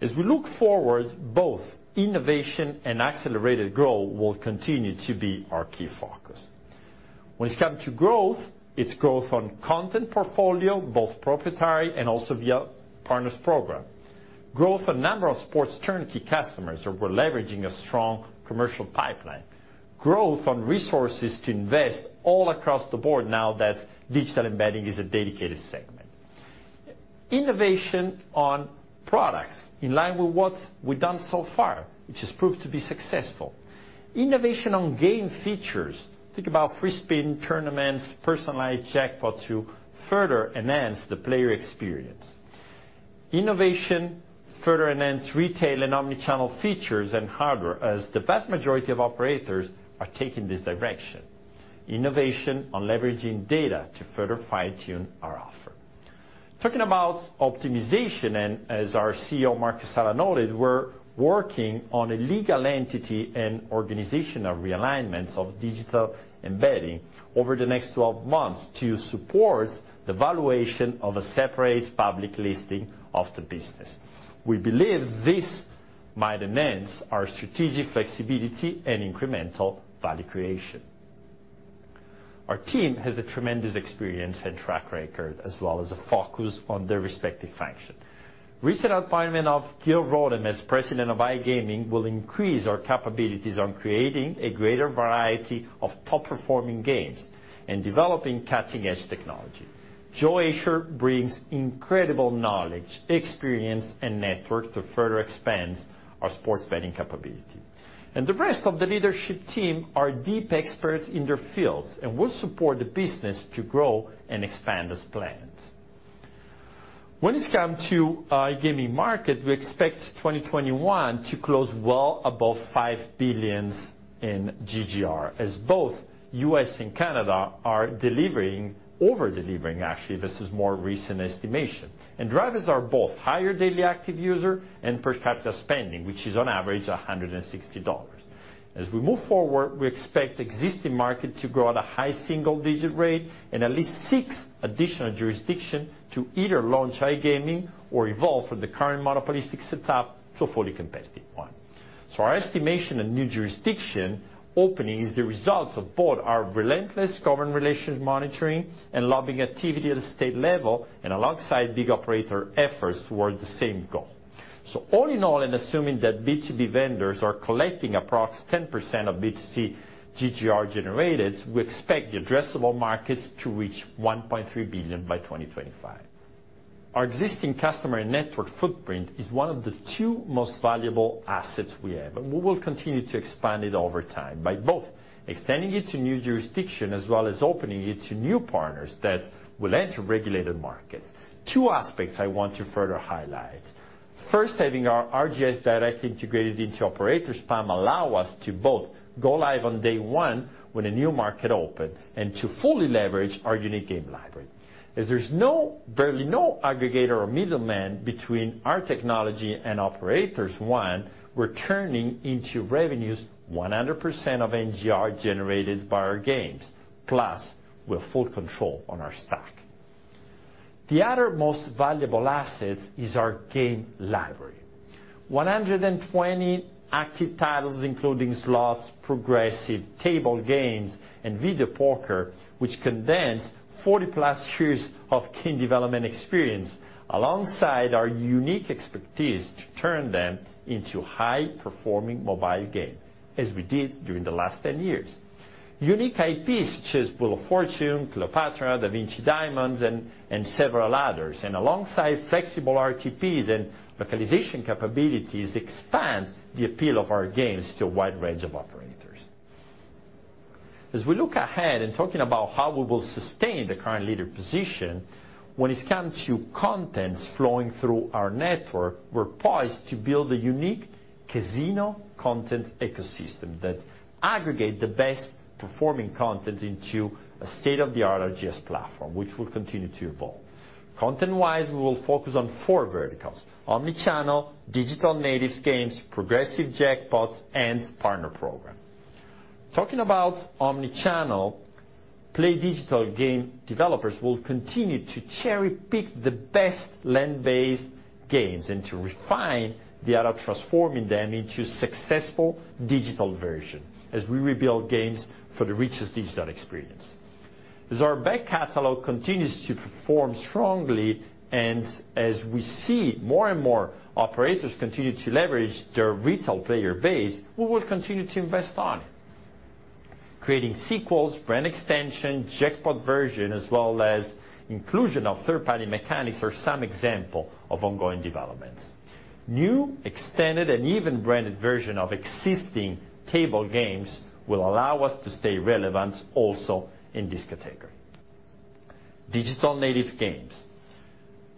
As we look forward, both innovation and accelerated growth will continue to be our key focus. When it come to growth, it's growth on content portfolio, both proprietary and also via partners program. Growth on number of sports turnkey customers, where we're leveraging a strong commercial pipeline. Growth on resources to invest all across the board now that digital gaming is a dedicated segment. Innovation on products in line with what we've done so far, which has proved to be successful. Innovation on game features. Think about free spin tournaments, personalized jackpots to further enhance the player experience. Innovation further enhance retail and omni-channel features and hardware, as the vast majority of operators are taking this direction. Innovation on leveraging data to further fine-tune our offer. Talking about optimization, and as our CEO, Marco Sala, noted, we're working on a legal entity and organizational realignments of Digital and Betting over the next 12 months to support the valuation of a separate public listing of the business. We believe this might enhance our strategic flexibility and incremental value creation. Our team has a tremendous experience and track record, as well as a focus on their respective function. Recent appointment of Gil Rotem as President of iGaming will increase our capabilities on creating a greater variety of top-performing games and developing cutting-edge technology. Joe Asher brings incredible knowledge, experience, and network to further expand our sports betting capability. The rest of the leadership team are deep experts in their fields and will support the business to grow and expand as planned. When it comes to iGaming market, we expect 2021 to close well above $5 billion in GGR, as both U.S. and Canada are delivering, over-delivering actually, this is more recent estimation. Drivers are both higher daily active user and per capita spending, which is on average $160. As we move forward, we expect existing market to grow at a high single-digit rate and at least six additional jurisdictions to either launch iGaming or evolve from the current monopolistic setup to a fully competitive one. Our estimation of new jurisdictions opening is the result of both our relentless government relations monitoring and lobbying activity at a state level and alongside big operator efforts towards the same goal. All in all, and assuming that B2B vendors are collecting approx 10% of B2C GGR generated, we expect the addressable markets to reach $1.3 billion by 2025. Our existing customer and network footprint is one of the two most valuable assets we have, and we will continue to expand it over time by both extending it to new jurisdictions as well as opening it to new partners that will enter regulated markets. Two aspects I want to further highlight. First, having our RGS directly integrated into operator's [platform] allows us to both go live on day one when a new market opens and to fully leverage our unique game library. As there's barely any aggregator or middleman between our technology and operators, we're taking in revenues 100% of NGR generated by our games, plus with full control on our stack. The other most valuable asset is our game library. 120 active titles, including slots, progressives, table games, and video poker, which condense 40+ years of game development experience, alongside our unique expertise to turn them into high-performing mobile games, as we did during the last 10 years. Unique IPs such as Wheel of Fortune, Cleopatra, Da Vinci Diamonds, and several others, and alongside flexible RTPs and localization capabilities expand the appeal of our games to a wide range of operators. As we look ahead and talking about how we will sustain the current leader position, when it comes to contents flowing through our network, we're poised to build a unique casino content ecosystem that aggregate the best-performing content into a state-of-the-art RGS platform, which will continue to evolve. Content-wise, we will focus on four verticals: omni-channel, digital native games, progressive jackpots, and partner program. Talking about omni-channel, PlayDigital game developers will continue to cherry-pick the best land-based games and to refine the art of transforming them into successful digital version as we rebuild games for the richest digital experience. As our back catalog continues to perform strongly, and as we see more and more operators continue to leverage their retail player base, we will continue to invest in it. Creating sequels, brand extension, jackpot version, as well as inclusion of third-party mechanics are some examples of ongoing developments. New, extended, and even branded version of existing table games will allow us to stay relevant also in this category. Digital native games.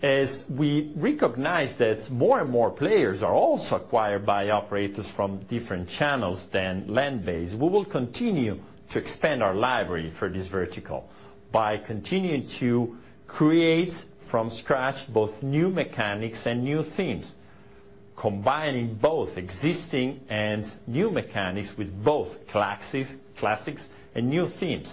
As we recognize that more and more players are also acquired by operators from different channels than land-based, we will continue to expand our library for this vertical by continuing to create from scratch both new mechanics and new themes, combining both existing and new mechanics with both classics and new themes.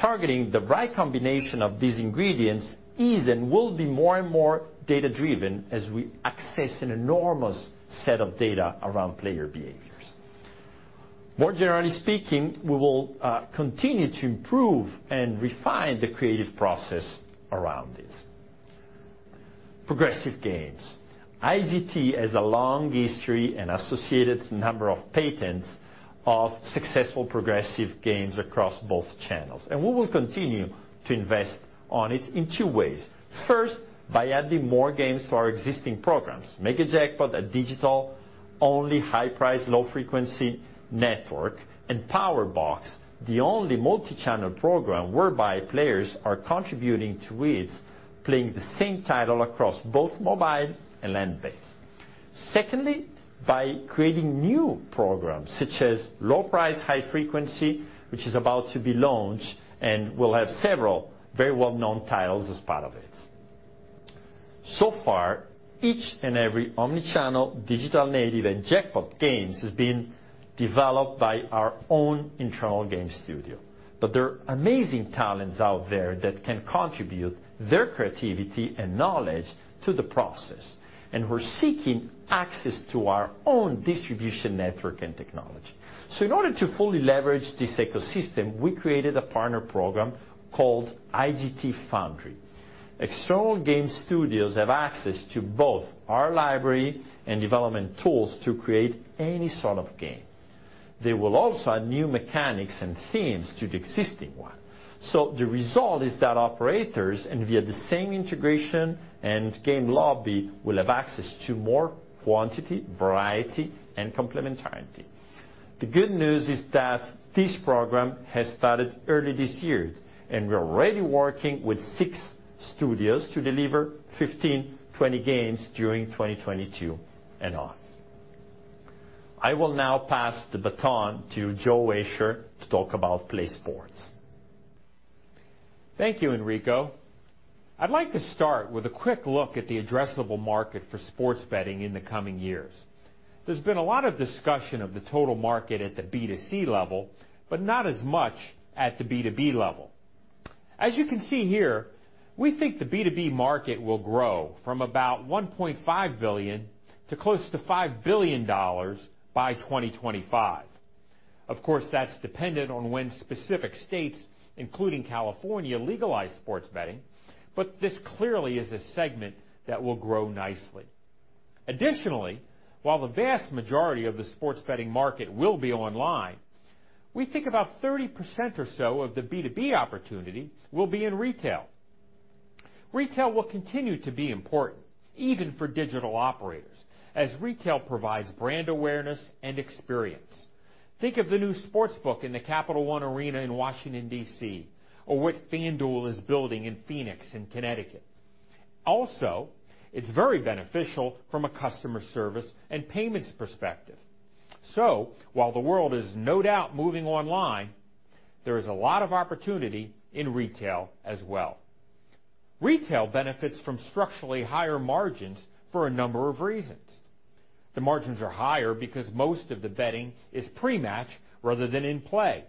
Targeting the right combination of these ingredients is and will be more and more data-driven as we access an enormous set of data around player behaviors. More generally speaking, we will continue to improve and refine the creative process around it. Progressive games. IGT has a long history and associated number of patents of successful progressive games across both channels, and we will continue to invest on it in two ways. First, by adding more games to our existing programs. Mega Jackpots, a digital-only high price, low frequency network, and Powerbucks, the only multichannel program whereby players are contributing to it, playing the same title across both mobile and land-based. Secondly, by creating new programs such as low price, high frequency, which is about to be launched and will have several very well-known titles as part of it. So far, each and every omni-channel, digital native, and jackpot games has been developed by our own internal game studio. There are amazing talents out there that can contribute their creativity and knowledge to the process, and who are seeking access to our own distribution network and technology. In order to fully leverage this ecosystem, we created a partner program called IGT Foundry. External game studios have access to both our library and development tools to create any sort of game. They will also add new mechanics and themes to the existing one. The result is that operators, and via the same integration and game lobby, will have access to more quantity, variety, and complementarity. The good news is that this program has started early this year, and we're already working with six studios to deliver 15, 20 games during 2022 and on. I will now pass the baton to Joe Asher to talk about PlaySports. Thank you, Enrico. I'd like to start with a quick look at the addressable market for sports betting in the coming years. There's been a lot of discussion of the total market at the B2C level, but not as much at the B2B level. As you can see here, we think the B2B market will grow from about $1.5 billion to close to $5 billion by 2025. Of course, that's dependent on when specific states, including California, legalize sports betting, but this clearly is a segment that will grow nicely. Additionally, while the vast majority of the sports betting market will be online, we think about 30% or so of the B2B opportunity will be in retail. Retail will continue to be important, even for digital operators, as retail provides brand awareness and experience. Think of the new sports book in the Capital One Arena in Washington, D.C., or what FanDuel is building in Phoenix and Connecticut. Also, it's very beneficial from a customer service and payments perspective. While the world is no doubt moving online, there is a lot of opportunity in retail as well. Retail benefits from structurally higher margins for a number of reasons. The margins are higher because most of the betting is pre-match rather than in play.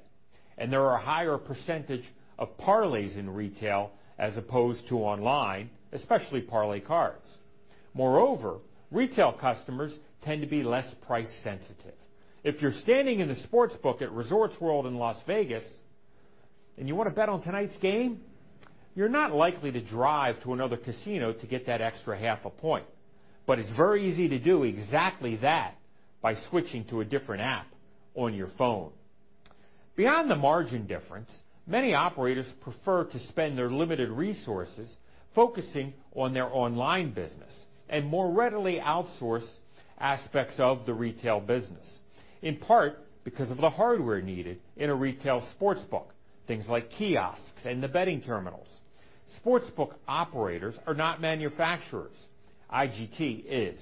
There are a higher percentage of parlays in retail as opposed to online, especially parlay cards. Moreover, retail customers tend to be less price-sensitive. If you're standing in the sportsbook at Resorts World in Las Vegas, and you wanna bet on tonight's game, you're not likely to drive to another casino to get that extra half a point, but it's very easy to do exactly that by switching to a different app on your phone. Beyond the margin difference, many operators prefer to spend their limited resources focusing on their online business and more readily outsource aspects of the retail business, in part because of the hardware needed in a retail sportsbook, things like kiosks and the betting terminals. Sportsbook operators are not manufacturers. IGT is.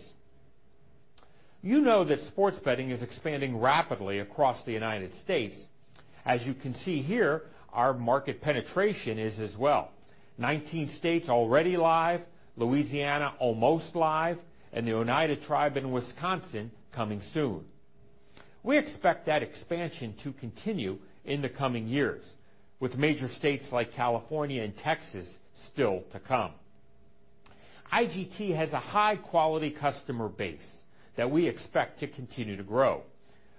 You know that sports betting is expanding rapidly across the United States. As you can see here, our market penetration is as well. 19 states already live, Louisiana almost live, and the Oneida Nation in Wisconsin coming soon. We expect that expansion to continue in the coming years with major states like California and Texas still to come. IGT has a high-quality customer base that we expect to continue to grow.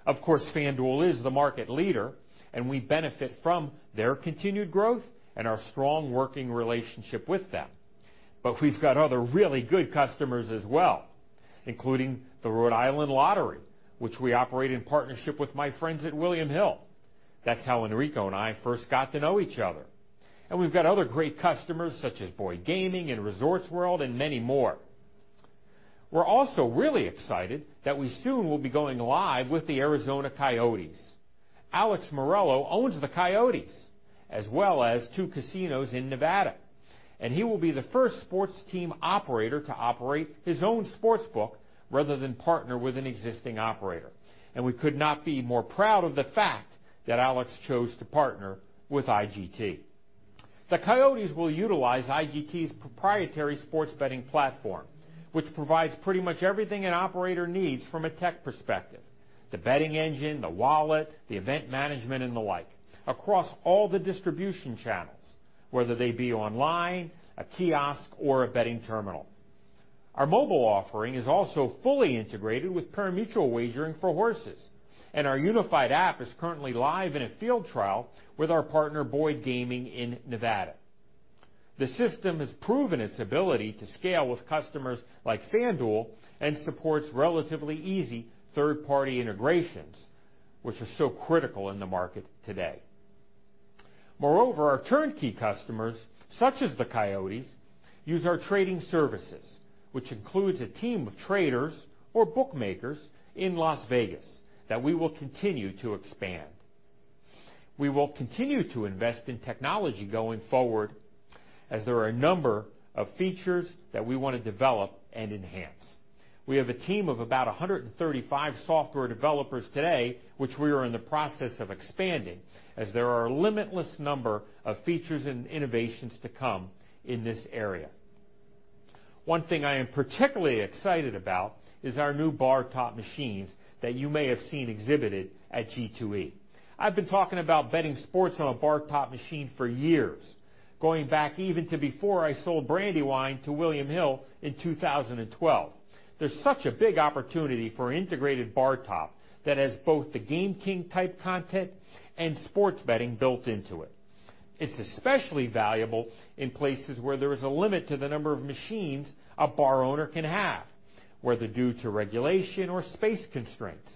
Of course, FanDuel is the market leader, and we benefit from their continued growth and our strong working relationship with them. We've got other really good customers as well, including the Rhode Island Lottery, which we operate in partnership with my friends at William Hill. That's how Enrico and I first got to know each other. We've got other great customers such as Boyd Gaming and Resorts World and many more. We're also really excited that we soon will be going live with the Arizona Coyotes. Alex Meruelo owns the Coyotes as well as two casinos in Nevada, and he will be the first sports team operator to operate his own sportsbook rather than partner with an existing operator. We could not be more proud of the fact that Alex chose to partner with IGT. The Coyotes will utilize IGT's proprietary sports betting platform, which provides pretty much everything an operator needs from a tech perspective, the betting engine, the wallet, the event management and the like, across all the distribution channels, whether they be online, a kiosk or a betting terminal. Our mobile offering is also fully integrated with pari-mutuel wagering for horses, and our unified app is currently live in a field trial with our partner, Boyd Gaming, in Nevada. The system has proven its ability to scale with customers like FanDuel and supports relatively easy third-party integrations, which are so critical in the market today. Moreover, our turnkey customers, such as the Coyotes, use our trading services, which includes a team of traders or bookmakers in Las Vegas that we will continue to expand. We will continue to invest in technology going forward as there are a number of features that we wanna develop and enhance. We have a team of about 135 software developers today, which we are in the process of expanding as there are a limitless number of features and innovations to come in this area. One thing I am particularly excited about is our new bar top machines that you may have seen exhibited at G2E. I've been talking about betting sports on a bar top machine for years, going back even to before I sold Brandywine to William Hill in 2012. There's such a big opportunity for an integrated bar top that has both the Game King-type content and sports betting built into it. It's especially valuable in places where there is a limit to the number of machines a bar owner can have, whether due to regulation or space constraints.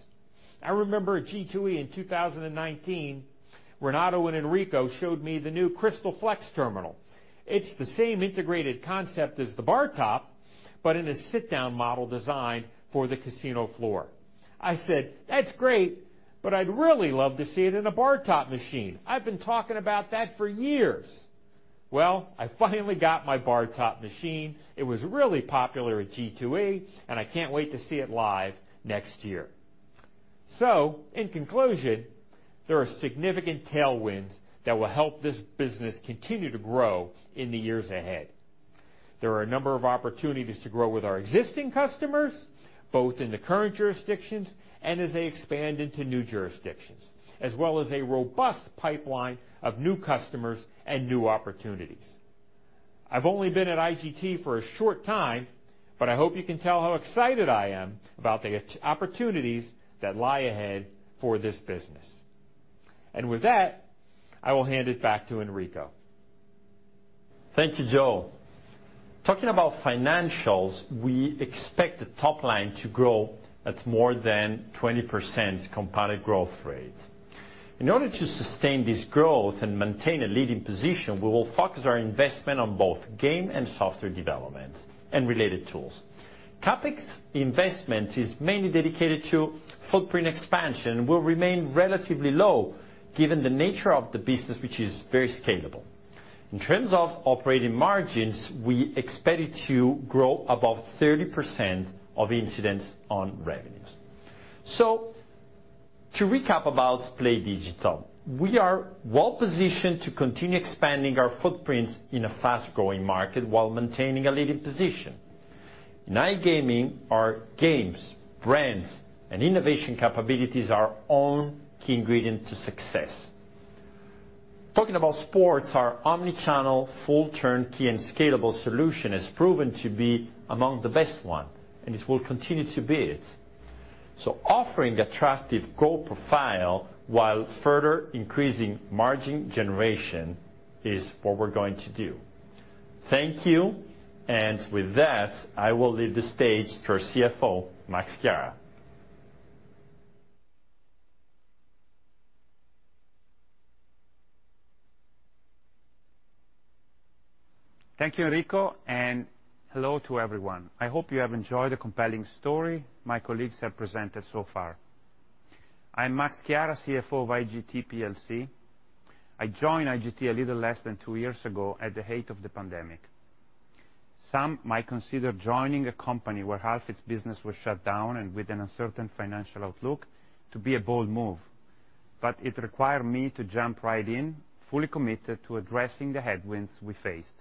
I remember at G2E in 2019, Renato and Enrico showed me the new CrystalFlex terminal. It's the same integrated concept as the bar top, but in a sit-down model designed for the casino floor. I said, "That's great, but I'd really love to see it in a bar top machine. I've been talking about that for years." Well, I finally got my bar top machine. It was really popular at G2E, and I can't wait to see it live next year. In conclusion, there are significant tailwinds that will help this business continue to grow in the years ahead. There are a number of opportunities to grow with our existing customers, both in the current jurisdictions and as they expand into new jurisdictions, as well as a robust pipeline of new customers and new opportunities. I've only been at IGT for a short time, but I hope you can tell how excited I am about the opportunities that lie ahead for this business. With that, I will hand it back to Enrico. Thank you, Joe. Talking about financials, we expect the top line to grow at more than 20% compounded growth rate. In order to sustain this growth and maintain a leading position, we will focus our investment on both game and software development and related tools. CapEx investment is mainly dedicated to footprint expansion and will remain relatively low given the nature of the business, which is very scalable. In terms of operating margins, we expect it to grow above 30% of incidence on revenues. To recap about PlayDigital, we are well-positioned to continue expanding our footprints in a fast-growing market while maintaining a leading position. In iGaming, our games, brands, and innovation capabilities are all key ingredient to success. Talking about sports, our omni-channel full turnkey and scalable solution has proven to be among the best one, and it will continue to be it. Offering attractive growth profile while further increasing margin generation is what we're going to do. Thank you, and with that, I will leave the stage to our CFO, Max Chiara. Thank you, Enrico, and hello to everyone. I hope you have enjoyed the compelling story my colleagues have presented so far. I'm Max Chiara, CFO of IGT PLC. I joined IGT a little less than two years ago at the height of the pandemic. Some might consider joining a company where half its business was shut down and with an uncertain financial outlook to be a bold move, but it required me to jump right in, fully committed to addressing the headwinds we faced.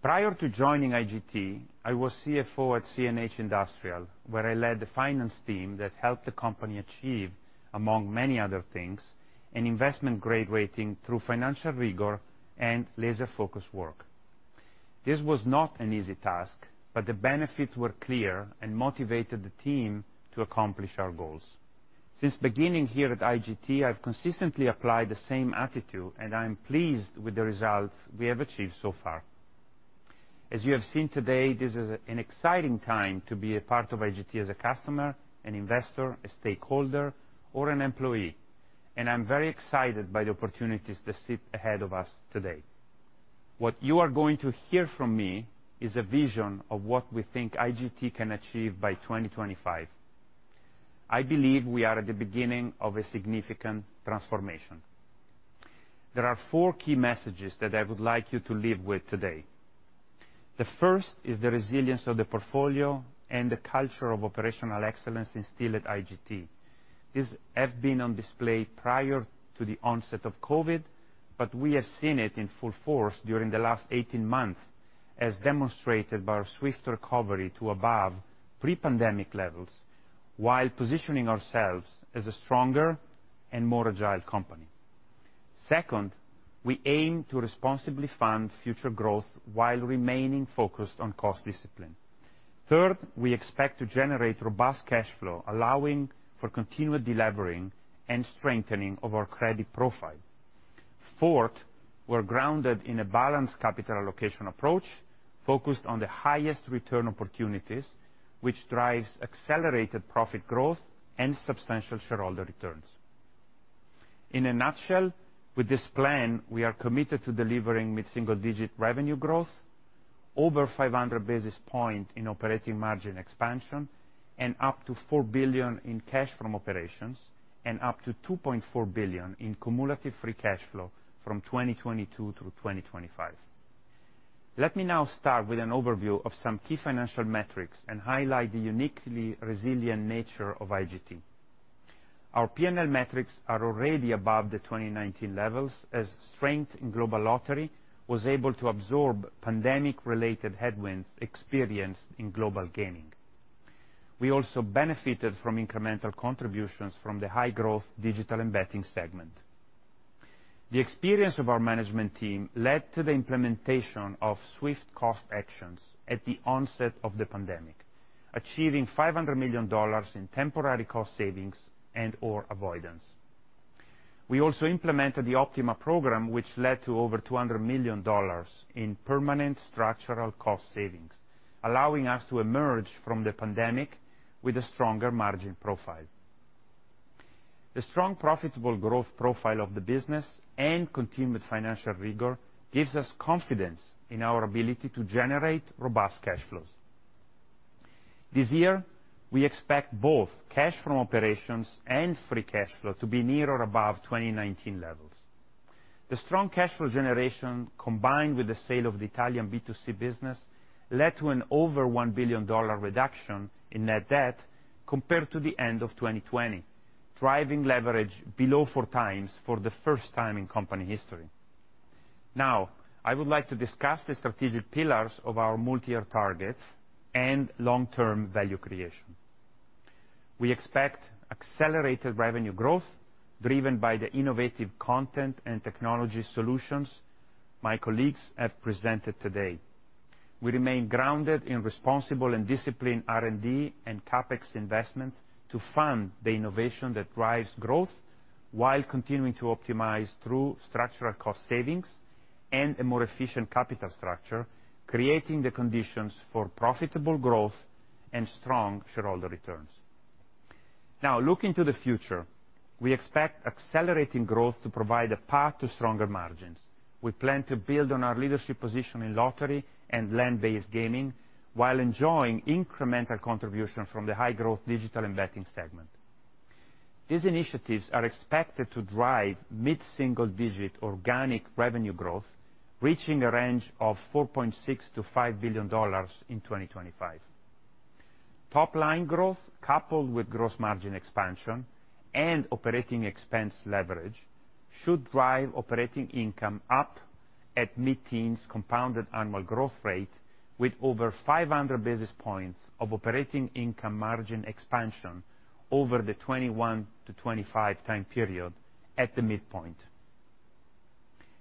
Prior to joining IGT, I was CFO at CNH Industrial, where I led the finance team that helped the company achieve, among many other things, an investment-grade rating through financial rigor and laser-focused work. This was not an easy task, but the benefits were clear and motivated the team to accomplish our goals. Since beginning here at IGT, I've consistently applied the same attitude, and I'm pleased with the results we have achieved so far. As you have seen today, this is an exciting time to be a part of IGT as a customer, an investor, a stakeholder, or an employee, and I'm very excited by the opportunities that sit ahead of us today. What you are going to hear from me is a vision of what we think IGT can achieve by 2025. I believe we are at the beginning of a significant transformation. There are four key messages that I would like you to leave with today. The first is the resilience of the portfolio and the culture of operational excellence instilled at IGT. These have been on display prior to the onset of COVID, but we have seen it in full force during the last 18 months, as demonstrated by our swift recovery to above pre-pandemic levels while positioning ourselves as a stronger and more agile company. Second, we aim to responsibly fund future growth while remaining focused on cost discipline. Third, we expect to generate robust cash flow, allowing for continued delevering and strengthening of our credit profile. Fourth, we're grounded in a balanced capital allocation approach focused on the highest return opportunities, which drives accelerated profit growth and substantial shareholder returns. In a nutshell, with this plan, we are committed to delivering mid-single-digit revenue growth, over 500 basis points in operating margin expansion, and up to $4 billion in cash from operations, and up to $2.4 billion in cumulative free cash flow from 2022 through 2025. Let me now start with an overview of some key financial metrics and highlight the uniquely resilient nature of IGT. Our P&L metrics are already above the 2019 levels as strength in Global Lottery was able to absorb pandemic-related headwinds experienced in Global Gaming. We also benefited from incremental contributions from the high-growth Digital and Betting segment. The experience of our management team led to the implementation of swift cost actions at the onset of the pandemic, achieving $500 million in temporary cost savings and/or avoidance. We also implemented the OPtiMA program, which led to over $200 million in permanent structural cost savings, allowing us to emerge from the pandemic with a stronger margin profile. The strong, profitable growth profile of the business and continued financial rigor gives us confidence in our ability to generate robust cash flows. This year, we expect both cash from operations and free cash flow to be near or above 2019 levels. The strong cash flow generation, combined with the sale of the Italian B2C business, led to an over $1 billion reduction in net debt compared to the end of 2020, driving leverage below 4x for the first time in company history. Now, I would like to discuss the strategic pillars of our multi-year targets and long-term value creation. We expect accelerated revenue growth driven by the innovative content and technology solutions my colleagues have presented today. We remain grounded in responsible and disciplined R&D and CapEx investments to fund the innovation that drives growth while continuing to optimize through structural cost savings and a more efficient capital structure, creating the conditions for profitable growth and strong shareholder returns. Now, looking to the future, we expect accelerating growth to provide a path to stronger margins. We plan to build on our leadership position in lottery and land-based gaming while enjoying incremental contribution from the high-growth Digital and Betting segment. These initiatives are expected to drive mid-single-digit organic revenue growth, reaching a range of $4.6 billion-$5 billion in 2025. Top line growth coupled with gross margin expansion and operating expense leverage should drive operating income up at mid-teens compounded annual growth rate with over 500 basis points of operating income margin expansion over the 2021-2025 time period at the midpoint.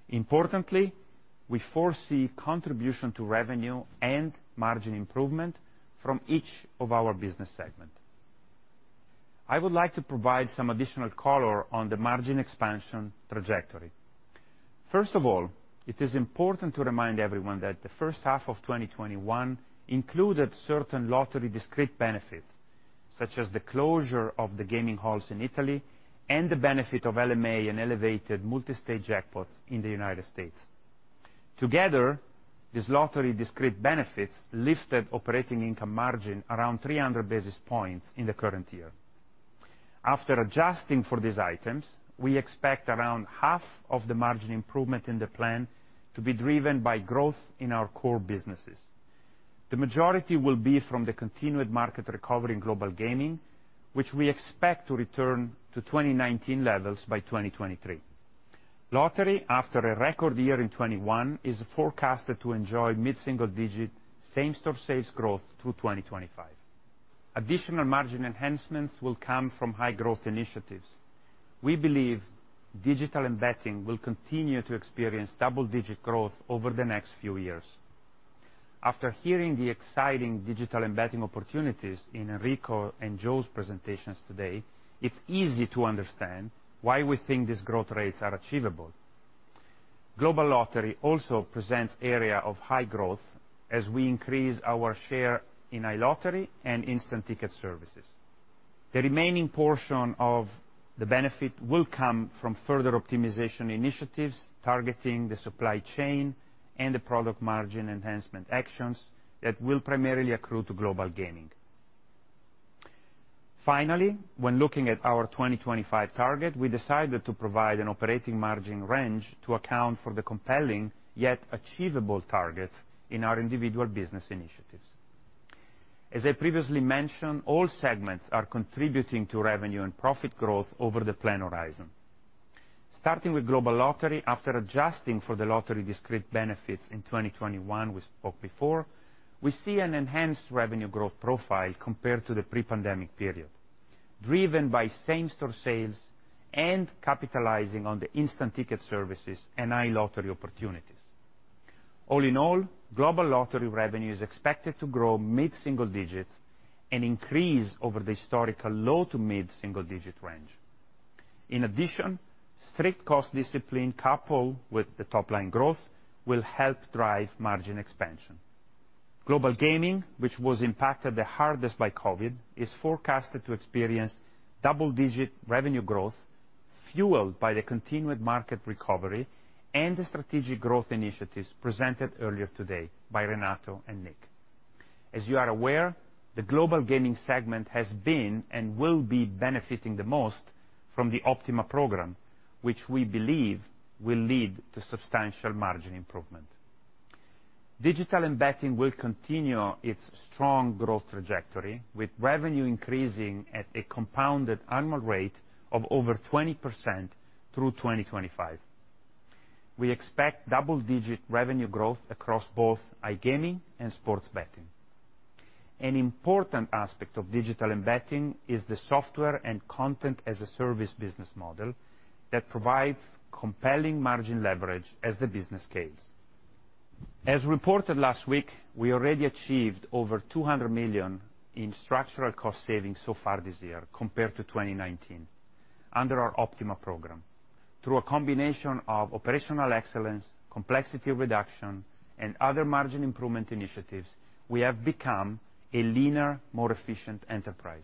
Importantly, we foresee contribution to revenue and margin improvement from each of our business segment. I would like to provide some additional color on the margin expansion trajectory. First of all, it is important to remind everyone that the first half of 2021 included certain lottery discrete benefits, such as the closure of the gaming halls in Italy and the benefit of LMA and elevated multi-state jackpots in the United States. Together, these lottery-discrete benefits lifted operating income margin around 300 basis points in the current year. After adjusting for these items, we expect around half of the margin improvement in the plan to be driven by growth in our core businesses. The majority will be from the continued market recovery in Global Gaming, which we expect to return to 2019 levels by 2023. Lottery, after a record year in 2021, is forecasted to enjoy mid-single-digit same-store sales growth through 2025. Additional margin enhancements will come from high growth initiatives. We believe Digital & Betting will continue to experience double-digit growth over the next few years. After hearing the exciting Digital & Betting opportunities in Enrico and Joe's presentations today, it's easy to understand why we think these growth rates are achievable. Global Lottery also presents area of high growth as we increase our share in iLottery and instant ticket services. The remaining portion of the benefit will come from further optimization initiatives targeting the supply chain and the product margin enhancement actions that will primarily accrue to Global Gaming. Finally, when looking at our 2025 target, we decided to provide an operating margin range to account for the compelling, yet achievable targets in our individual business initiatives. As I previously mentioned, all segments are contributing to revenue and profit growth over the plan horizon. Starting with Global Lottery, after adjusting for the lottery-discrete benefits in 2021 we spoke before, we see an enhanced revenue growth profile compared to the pre-pandemic period, driven by same-store sales and capitalizing on the instant ticket services and iLottery opportunities. All in all, Global Lottery revenue is expected to grow mid-single digits and increase over the historical low- to mid-single-digit range. In addition, strict cost discipline coupled with the top line growth will help drive margin expansion. Global Gaming, which was impacted the hardest by COVID, is forecasted to experience double-digit revenue growth fueled by the continued market recovery and the strategic growth initiatives presented earlier today by Renato and Nick. As you are aware, the Global Gaming segment has been and will be benefiting the most from the OPtiMA program, which we believe will lead to substantial margin improvement. Digital & Betting will continue its strong growth trajectory, with revenue increasing at a compounded annual rate of over 20% through 2025. We expect double-digit revenue growth across both iGaming and sports betting. An important aspect of Digital & Betting is the software and content as a service business model that provides compelling margin leverage as the business case. As reported last week, we already achieved over $200 million in structural cost savings so far this year compared to 2019 under our OPtiMA program. Through a combination of operational excellence, complexity reduction, and other margin improvement initiatives, we have become a leaner, more efficient enterprise.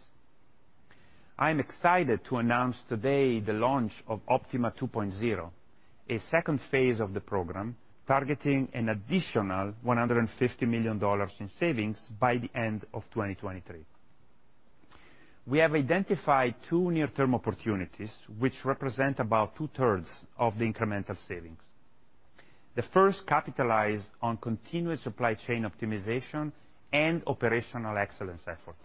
I'm excited to announce today the launch of OPtiMA 2.0, a second phase of the program, targeting an additional $150 million in savings by the end of 2023. We have identified two near-term opportunities which represent about 2/3 of the incremental savings. The first capitalized on continuous supply chain optimization and operational excellence efforts.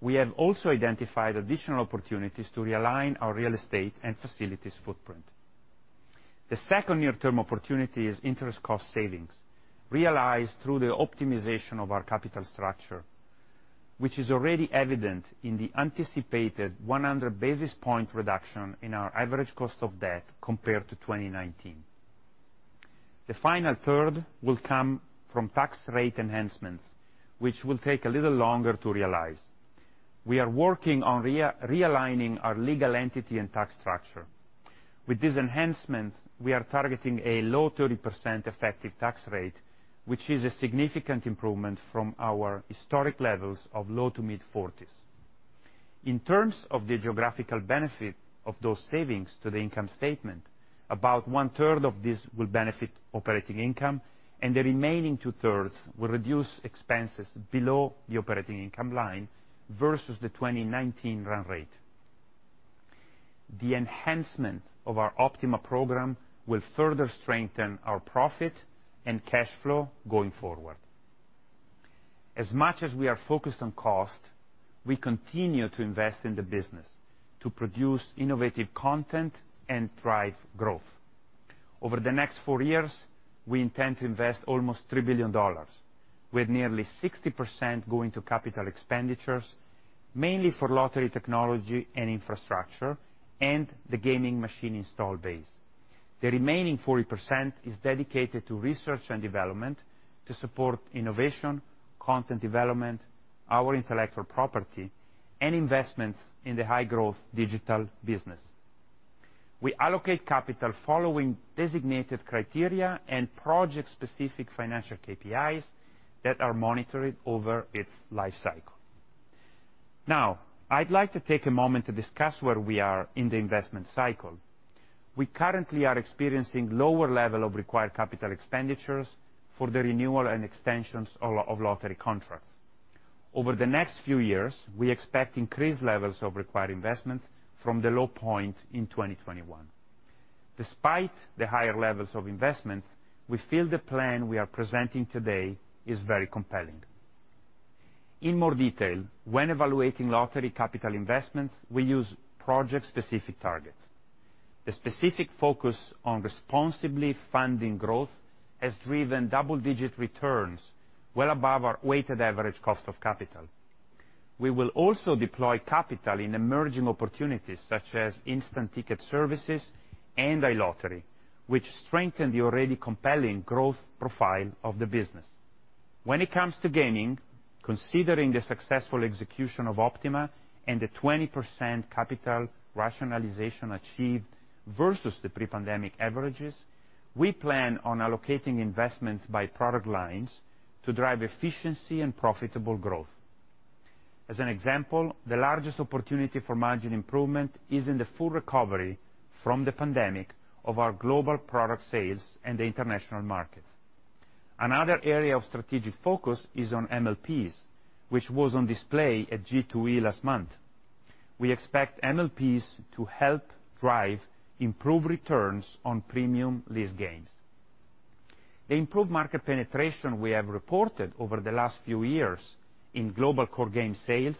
We have also identified additional opportunities to realign our real estate and facilities footprint. The second near-term opportunity is interest cost savings realized through the optimization of our capital structure, which is already evident in the anticipated 100 basis point reduction in our average cost of debt compared to 2019. The final third will come from tax rate enhancements, which will take a little longer to realize. We are working on realigning our legal entity and tax structure. With these enhancements, we are targeting a low 30% effective tax rate, which is a significant improvement from our historic levels of low- to mid-40s%. In terms of the geographical benefit of those savings to the income statement, about 1/3 of this will benefit operating income and the remaining 2/3 will reduce expenses below the operating income line versus the 2019 run rate. The enhancement of our OPtiMA program will further strengthen our profit and cash flow going forward. As much as we are focused on cost, we continue to invest in the business to produce innovative content and drive growth. Over the next four years, we intend to invest almost $3 billion, with nearly 60% going to capital expenditures, mainly for lottery technology and infrastructure, and the gaming machine install base. The remaining 40% is dedicated to research and development to support innovation, content development, our intellectual property, and investments in the high-growth digital business. We allocate capital following designated criteria and project-specific financial KPIs that are monitored over its life cycle. Now, I'd like to take a moment to discuss where we are in the investment cycle. We currently are experiencing lower level of required capital expenditures for the renewal and extensions of lottery contracts. Over the next few years, we expect increased levels of required investments from the low point in 2021. Despite the higher levels of investments, we feel the plan we are presenting today is very compelling. In more detail, when evaluating lottery capital investments, we use project-specific targets. The specific focus on responsibly funding growth has driven double-digit returns well above our weighted average cost of capital. We will also deploy capital in emerging opportunities, such as instant ticket services and iLottery, which strengthen the already compelling growth profile of the business. When it comes to gaming, considering the successful execution of OPtiMA and the 20% capital rationalization achieved versus the pre-pandemic averages, we plan on allocating investments by product lines to drive efficiency and profitable growth. As an example, the largest opportunity for margin improvement is in the full recovery from the pandemic of our global product sales in the international market. Another area of strategic focus is on MLPs, which was on display at G2E last month. We expect MLPs to help drive improved returns on premium list games. The improved market penetration we have reported over the last few years in global core game sales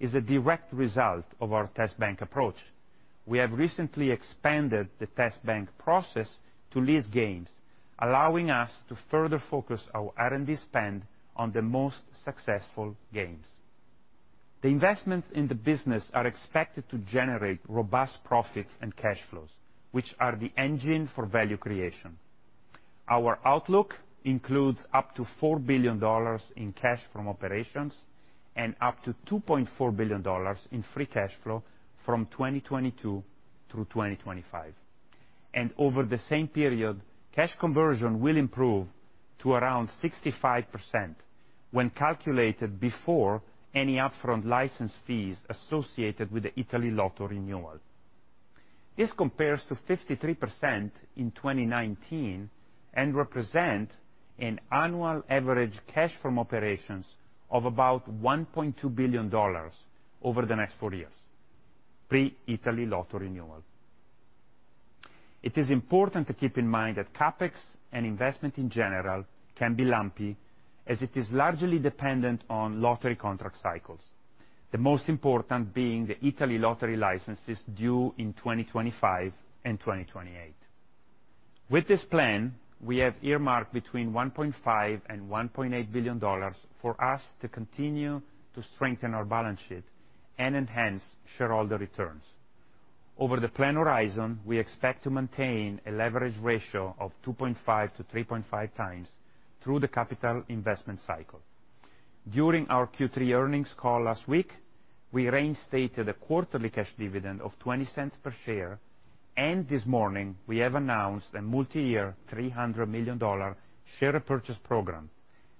is a direct result of our test bank approach. We have recently expanded the test bank process to list games, allowing us to further focus our R&D spend on the most successful games. The investments in the business are expected to generate robust profits and cash flows, which are the engine for value creation. Our outlook includes up to $4 billion in cash from operations and up to $2.4 billion in free cash flow from 2022 through 2025. Over the same period, cash conversion will improve to around 65% when calculated before any upfront license fees associated with the Italy lotto renewal. This compares to 53% in 2019 and represent an annual average cash from operations of about $1.2 billion over the next four years, pre-Italy lotto renewal. It is important to keep in mind that CapEx and investment in general can be lumpy, as it is largely dependent on lottery contract cycles. The most important being the Italy lottery license is due in 2025 and 2028. With this plan, we have earmarked between $1.5 billion and $1.8 billion for us to continue to strengthen our balance sheet and enhance shareholder returns. Over the plan horizon, we expect to maintain a leverage ratio of 2.5x-3.5x through the capital investment cycle. During our Q3 earnings call last week, we reinstated a quarterly cash dividend of $0.20 per share, and this morning we have announced a multi-year, $300 million share repurchase program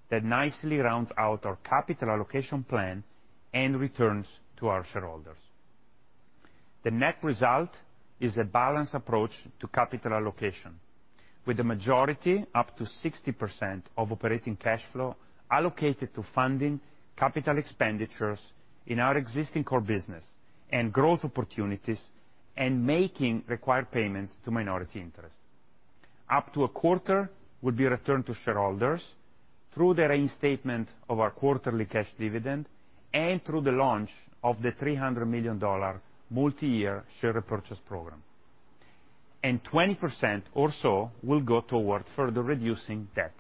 that nicely rounds out our capital allocation plan and returns to our shareholders. The net result is a balanced approach to capital allocation, with the majority, up to 60% of operating cash flow, allocated to funding capital expenditures in our existing core business and growth opportunities and making required payments to minority interest. Up to a quarter will be returned to shareholders through the reinstatement of our quarterly cash dividend and through the launch of the $300 million multi-year share repurchase program. 20% or so will go toward further reducing debt.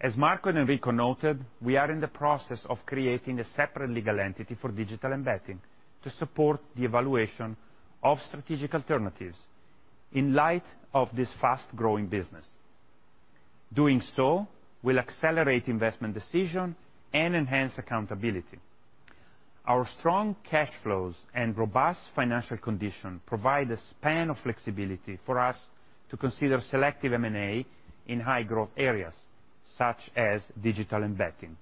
As Marco and Enrico noted, we are in the process of creating a separate legal entity for Digital and Betting to support the evaluation of strategic alternatives in light of this fast-growing business. Doing so will accelerate investment decision and enhance accountability. Our strong cash flows and robust financial condition provide a span of flexibility for us to consider selective M&A in high-growth areas such as Digital and Betting.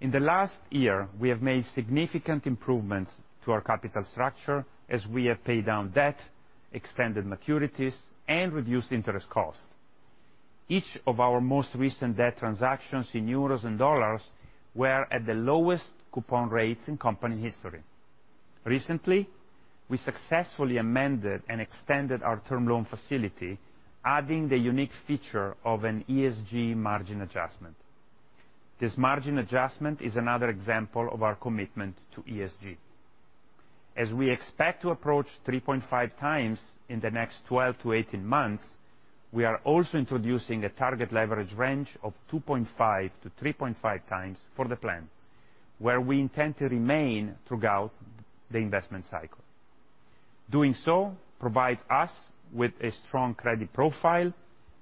In the last year, we have made significant improvements to our capital structure as we have paid down debt, expanded maturities, and reduced interest costs. Each of our most recent debt transactions in euros and dollars were at the lowest coupon rates in company history. Recently, we successfully amended and extended our term loan facility, adding the unique feature of an ESG margin adjustment. This margin adjustment is another example of our commitment to ESG. As we expect to approach 3.5x in the next 12-18 months, we are also introducing a target leverage range of 2.5x-3.5x for the plan, where we intend to remain throughout the investment cycle. Doing so provides us with a strong credit profile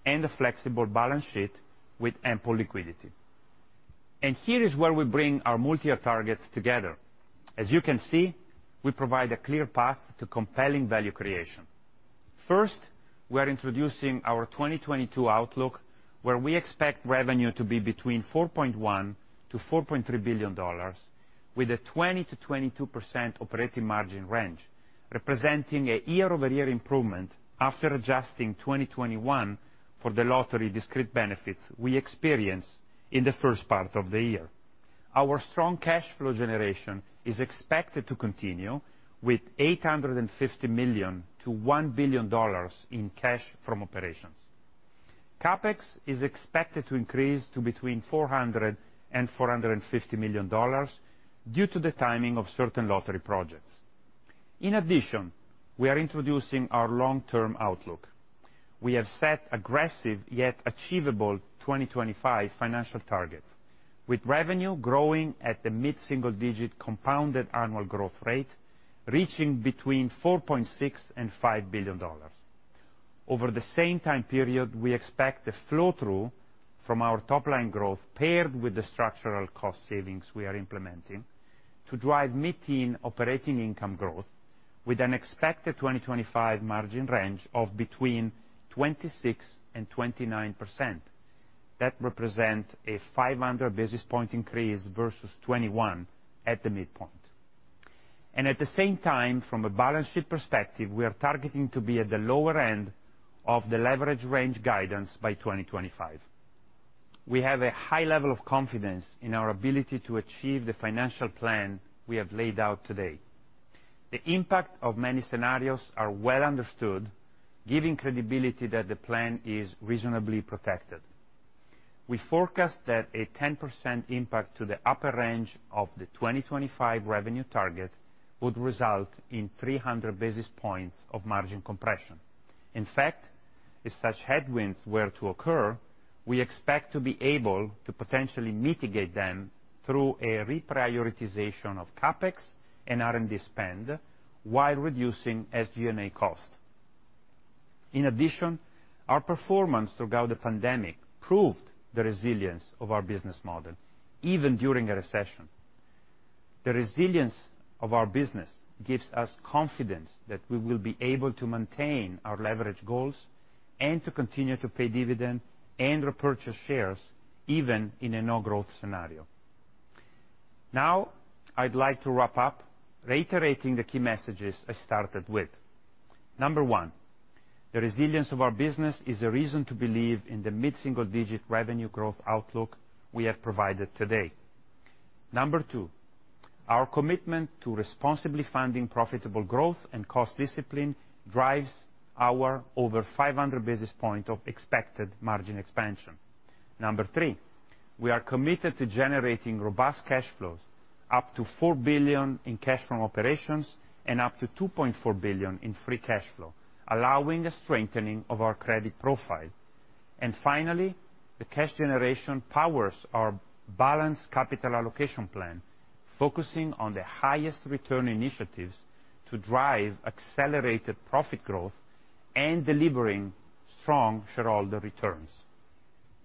and a flexible balance sheet with ample liquidity. Here is where we bring our multi-year targets together. As you can see, we provide a clear path to compelling value creation. First, we are introducing our 2022 outlook, where we expect revenue to be between $4.1 billion-$4.3 billion with a 20%-22% operating margin range, representing a year-over-year improvement after adjusting 2021 for the lottery discrete benefits we experienced in the first part of the year. Our strong cash flow generation is expected to continue with $850 million-$1 billion in cash from operations. CapEx is expected to increase to between $400 million-$450 million due to the timing of certain lottery projects. In addition, we are introducing our long-term outlook. We have set aggressive yet achievable 2025 financial targets, with revenue growing at the mid-single-digit compounded annual growth rate, reaching between $4.6 billion and $5 billion. Over the same time period, we expect the flow-through from our top-line growth paired with the structural cost savings we are implementing to drive mid-teen operating income growth with an expected 2025 margin range of between 26% and 29%. That represents a 500 basis point increase versus 2021 at the midpoint. At the same time, from a balance sheet perspective, we are targeting to be at the lower end of the leverage range guidance by 2025. We have a high level of confidence in our ability to achieve the financial plan we have laid out today. The impact of many scenarios are well understood, giving credibility that the plan is reasonably protected. We forecast that a 10% impact to the upper range of the 2025 revenue target would result in 300 basis points of margin compression. In fact, if such headwinds were to occur, we expect to be able to potentially mitigate them through a reprioritization of CapEx and R&D spend while reducing SG&A cost. In addition, our performance throughout the pandemic proved the resilience of our business model, even during a recession. The resilience of our business gives us confidence that we will be able to maintain our leverage goals and to continue to pay dividend and repurchase shares even in a no-growth scenario. Now I'd like to wrap up reiterating the key messages I started with. Number one, the resilience of our business is a reason to believe in the mid-single-digit revenue growth outlook we have provided today. Number two, our commitment to responsibly funding profitable growth and cost discipline drives our over 500 basis points of expected margin expansion. Number three, we are committed to generating robust cash flows, up to $4 billion in cash from operations and up to $2.4 billion in free cash flow, allowing a strengthening of our credit profile. Finally, the cash generation powers our balanced capital allocation plan, focusing on the highest return initiatives to drive accelerated profit growth and delivering strong shareholder returns.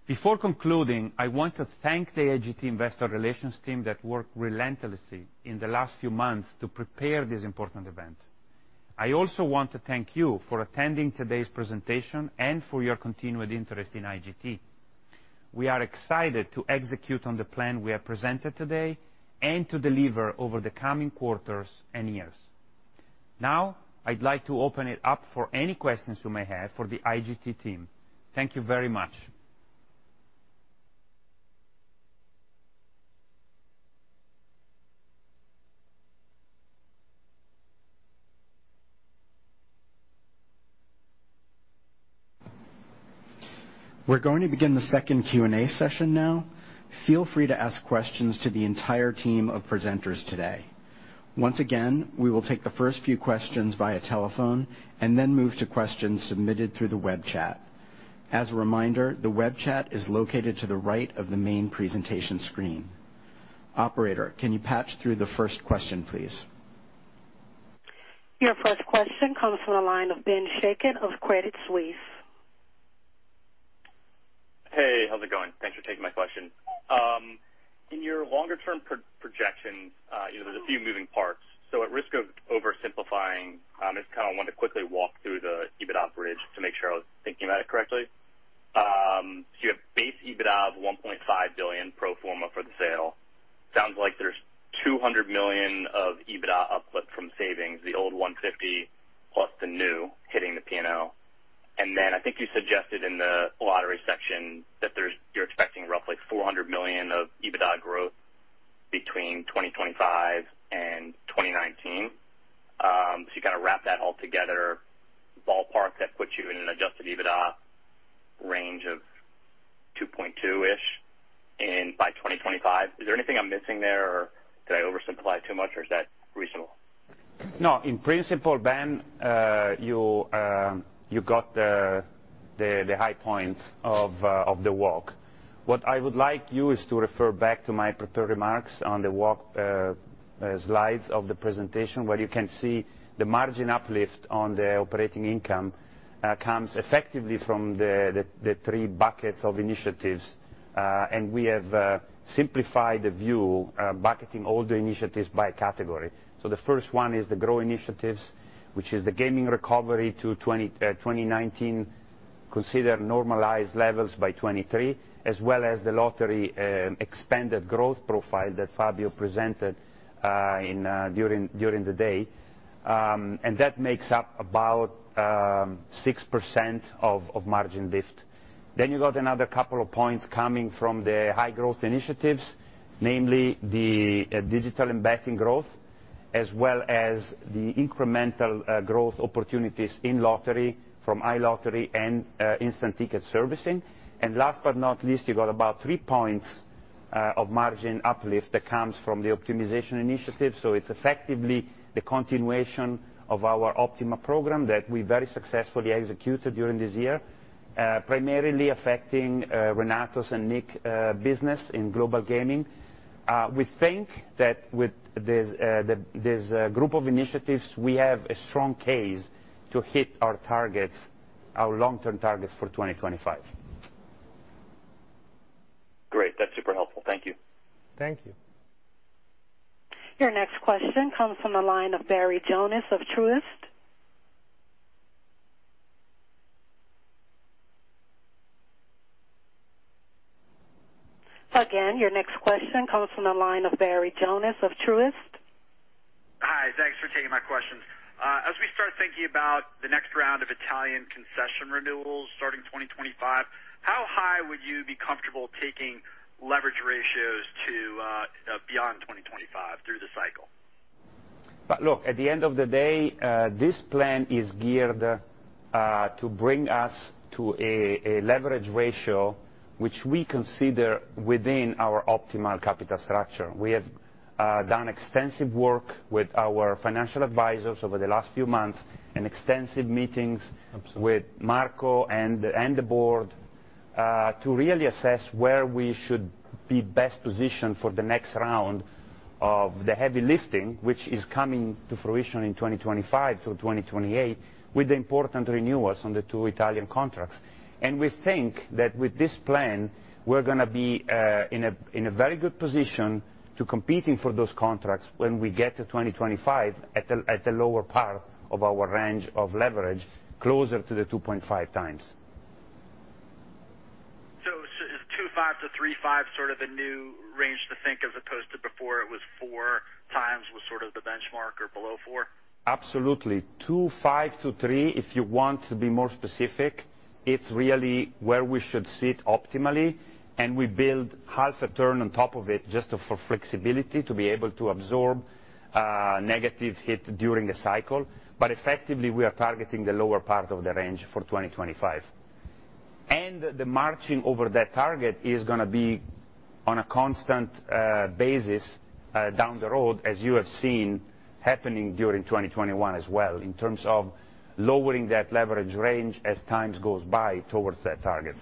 Before concluding, I want to thank the IGT Investor Relations team that worked relentlessly in the last few months to prepare this important event. I also want to thank you for attending today's presentation and for your continued interest in IGT. We are excited to execute on the plan we have presented today and to deliver over the coming quarters and years. Now I'd like to open it up for any questions you may have for the IGT team. Thank you very much. We're going to begin the second Q&A session now. Feel free to ask questions to the entire team of presenters today. Once again, we will take the first few questions via telephone and then move to questions submitted through the web chat. As a reminder, the web chat is located to the right of the main presentation screen. Operator, can you patch through the first question, please? Your first question comes from the line of Ben Chaiken of Credit Suisse. Hey, how's it going? Thanks for taking my question. In your longer-term projection, you know, there's a few moving parts. At risk of oversimplifying, I just kinda wanted to quickly walk through the EBITDA bridge to make sure I was thinking about it correctly. You have base EBITDA of $1.5 billion pro forma for the sale. Sounds like there's $200 million of EBITDA uplift from savings, the old $150 million plus the new hitting the P&L. Then I think you suggested in the lottery section that you're expecting roughly $400 million of EBITDA growth between 2025 and 2019. You kinda wrap that all together, ballpark, that puts you in an adjusted EBITDA range of $2.2 billion-ish by 2025. Is there anything I'm missing there or did I oversimplify too much, or is that reasonable? No. In principle, Ben, you got the high points of the walk. What I would like you is to refer back to my prepared remarks on the walk slides of the presentation, where you can see the margin uplift on the operating income comes effectively from the three buckets of initiatives. We have simplified the view, bucketing all the initiatives by category. The first one is the grow initiatives, which is the gaming recovery to 2019, consider normalized levels by 2023, as well as the lottery expanded growth profile that Fabio presented during the day. That makes up about 6% of margin lift. You got another couple of points coming from the high-growth initiatives, namely the Digital and Betting growth, as well as the incremental growth opportunities in lottery from iLottery and instant ticket servicing. Last but not least, you got about 3 points of margin uplift that comes from the optimization initiative. It's effectively the continuation of our OPtiMA program that we very successfully executed during this year, primarily affecting Renato's and Nick's business in Global Gaming. We think that with this group of initiatives, we have a strong case to hit our targets, our long-term targets for 2025. Great. That's super helpful. Thank you. Thank you. Your next question comes from the line of Barry Jonas of Truist. Hi. Thanks for taking my questions. As we start thinking about the next round of Italian concession renewals starting 2025, how high would you be comfortable taking leverage ratios to beyond 2025 through the cycle? Look, at the end of the day, this plan is geared to bring us to a leverage ratio, which we consider within our optimal capital structure. We have done extensive work with our financial advisors over the last few months, and extensive meetings with Marco and the board to really assess where we should be best positioned for the next round of the heavy lifting, which is coming to fruition in 2025 through 2028 with the important renewals on the two Italian contracts. We think that with this plan, we're gonna be in a very good position to competing for those contracts when we get to 2025 at the lower part of our range of leverage, closer to the 2.5x. Is 2.5x-3.5x sort of a new range to think of as opposed to before it was 4x sort of the benchmark or below 4x? Absolutely. 2.5x-3x, if you want to be more specific, it's really where we should sit optimally, and we build half a turn on top of it just for flexibility to be able to absorb negative hit during the cycle. Effectively, we are targeting the lower part of the range for 2025. The margin over that target is gonna be on a constant basis down the road, as you have seen happening during 2021 as well, in terms of lowering that leverage range as time goes by towards that target.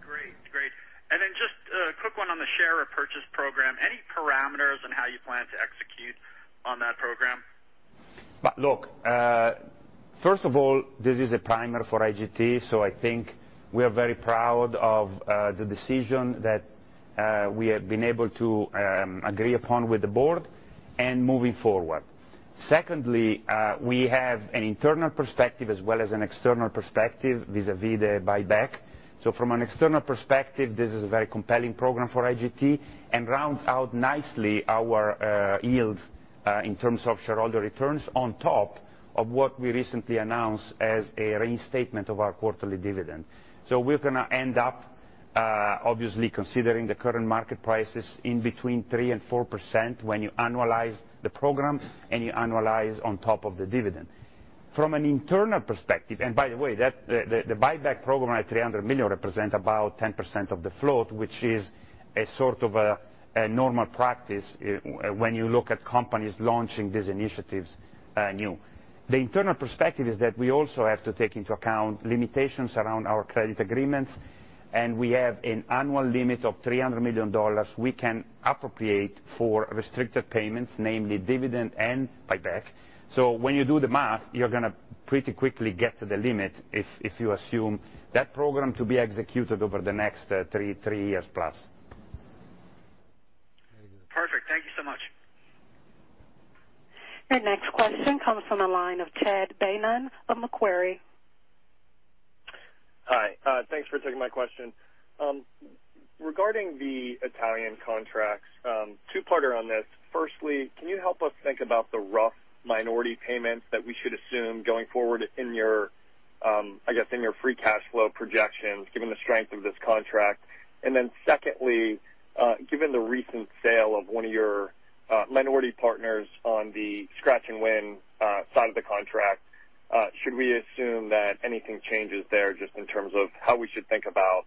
Great. Just a quick one on the share repurchase program. Any parameters on how you plan to execute on that program? Look, first of all, this is a primer for IGT, so I think we are very proud of the decision that we have been able to agree upon with the board and moving forward. Secondly, we have an internal perspective as well as an external perspective vis-à-vis the buyback. From an external perspective, this is a very compelling program for IGT and rounds out nicely our yield in terms of shareholder returns on top of what we recently announced as a reinstatement of our quarterly dividend. We're gonna end up, obviously, considering the current market prices between 3% and 4% when you annualize the program and you annualize on top of the dividend. From an internal perspective, by the way, the buyback program at $300 million represent about 10% of the float, which is a sort of a normal practice when you look at companies launching these initiatives. The internal perspective is that we also have to take into account limitations around our credit agreements, and we have an annual limit of $300 million we can appropriate for restricted payments, namely dividend and buyback. When you do the math, you're gonna pretty quickly get to the limit if you assume that program to be executed over the next three, three years plus. Perfect. Thank you so much. Your next question comes from the line of Chad Beynon of Macquarie. Hi, thanks for taking my question. Regarding the Italian contracts, two-parter on this. Firstly, can you help us think about the rough minority payments that we should assume going forward in your, I guess, in your free cash flow projections, given the strength of this contract? Secondly, given the recent sale of one of your, minority partners on the scratch and win, side of the contract, should we assume that anything changes there just in terms of how we should think about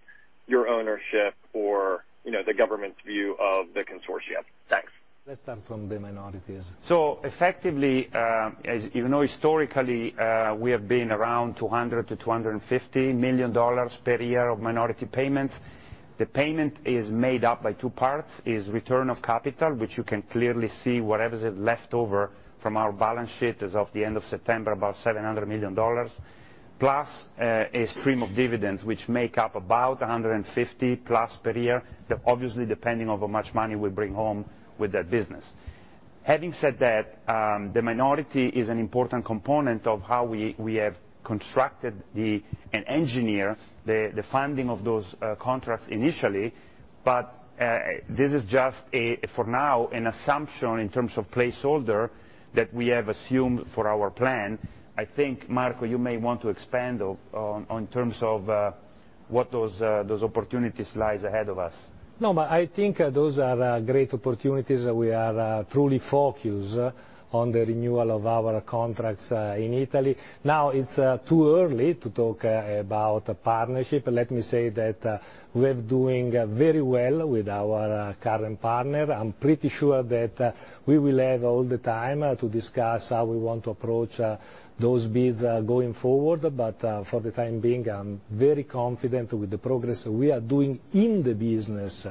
your ownership or, you know, the government's view of the consortium? Thanks. Let's start from the minorities. Effectively, as you know, historically, we have been around $200 million-$250 million per year of minority payments. The payment is made up by two parts, is return of capital, which you can clearly see whatever's left over from our balance sheet as of the end of September, about $700 million, plus a stream of dividends which make up about $150+ million per year, obviously depending on how much money we bring home with that business. Having said that, the minority is an important component of how we have constructed and engineered the funding of those contracts initially. This is just, for now, an assumption in terms of placeholder that we have assumed for our plan. I think, Marco, you may want to expand on in terms of what those opportunities lie ahead of us. No, but I think those are great opportunities that we are truly focused on the renewal of our contracts in Italy. Now, it's too early to talk about partnership. Let me say that, we're doing very well with our current partner. I'm pretty sure that we will have all the time to discuss how we want to approach those bids going forward. For the time being, I'm very confident with the progress we are doing in the business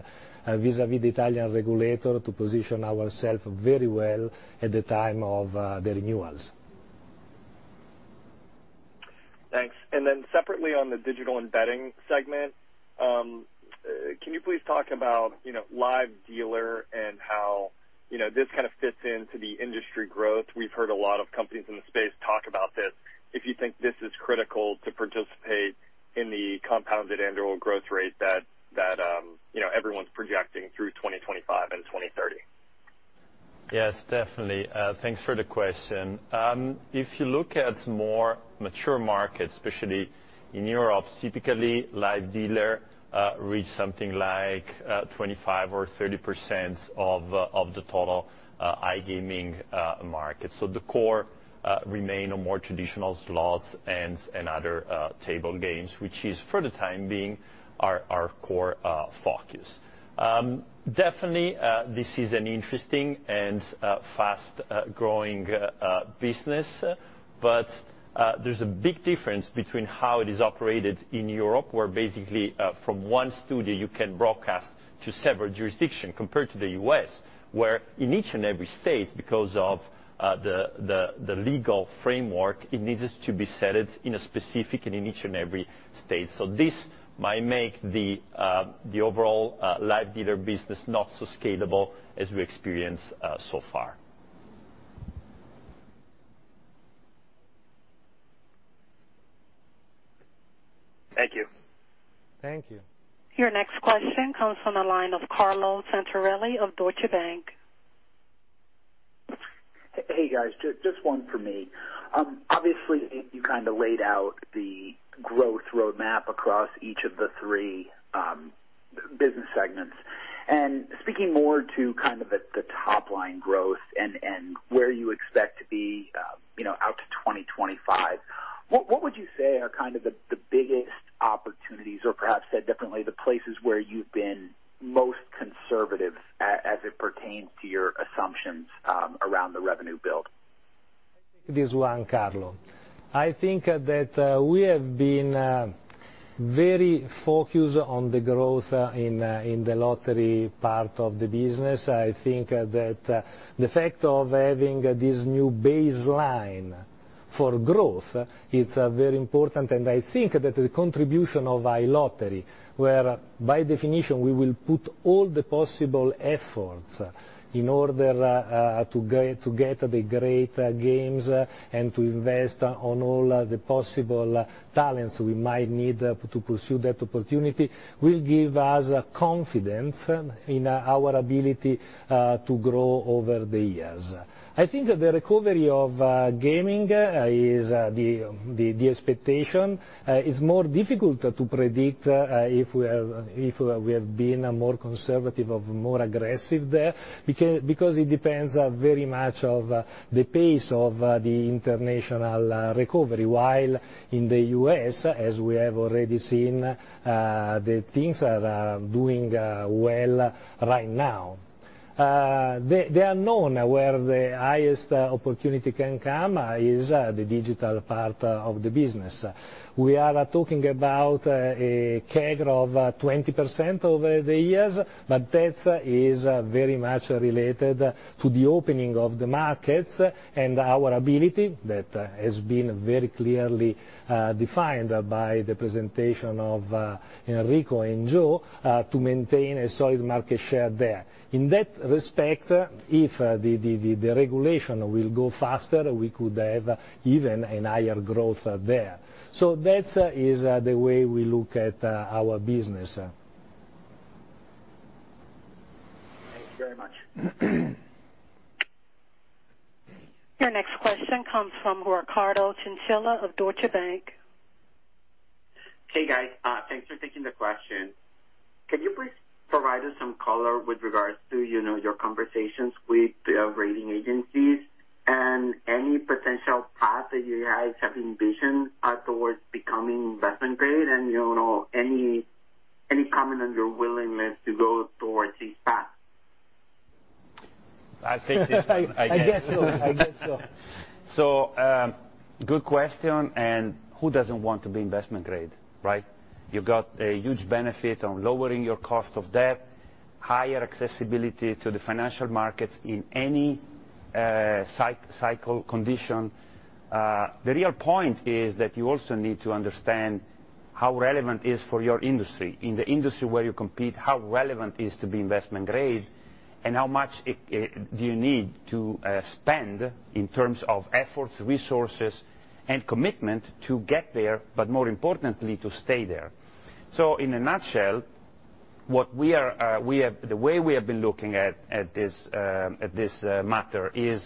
vis-à-vis the Italian regulator to position ourselves very well at the time of the renewals. Thanks. Separately on the Digital and Betting segment, can you please talk about, you know, live dealer and how, you know, this kind of fits into the industry growth? We've heard a lot of companies in the space talk about this, if you think this is critical to participate in the compounded annual growth rate that, you know, everyone's projecting through 2025 and 2030. Yes, definitely. Thanks for the question. If you look at more mature markets, especially in Europe, typically, live dealer reach something like 25% or 30% of the total iGaming market. The core remain on more traditional slots and other table games, which is for the time being, our core focus. Definitely, this is an interesting and fast growing business, but there's a big difference between how it is operated in Europe, where basically, from one studio, you can broadcast to several jurisdiction, compared to the U.S., where in each and every state, because of the legal framework, it needs to be set it in a specific and in each and every state. This might make the overall live dealer business not so scalable as we experience so far. Thank you. Thank you. Your next question comes from the line of Carlo Santarelli of Deutsche Bank. Hey, guys, just one for me. Obviously, you kinda laid out the growth roadmap across each of the three business segments. Speaking more to kind of the top line growth and where you expect to be, you know, out to 2025, what would you say are kind of the biggest opportunities, or perhaps said differently, the places where you've been most conservative as it pertains to your assumptions around the revenue build? This one, Carlo. I think that we have been very focused on the growth in the lottery part of the business. I think that the fact of having this new baseline for growth, it's very important. I think that the contribution of iLottery, where by definition, we will put all the possible efforts in order to get the great games and to invest on all the possible talents we might need to pursue that opportunity, will give us confidence in our ability to grow over the years. I think the recovery of gaming is the expectation. It's more difficult to predict if we have been more conservative or more aggressive there, because it depends very much of the pace of the international recovery. While in the U.S., as we have already seen, the things are doing well right now. It is known where the highest opportunity can come is the digital part of the business. We are talking about a CAGR of 20% over the years, but that is very much related to the opening of the markets and our ability that has been very clearly defined by the presentation of Enrico and Joe to maintain a solid market share there. In that respect, if the regulation will go faster, we could have even a higher growth there. That is the way we look at our business. Thank you very much. Your next question comes from Ricardo Chinchilla of Deutsche Bank. Hey, guys. Thanks for taking the question. Could you please provide us some color with regards to your conversations with the rating agencies and any potential path that you guys have envisioned towards becoming investment grade? You know, any comment on your willingness to go towards this path? I'll take this one, I guess. I guess so. Good question, and who doesn't want to be investment grade, right? You've got a huge benefit on lowering your cost of debt, higher accessibility to the financial market in any cycle condition. The real point is that you also need to understand how relevant it is for your industry. In the industry where you compete, how relevant it is to be investment grade and how much do you need to spend in terms of efforts, resources, and commitment to get there, but more importantly, to stay there. In a nutshell, the way we have been looking at this matter is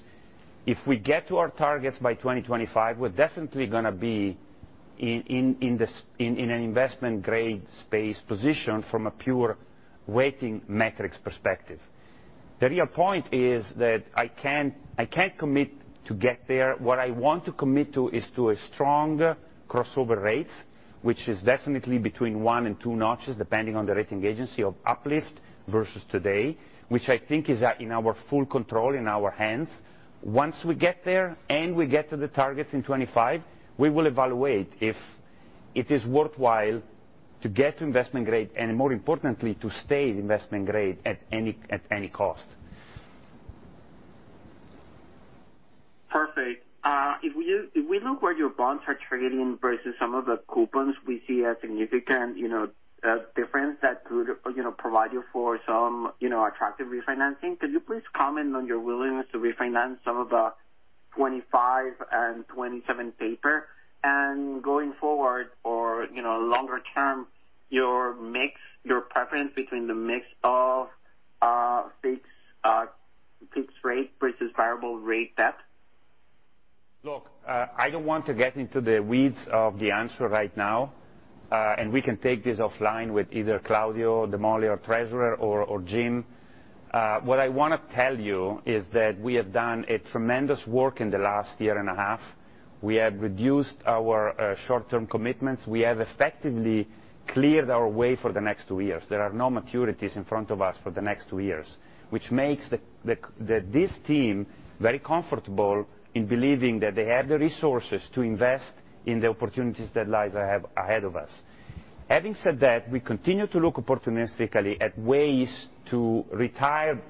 if we get to our targets by 2025, we're definitely gonna be in an investment-grade space position from a pure rating metrics perspective. The real point is that I can't commit to get there. What I want to commit to is to a strong crossover rate, which is definitely between one and two notches, depending on the rating agency of uplift versus today, which I think is in our full control, in our hands. Once we get there, and we get to the targets in 2025, we will evaluate if it is worthwhile to get to investment grade and more importantly, to stay investment grade at any cost. Perfect. If we look where your bonds are trading versus some of the coupons, we see a significant, you know, difference that could, you know, provide you for some, you know, attractive refinancing. Could you please comment on your willingness to refinance some of the 2025 and 2027 paper? Going forward or, you know, longer term, your mix, your preference between the mix of fixed rate versus variable rate debt. Look, I don't want to get into the weeds of the answer right now, and we can take this offline with either Claudio, Demolli, our treasurer or Jim. What I wanna tell you is that we have done a tremendous work in the last year and a half. We have reduced our short-term commitments. We have effectively cleared our way for the next two years. There are no maturities in front of us for the next two years, which makes this team very comfortable in believing that they have the resources to invest in the opportunities that lies ahead of us. Having said that, we continue to look opportunistically at ways to retire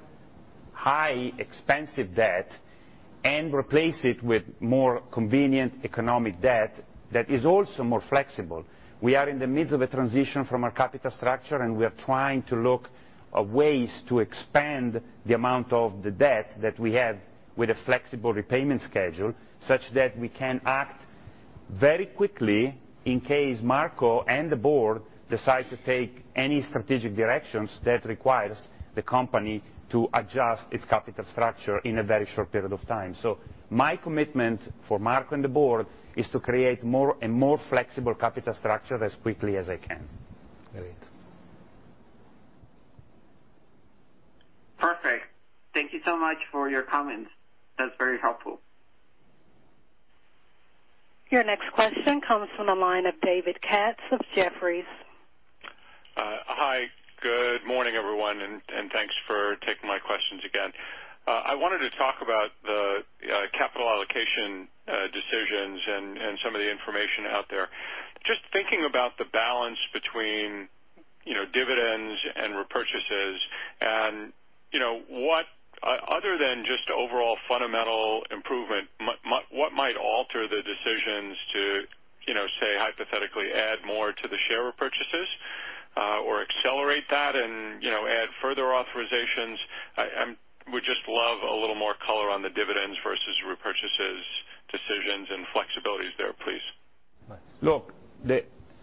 high expensive debt and replace it with more convenient economic debt that is also more flexible. We are in the midst of a transition from our capital structure, and we are trying to look at ways to expand the amount of the debt that we have with a flexible repayment schedule, such that we can act very quickly in case Marco and the board decide to take any strategic directions that requires the company to adjust its capital structure in a very short period of time. My commitment for Marco and the board is to create more and more flexible capital structure as quickly as I can. Great. Perfect. Thank you so much for your comments. That's very helpful. Your next question comes from the line of David Katz with Jefferies. Hi. Good morning, everyone, and thanks for taking my questions again. I wanted to talk about the capital allocation decisions and some of the information out there. Just thinking about the balance between, you know, dividends and repurchases and, you know, what other than just overall fundamental improvement, what might alter the decisions to, you know, say, hypothetically add more to the share repurchases, or accelerate that and, you know, add further authorizations. I would just love a little more color on the dividends versus repurchases decisions and flexibilities there, please. Look,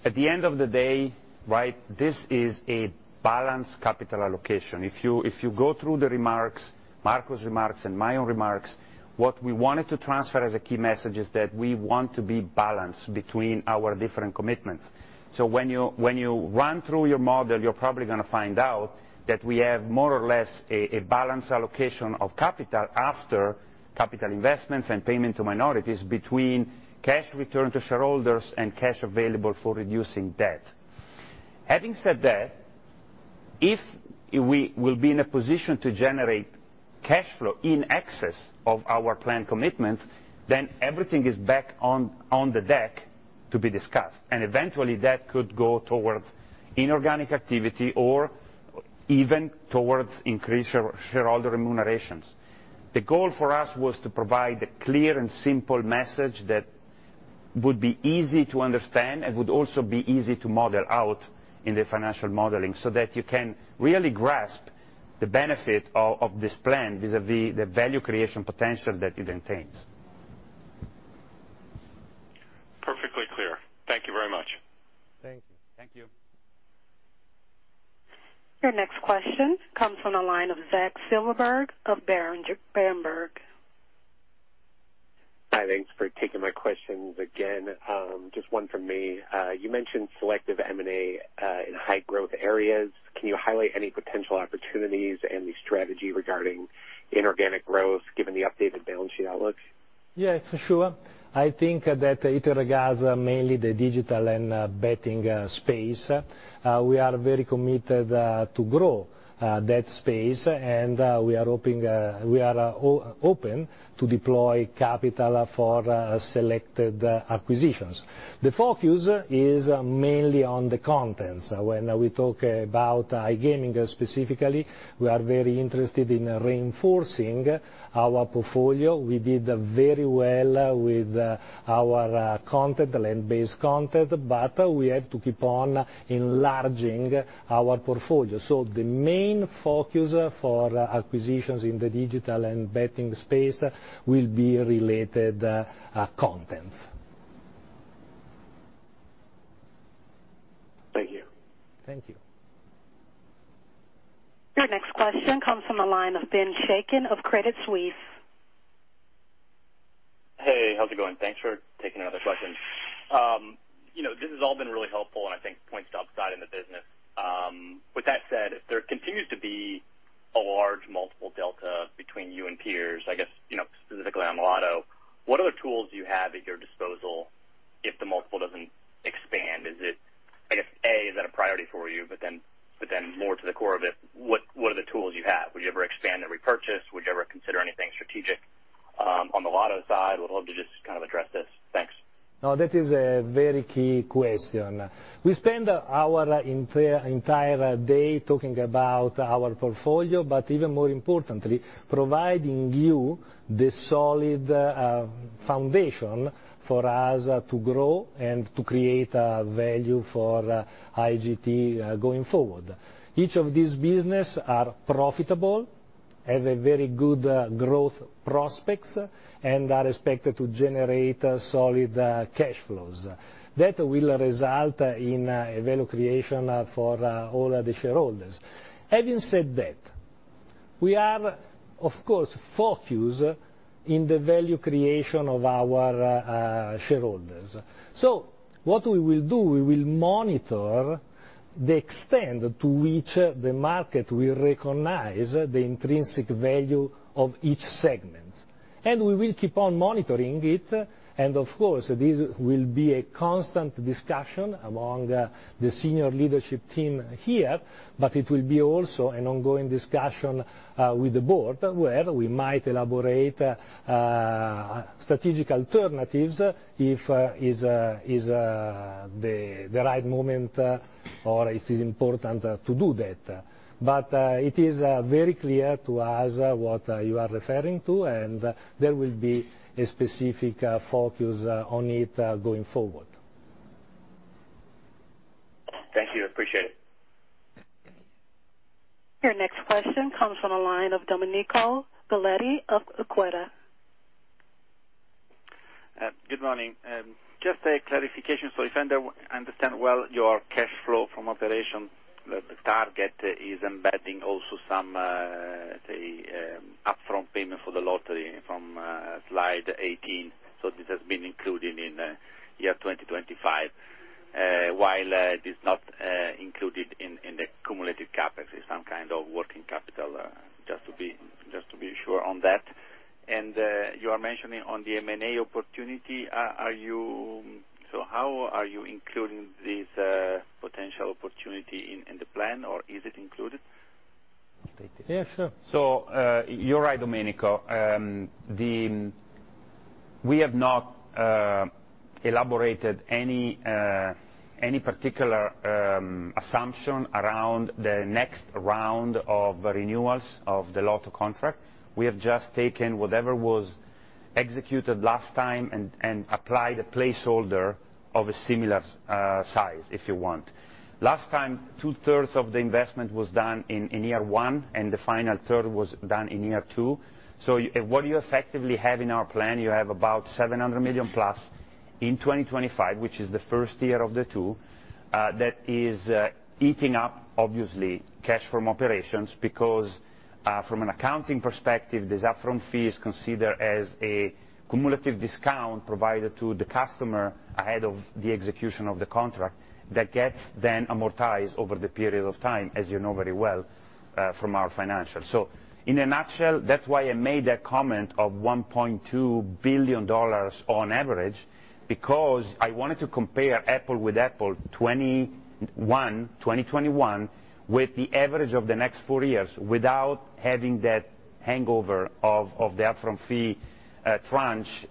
at the end of the day, right, this is a balanced capital allocation. If you go through the remarks, Marco's remarks, and my own remarks, what we wanted to transfer as a key message is that we want to be balanced between our different commitments. When you run through your model, you're probably gonna find out that we have more or less a balanced allocation of capital after capital investments and payment to minorities between cash return to shareholders and cash available for reducing debt. Having said that, if we will be in a position to generate cash flow in excess of our planned commitments, then everything is back on the deck to be discussed. Eventually, that could go towards inorganic activity or even towards increased shareholder remunerations. The goal for us was to provide a clear and simple message that would be easy to understand and would also be easy to model out in the financial modeling so that you can really grasp the benefit of this plan vis-a-vis the value creation potential that it contains. Perfectly clear. Thank you very much. Thank you. Your next question comes from the line of Zach Silverberg of Berenberg. Hi, thanks for taking my questions again. Just one from me. You mentioned selective M&A in high-growth areas. Can you highlight any potential opportunities and the strategy regarding inorganic growth given the updated balance sheet outlooks? Yeah, for sure. I think that it regards mainly the Digital and Betting space. We are very committed to grow that space, and we are hoping— we are open to deploy capital for selected acquisitions. The focus is mainly on the contents. When we talk about iGaming specifically, we are very interested in reinforcing our portfolio. We did very well with our content, land-based content, but we have to keep on enlarging our portfolio. The main focus for acquisitions in the Digital and Betting space will be related contents. Thank you. Thank you. Your next question comes from the line of Ben Chaiken of Credit Suisse. Hey, how's it going? Thanks for taking another question. You know, this has all been really helpful and I think points to upside in the business. With that said, if there continues to be a large multiple delta between you and peers, I guess, you know, specifically on lotto, what other tools do you have at your disposal if the multiple doesn't expand? I guess A, is that a priority for you? More to the core of it, what are the tools you have? Would you ever expand and repurchase? Would you ever consider anything strategic on the lotto side? Would love to just kind of address this. Thanks. No, that is a very key question. We spend our entire day talking about our portfolio, but even more importantly, providing you the solid foundation for us to grow and to create value for IGT going forward. Each of these business are profitable, have a very good growth prospects, and are expected to generate solid cash flows. That will result in a value creation for all the shareholders. Having said that, we are, of course, focused in the value creation of our shareholders. What we will do, we will monitor the extent to which the market will recognize the intrinsic value of each segment. We will keep on monitoring it, and of course, this will be a constant discussion among the senior leadership team here, but it will be also an ongoing discussion with the board, where we might elaborate strategic alternatives if it is the right moment or it is important to do that. It is very clear to us what you are referring to, and there will be a specific focus on it going forward. Thank you. Appreciate it. Your next question comes from the line of Domenico Ghilotti of Equita. Good morning. Just a clarification. If I understand well, your cash flow from operation, the target is embedding also some the upfront payment for the lottery from slide 18. So this has been included in year 2025, while it is not included in the cumulative CapEx, some kind of working capital, just to be sure on that. You are mentioning on the M&A opportunity. So how are you including this potential opportunity in the plan, or is it included? Yes. You're right, Domenico. We have not elaborated any particular assumption around the next round of renewals of the lotto contract. We have just taken whatever was executed last time and applied a placeholder of a similar size, if you want. Last time, 2/3 of the investment was done in year one, and the final 1/3 was done in year two. What you effectively have in our plan, you have about $700 million-plus in 2025, which is the first year of the two, that is eating up obviously cash from operations, because from an accounting perspective, this upfront fee is considered as a cumulative discount provided to the customer ahead of the execution of the contract that gets then amortized over the period of time, as you know very well from our financials. In a nutshell, that's why I made that comment of $1.2 billion on average, because I wanted to compare apples-to-apples, 2021, with the average of the next four years without having that hangover of the upfront fee, tranche,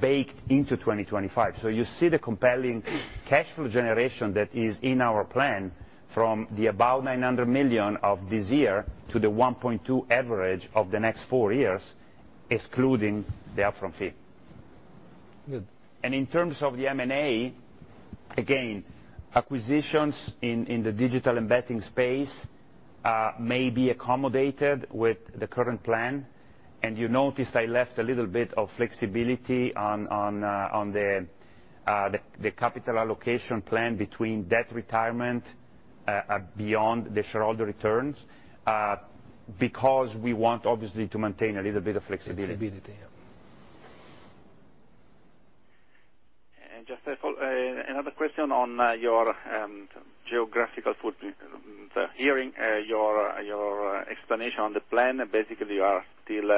baked into 2025. You see the compelling cash flow generation that is in our plan from the about $900 million of this year to the $1.2 average of the next four years, excluding the upfront fee. In terms of the M&A, again, acquisitions in the Digital and Betting space may be accommodated with the current plan. You notice I left a little bit of flexibility on the capital allocation plan between debt retirement beyond the shareholder returns because we want obviously to maintain a little bit of flexibility. Flexibility, yeah. Another question on your geographical footprint. Hearing your explanation on the plan, basically you are still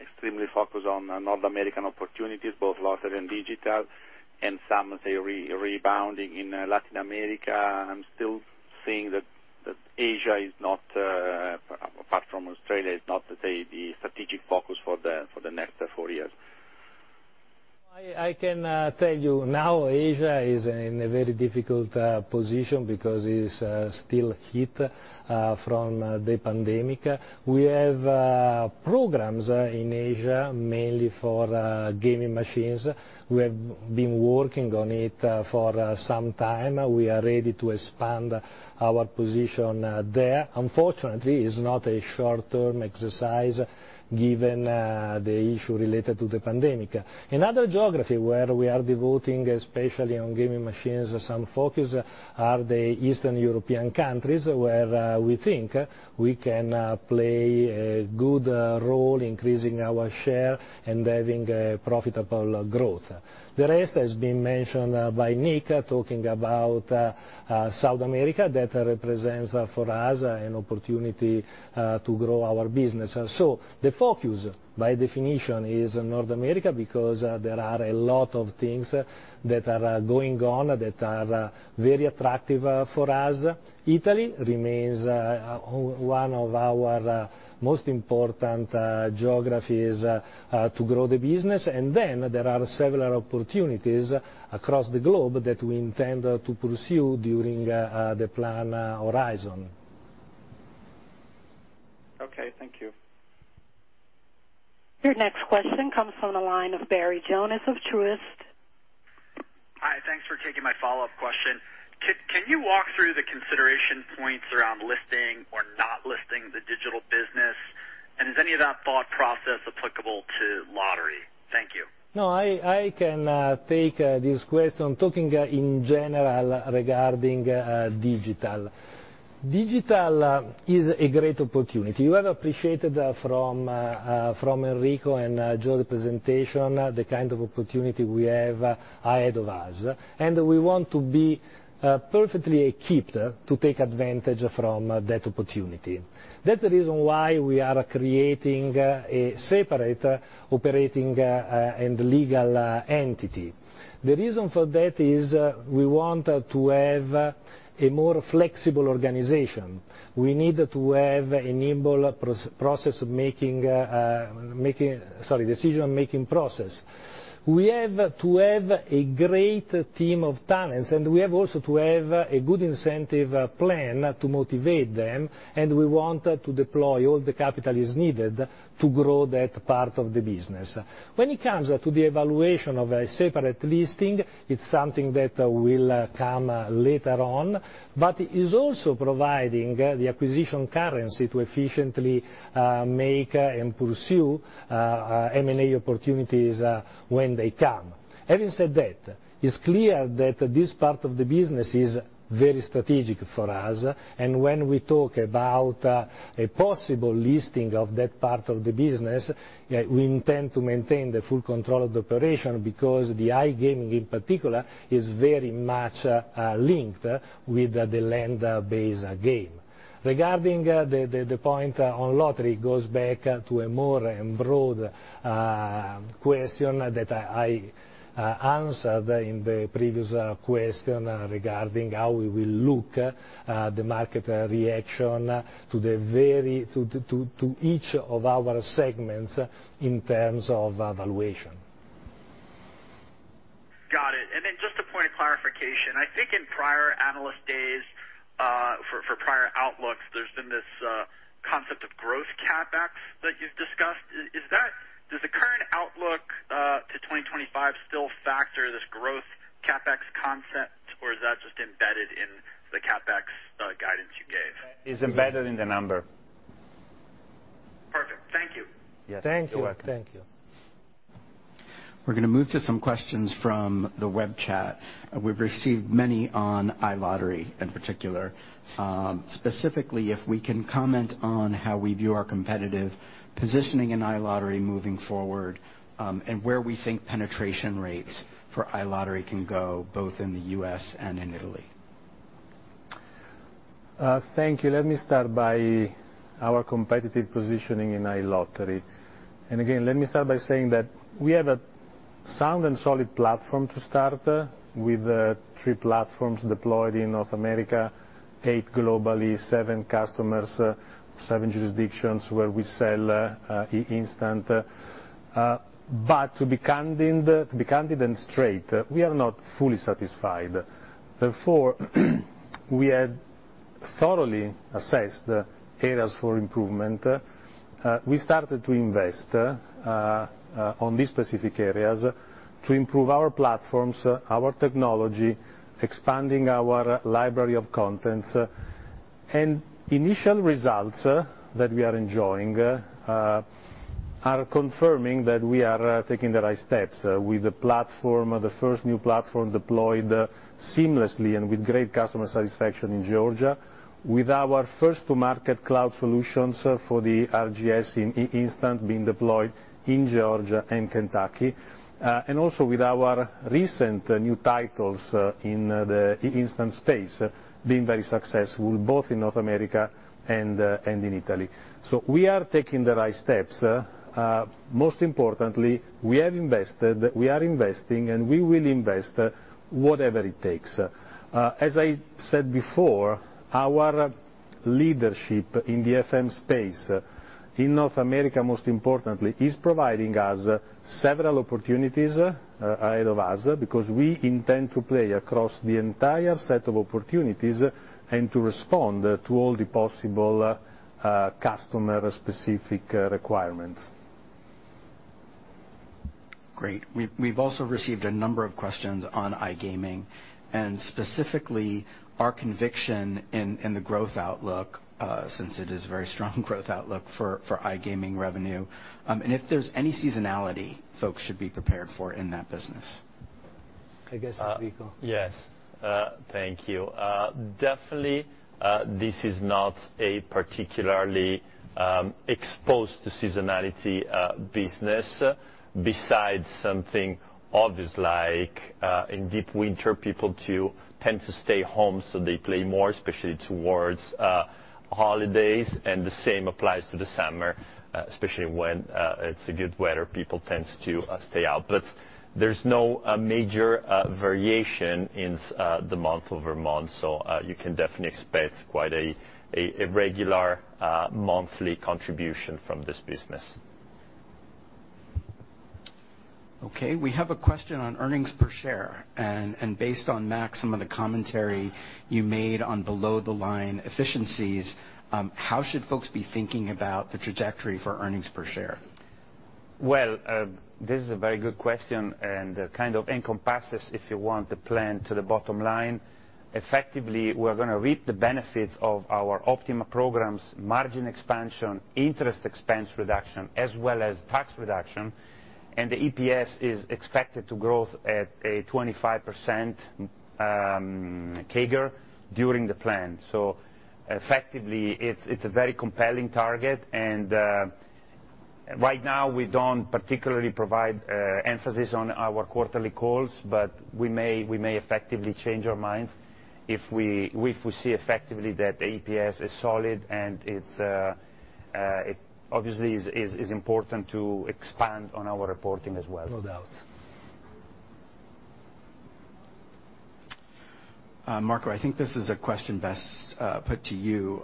extremely focused on North American opportunities, both lottery and digital, and some say rebounding in Latin America. I'm still seeing that Asia is not, apart from Australia, the strategic focus for the next four years. I can tell you now Asia is in a very difficult position because it's still hit from the pandemic. We have programs in Asia, mainly for gaming machines. We have been working on it for some time. We are ready to expand our position there. Unfortunately, it's not a short-term exercise given the issue related to the pandemic. Another geography where we are devoting, especially on gaming machines, some focus are the Eastern European countries, where we think we can play a good role increasing our share and having profitable growth. The rest has been mentioned by Nick, talking about South America. That represents for us an opportunity to grow our business. The focus, by definition, is North America, because there are a lot of things that are going on that are very attractive for us. Italy remains one of our most important geographies to grow the business. Then there are several opportunities across the globe that we intend to pursue during the plan horizon. Okay, thank you. Your next question comes from the line of Barry Jonas of Truist. Hi. Thanks for taking my follow-up question. Can you walk through the consideration points around listing or not listing the digital business? Is any of that thought process applicable to lottery? Thank you. No, I can take this question, talking in general regarding digital. Digital is a great opportunity. You have appreciated from Enrico and Joe's presentation the kind of opportunity we have ahead of us, and we want to be perfectly equipped to take advantage from that opportunity. That's the reason why we are creating a separate operating and legal entity. The reason for that is, we want to have a more flexible organization. We need to have a decision-making process. We have to have a great team of talents, and we have also to have a good incentive plan to motivate them, and we want to deploy all the capital is needed to grow that part of the business. When it comes to the evaluation of a separate listing, it's something that will come later on, but it's also providing the acquisition currency to efficiently make and pursue M&A opportunities when they come. Having said that, it's clear that this part of the business is very strategic for us, and when we talk about a possible listing of that part of the business, we intend to maintain the full control of the operation because the iGaming in particular is very much linked with the land-based game. Regarding the point on lottery, it goes back to a broader question that I answered in the previous question regarding how we will look at the market reaction to each of our segments in terms of valuation. Got it. Just a point of clarification. I think in prior analyst days, for prior outlooks, there's been this concept of growth CapEx that you've discussed. Does the current outlook to 2025 still factor this growth CapEx concept, or is that just embedded in the CapEx guidance you gave? It's embedded in the number. Perfect. Thank you. Thank you. Thank you. We're gonna move to some questions from the web chat. We've received many on iLottery in particular. Specifically, if we can comment on how we view our competitive positioning in iLottery moving forward, and where we think penetration rates for iLottery can go, both in the U.S. and in Italy. Thank you. Let me start with our competitive positioning in iLottery. Again, let me start by saying that we have a sound and solid platform to start with three platforms deployed in North America, eight globally, seven customers, seven jurisdictions where we sell eInstant. But to be candid and straight, we are not fully satisfied. Therefore, we had thoroughly assessed areas for improvement. We started to invest on these specific areas to improve our platforms, our technology, expanding our library of contents. Initial results that we are enjoying are confirming that we are taking the right steps with the platform, the first new platform deployed seamlessly and with great customer satisfaction in Georgia. With our first-to-market cloud solutions for the RGS in eInstant being deployed in Georgia and Kentucky. Also with our recent new titles in the eInstant space being very successful both in North America and in Italy. We are taking the right steps. Most importantly, we have invested, we are investing, and we will invest whatever it takes. As I said before, our leadership in the FM space in North America, most importantly, is providing us several opportunities ahead of us, because we intend to play across the entire set of opportunities and to respond to all the possible customer-specific requirements. Great. We've also received a number of questions on iGaming, and specifically our conviction in the growth outlook, since it is a very strong growth outlook for iGaming revenue, and if there's any seasonality folks should be prepared for in that business. I guess Enrico. Yes. Thank you. Definitely, this is not a particularly exposed to seasonality business besides something obvious like in deep winter people do tend to stay home, so they play more, especially towards holidays. The same applies to the summer, especially when it's good weather, people tends to stay out. There's no major variation in the month-over-month, so you can definitely expect quite a regular monthly contribution from this business. Okay, we have a question on earnings per share, and based on, Max, some of the commentary you made on below-the-line efficiencies, how should folks be thinking about the trajectory for earnings per share? Well, this is a very good question, and kind of encompasses, if you want, the plan to the bottom line. Effectively, we're gonna reap the benefits of our optimal programs, margin expansion, interest expense reduction, as well as tax reduction. The EPS is expected to grow at a 25% CAGR during the plan. Effectively, it's a very compelling target, and right now we don't particularly provide emphasis on our quarterly calls, but we may effectively change our mind if we see effectively that EPS is solid and it's obviously important to expand on our reporting as well. No doubt. Marco, I think this is a question best put to you,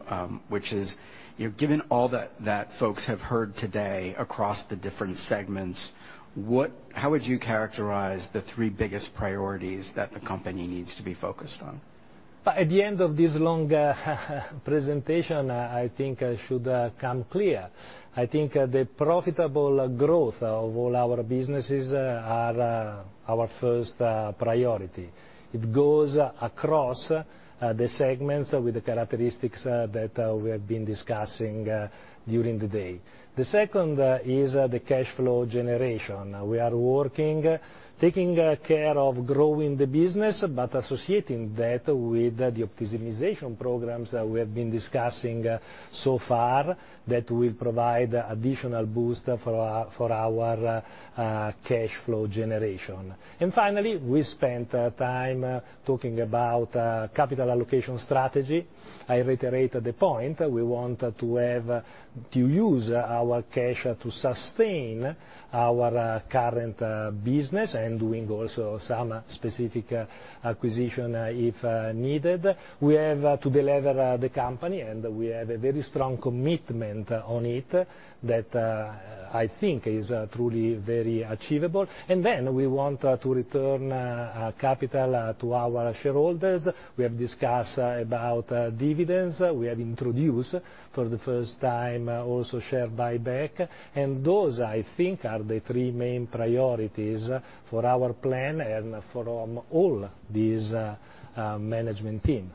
which is, you know, given all that folks have heard today across the different segments, how would you characterize the three biggest priorities that the company needs to be focused on? At the end of this long presentation, I think it should come clear. I think the profitable growth of all our businesses are our first priority. It goes across the segments with the characteristics that we have been discussing during the day. The second is the cash flow generation. We are working, taking care of growing the business, but associating that with the optimization programs that we have been discussing so far that will provide additional boost for our cash flow generation. Finally, we spent time talking about capital allocation strategy. I reiterate the point, we want to have to use our cash to sustain our current business and doing also some specific acquisition if needed. We have to delever the company, and we have a very strong commitment on it that I think is truly very achievable. We want to return capital to our shareholders. We have discussed about dividends. We have introduced for the first time also share buyback. Those, I think, are the three main priorities for our plan and for all this management team.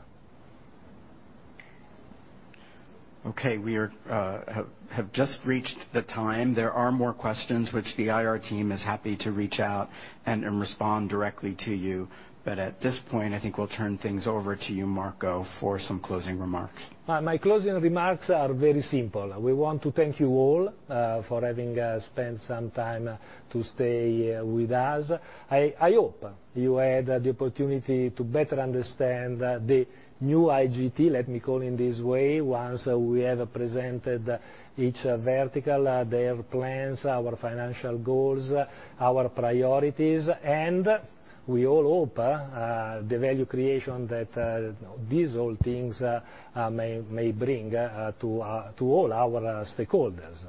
Okay, we have just reached the time. There are more questions which the IR team is happy to reach out and respond directly to you. At this point, I think we'll turn things over to you, Marco, for some closing remarks. My closing remarks are very simple. We want to thank you all for having spent some time to stay with us. I hope you had the opportunity to better understand the new IGT, let me call in this way, once we have presented each vertical, their plans, our financial goals, our priorities, and we all hope the value creation that these all things may bring to all our stakeholders.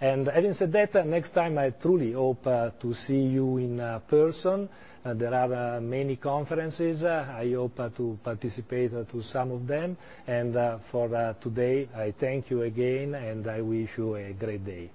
Having said that, next time I truly hope to see you in person. There are many conferences. I hope to participate to some of them. For today, I thank you again, and I wish you a great day.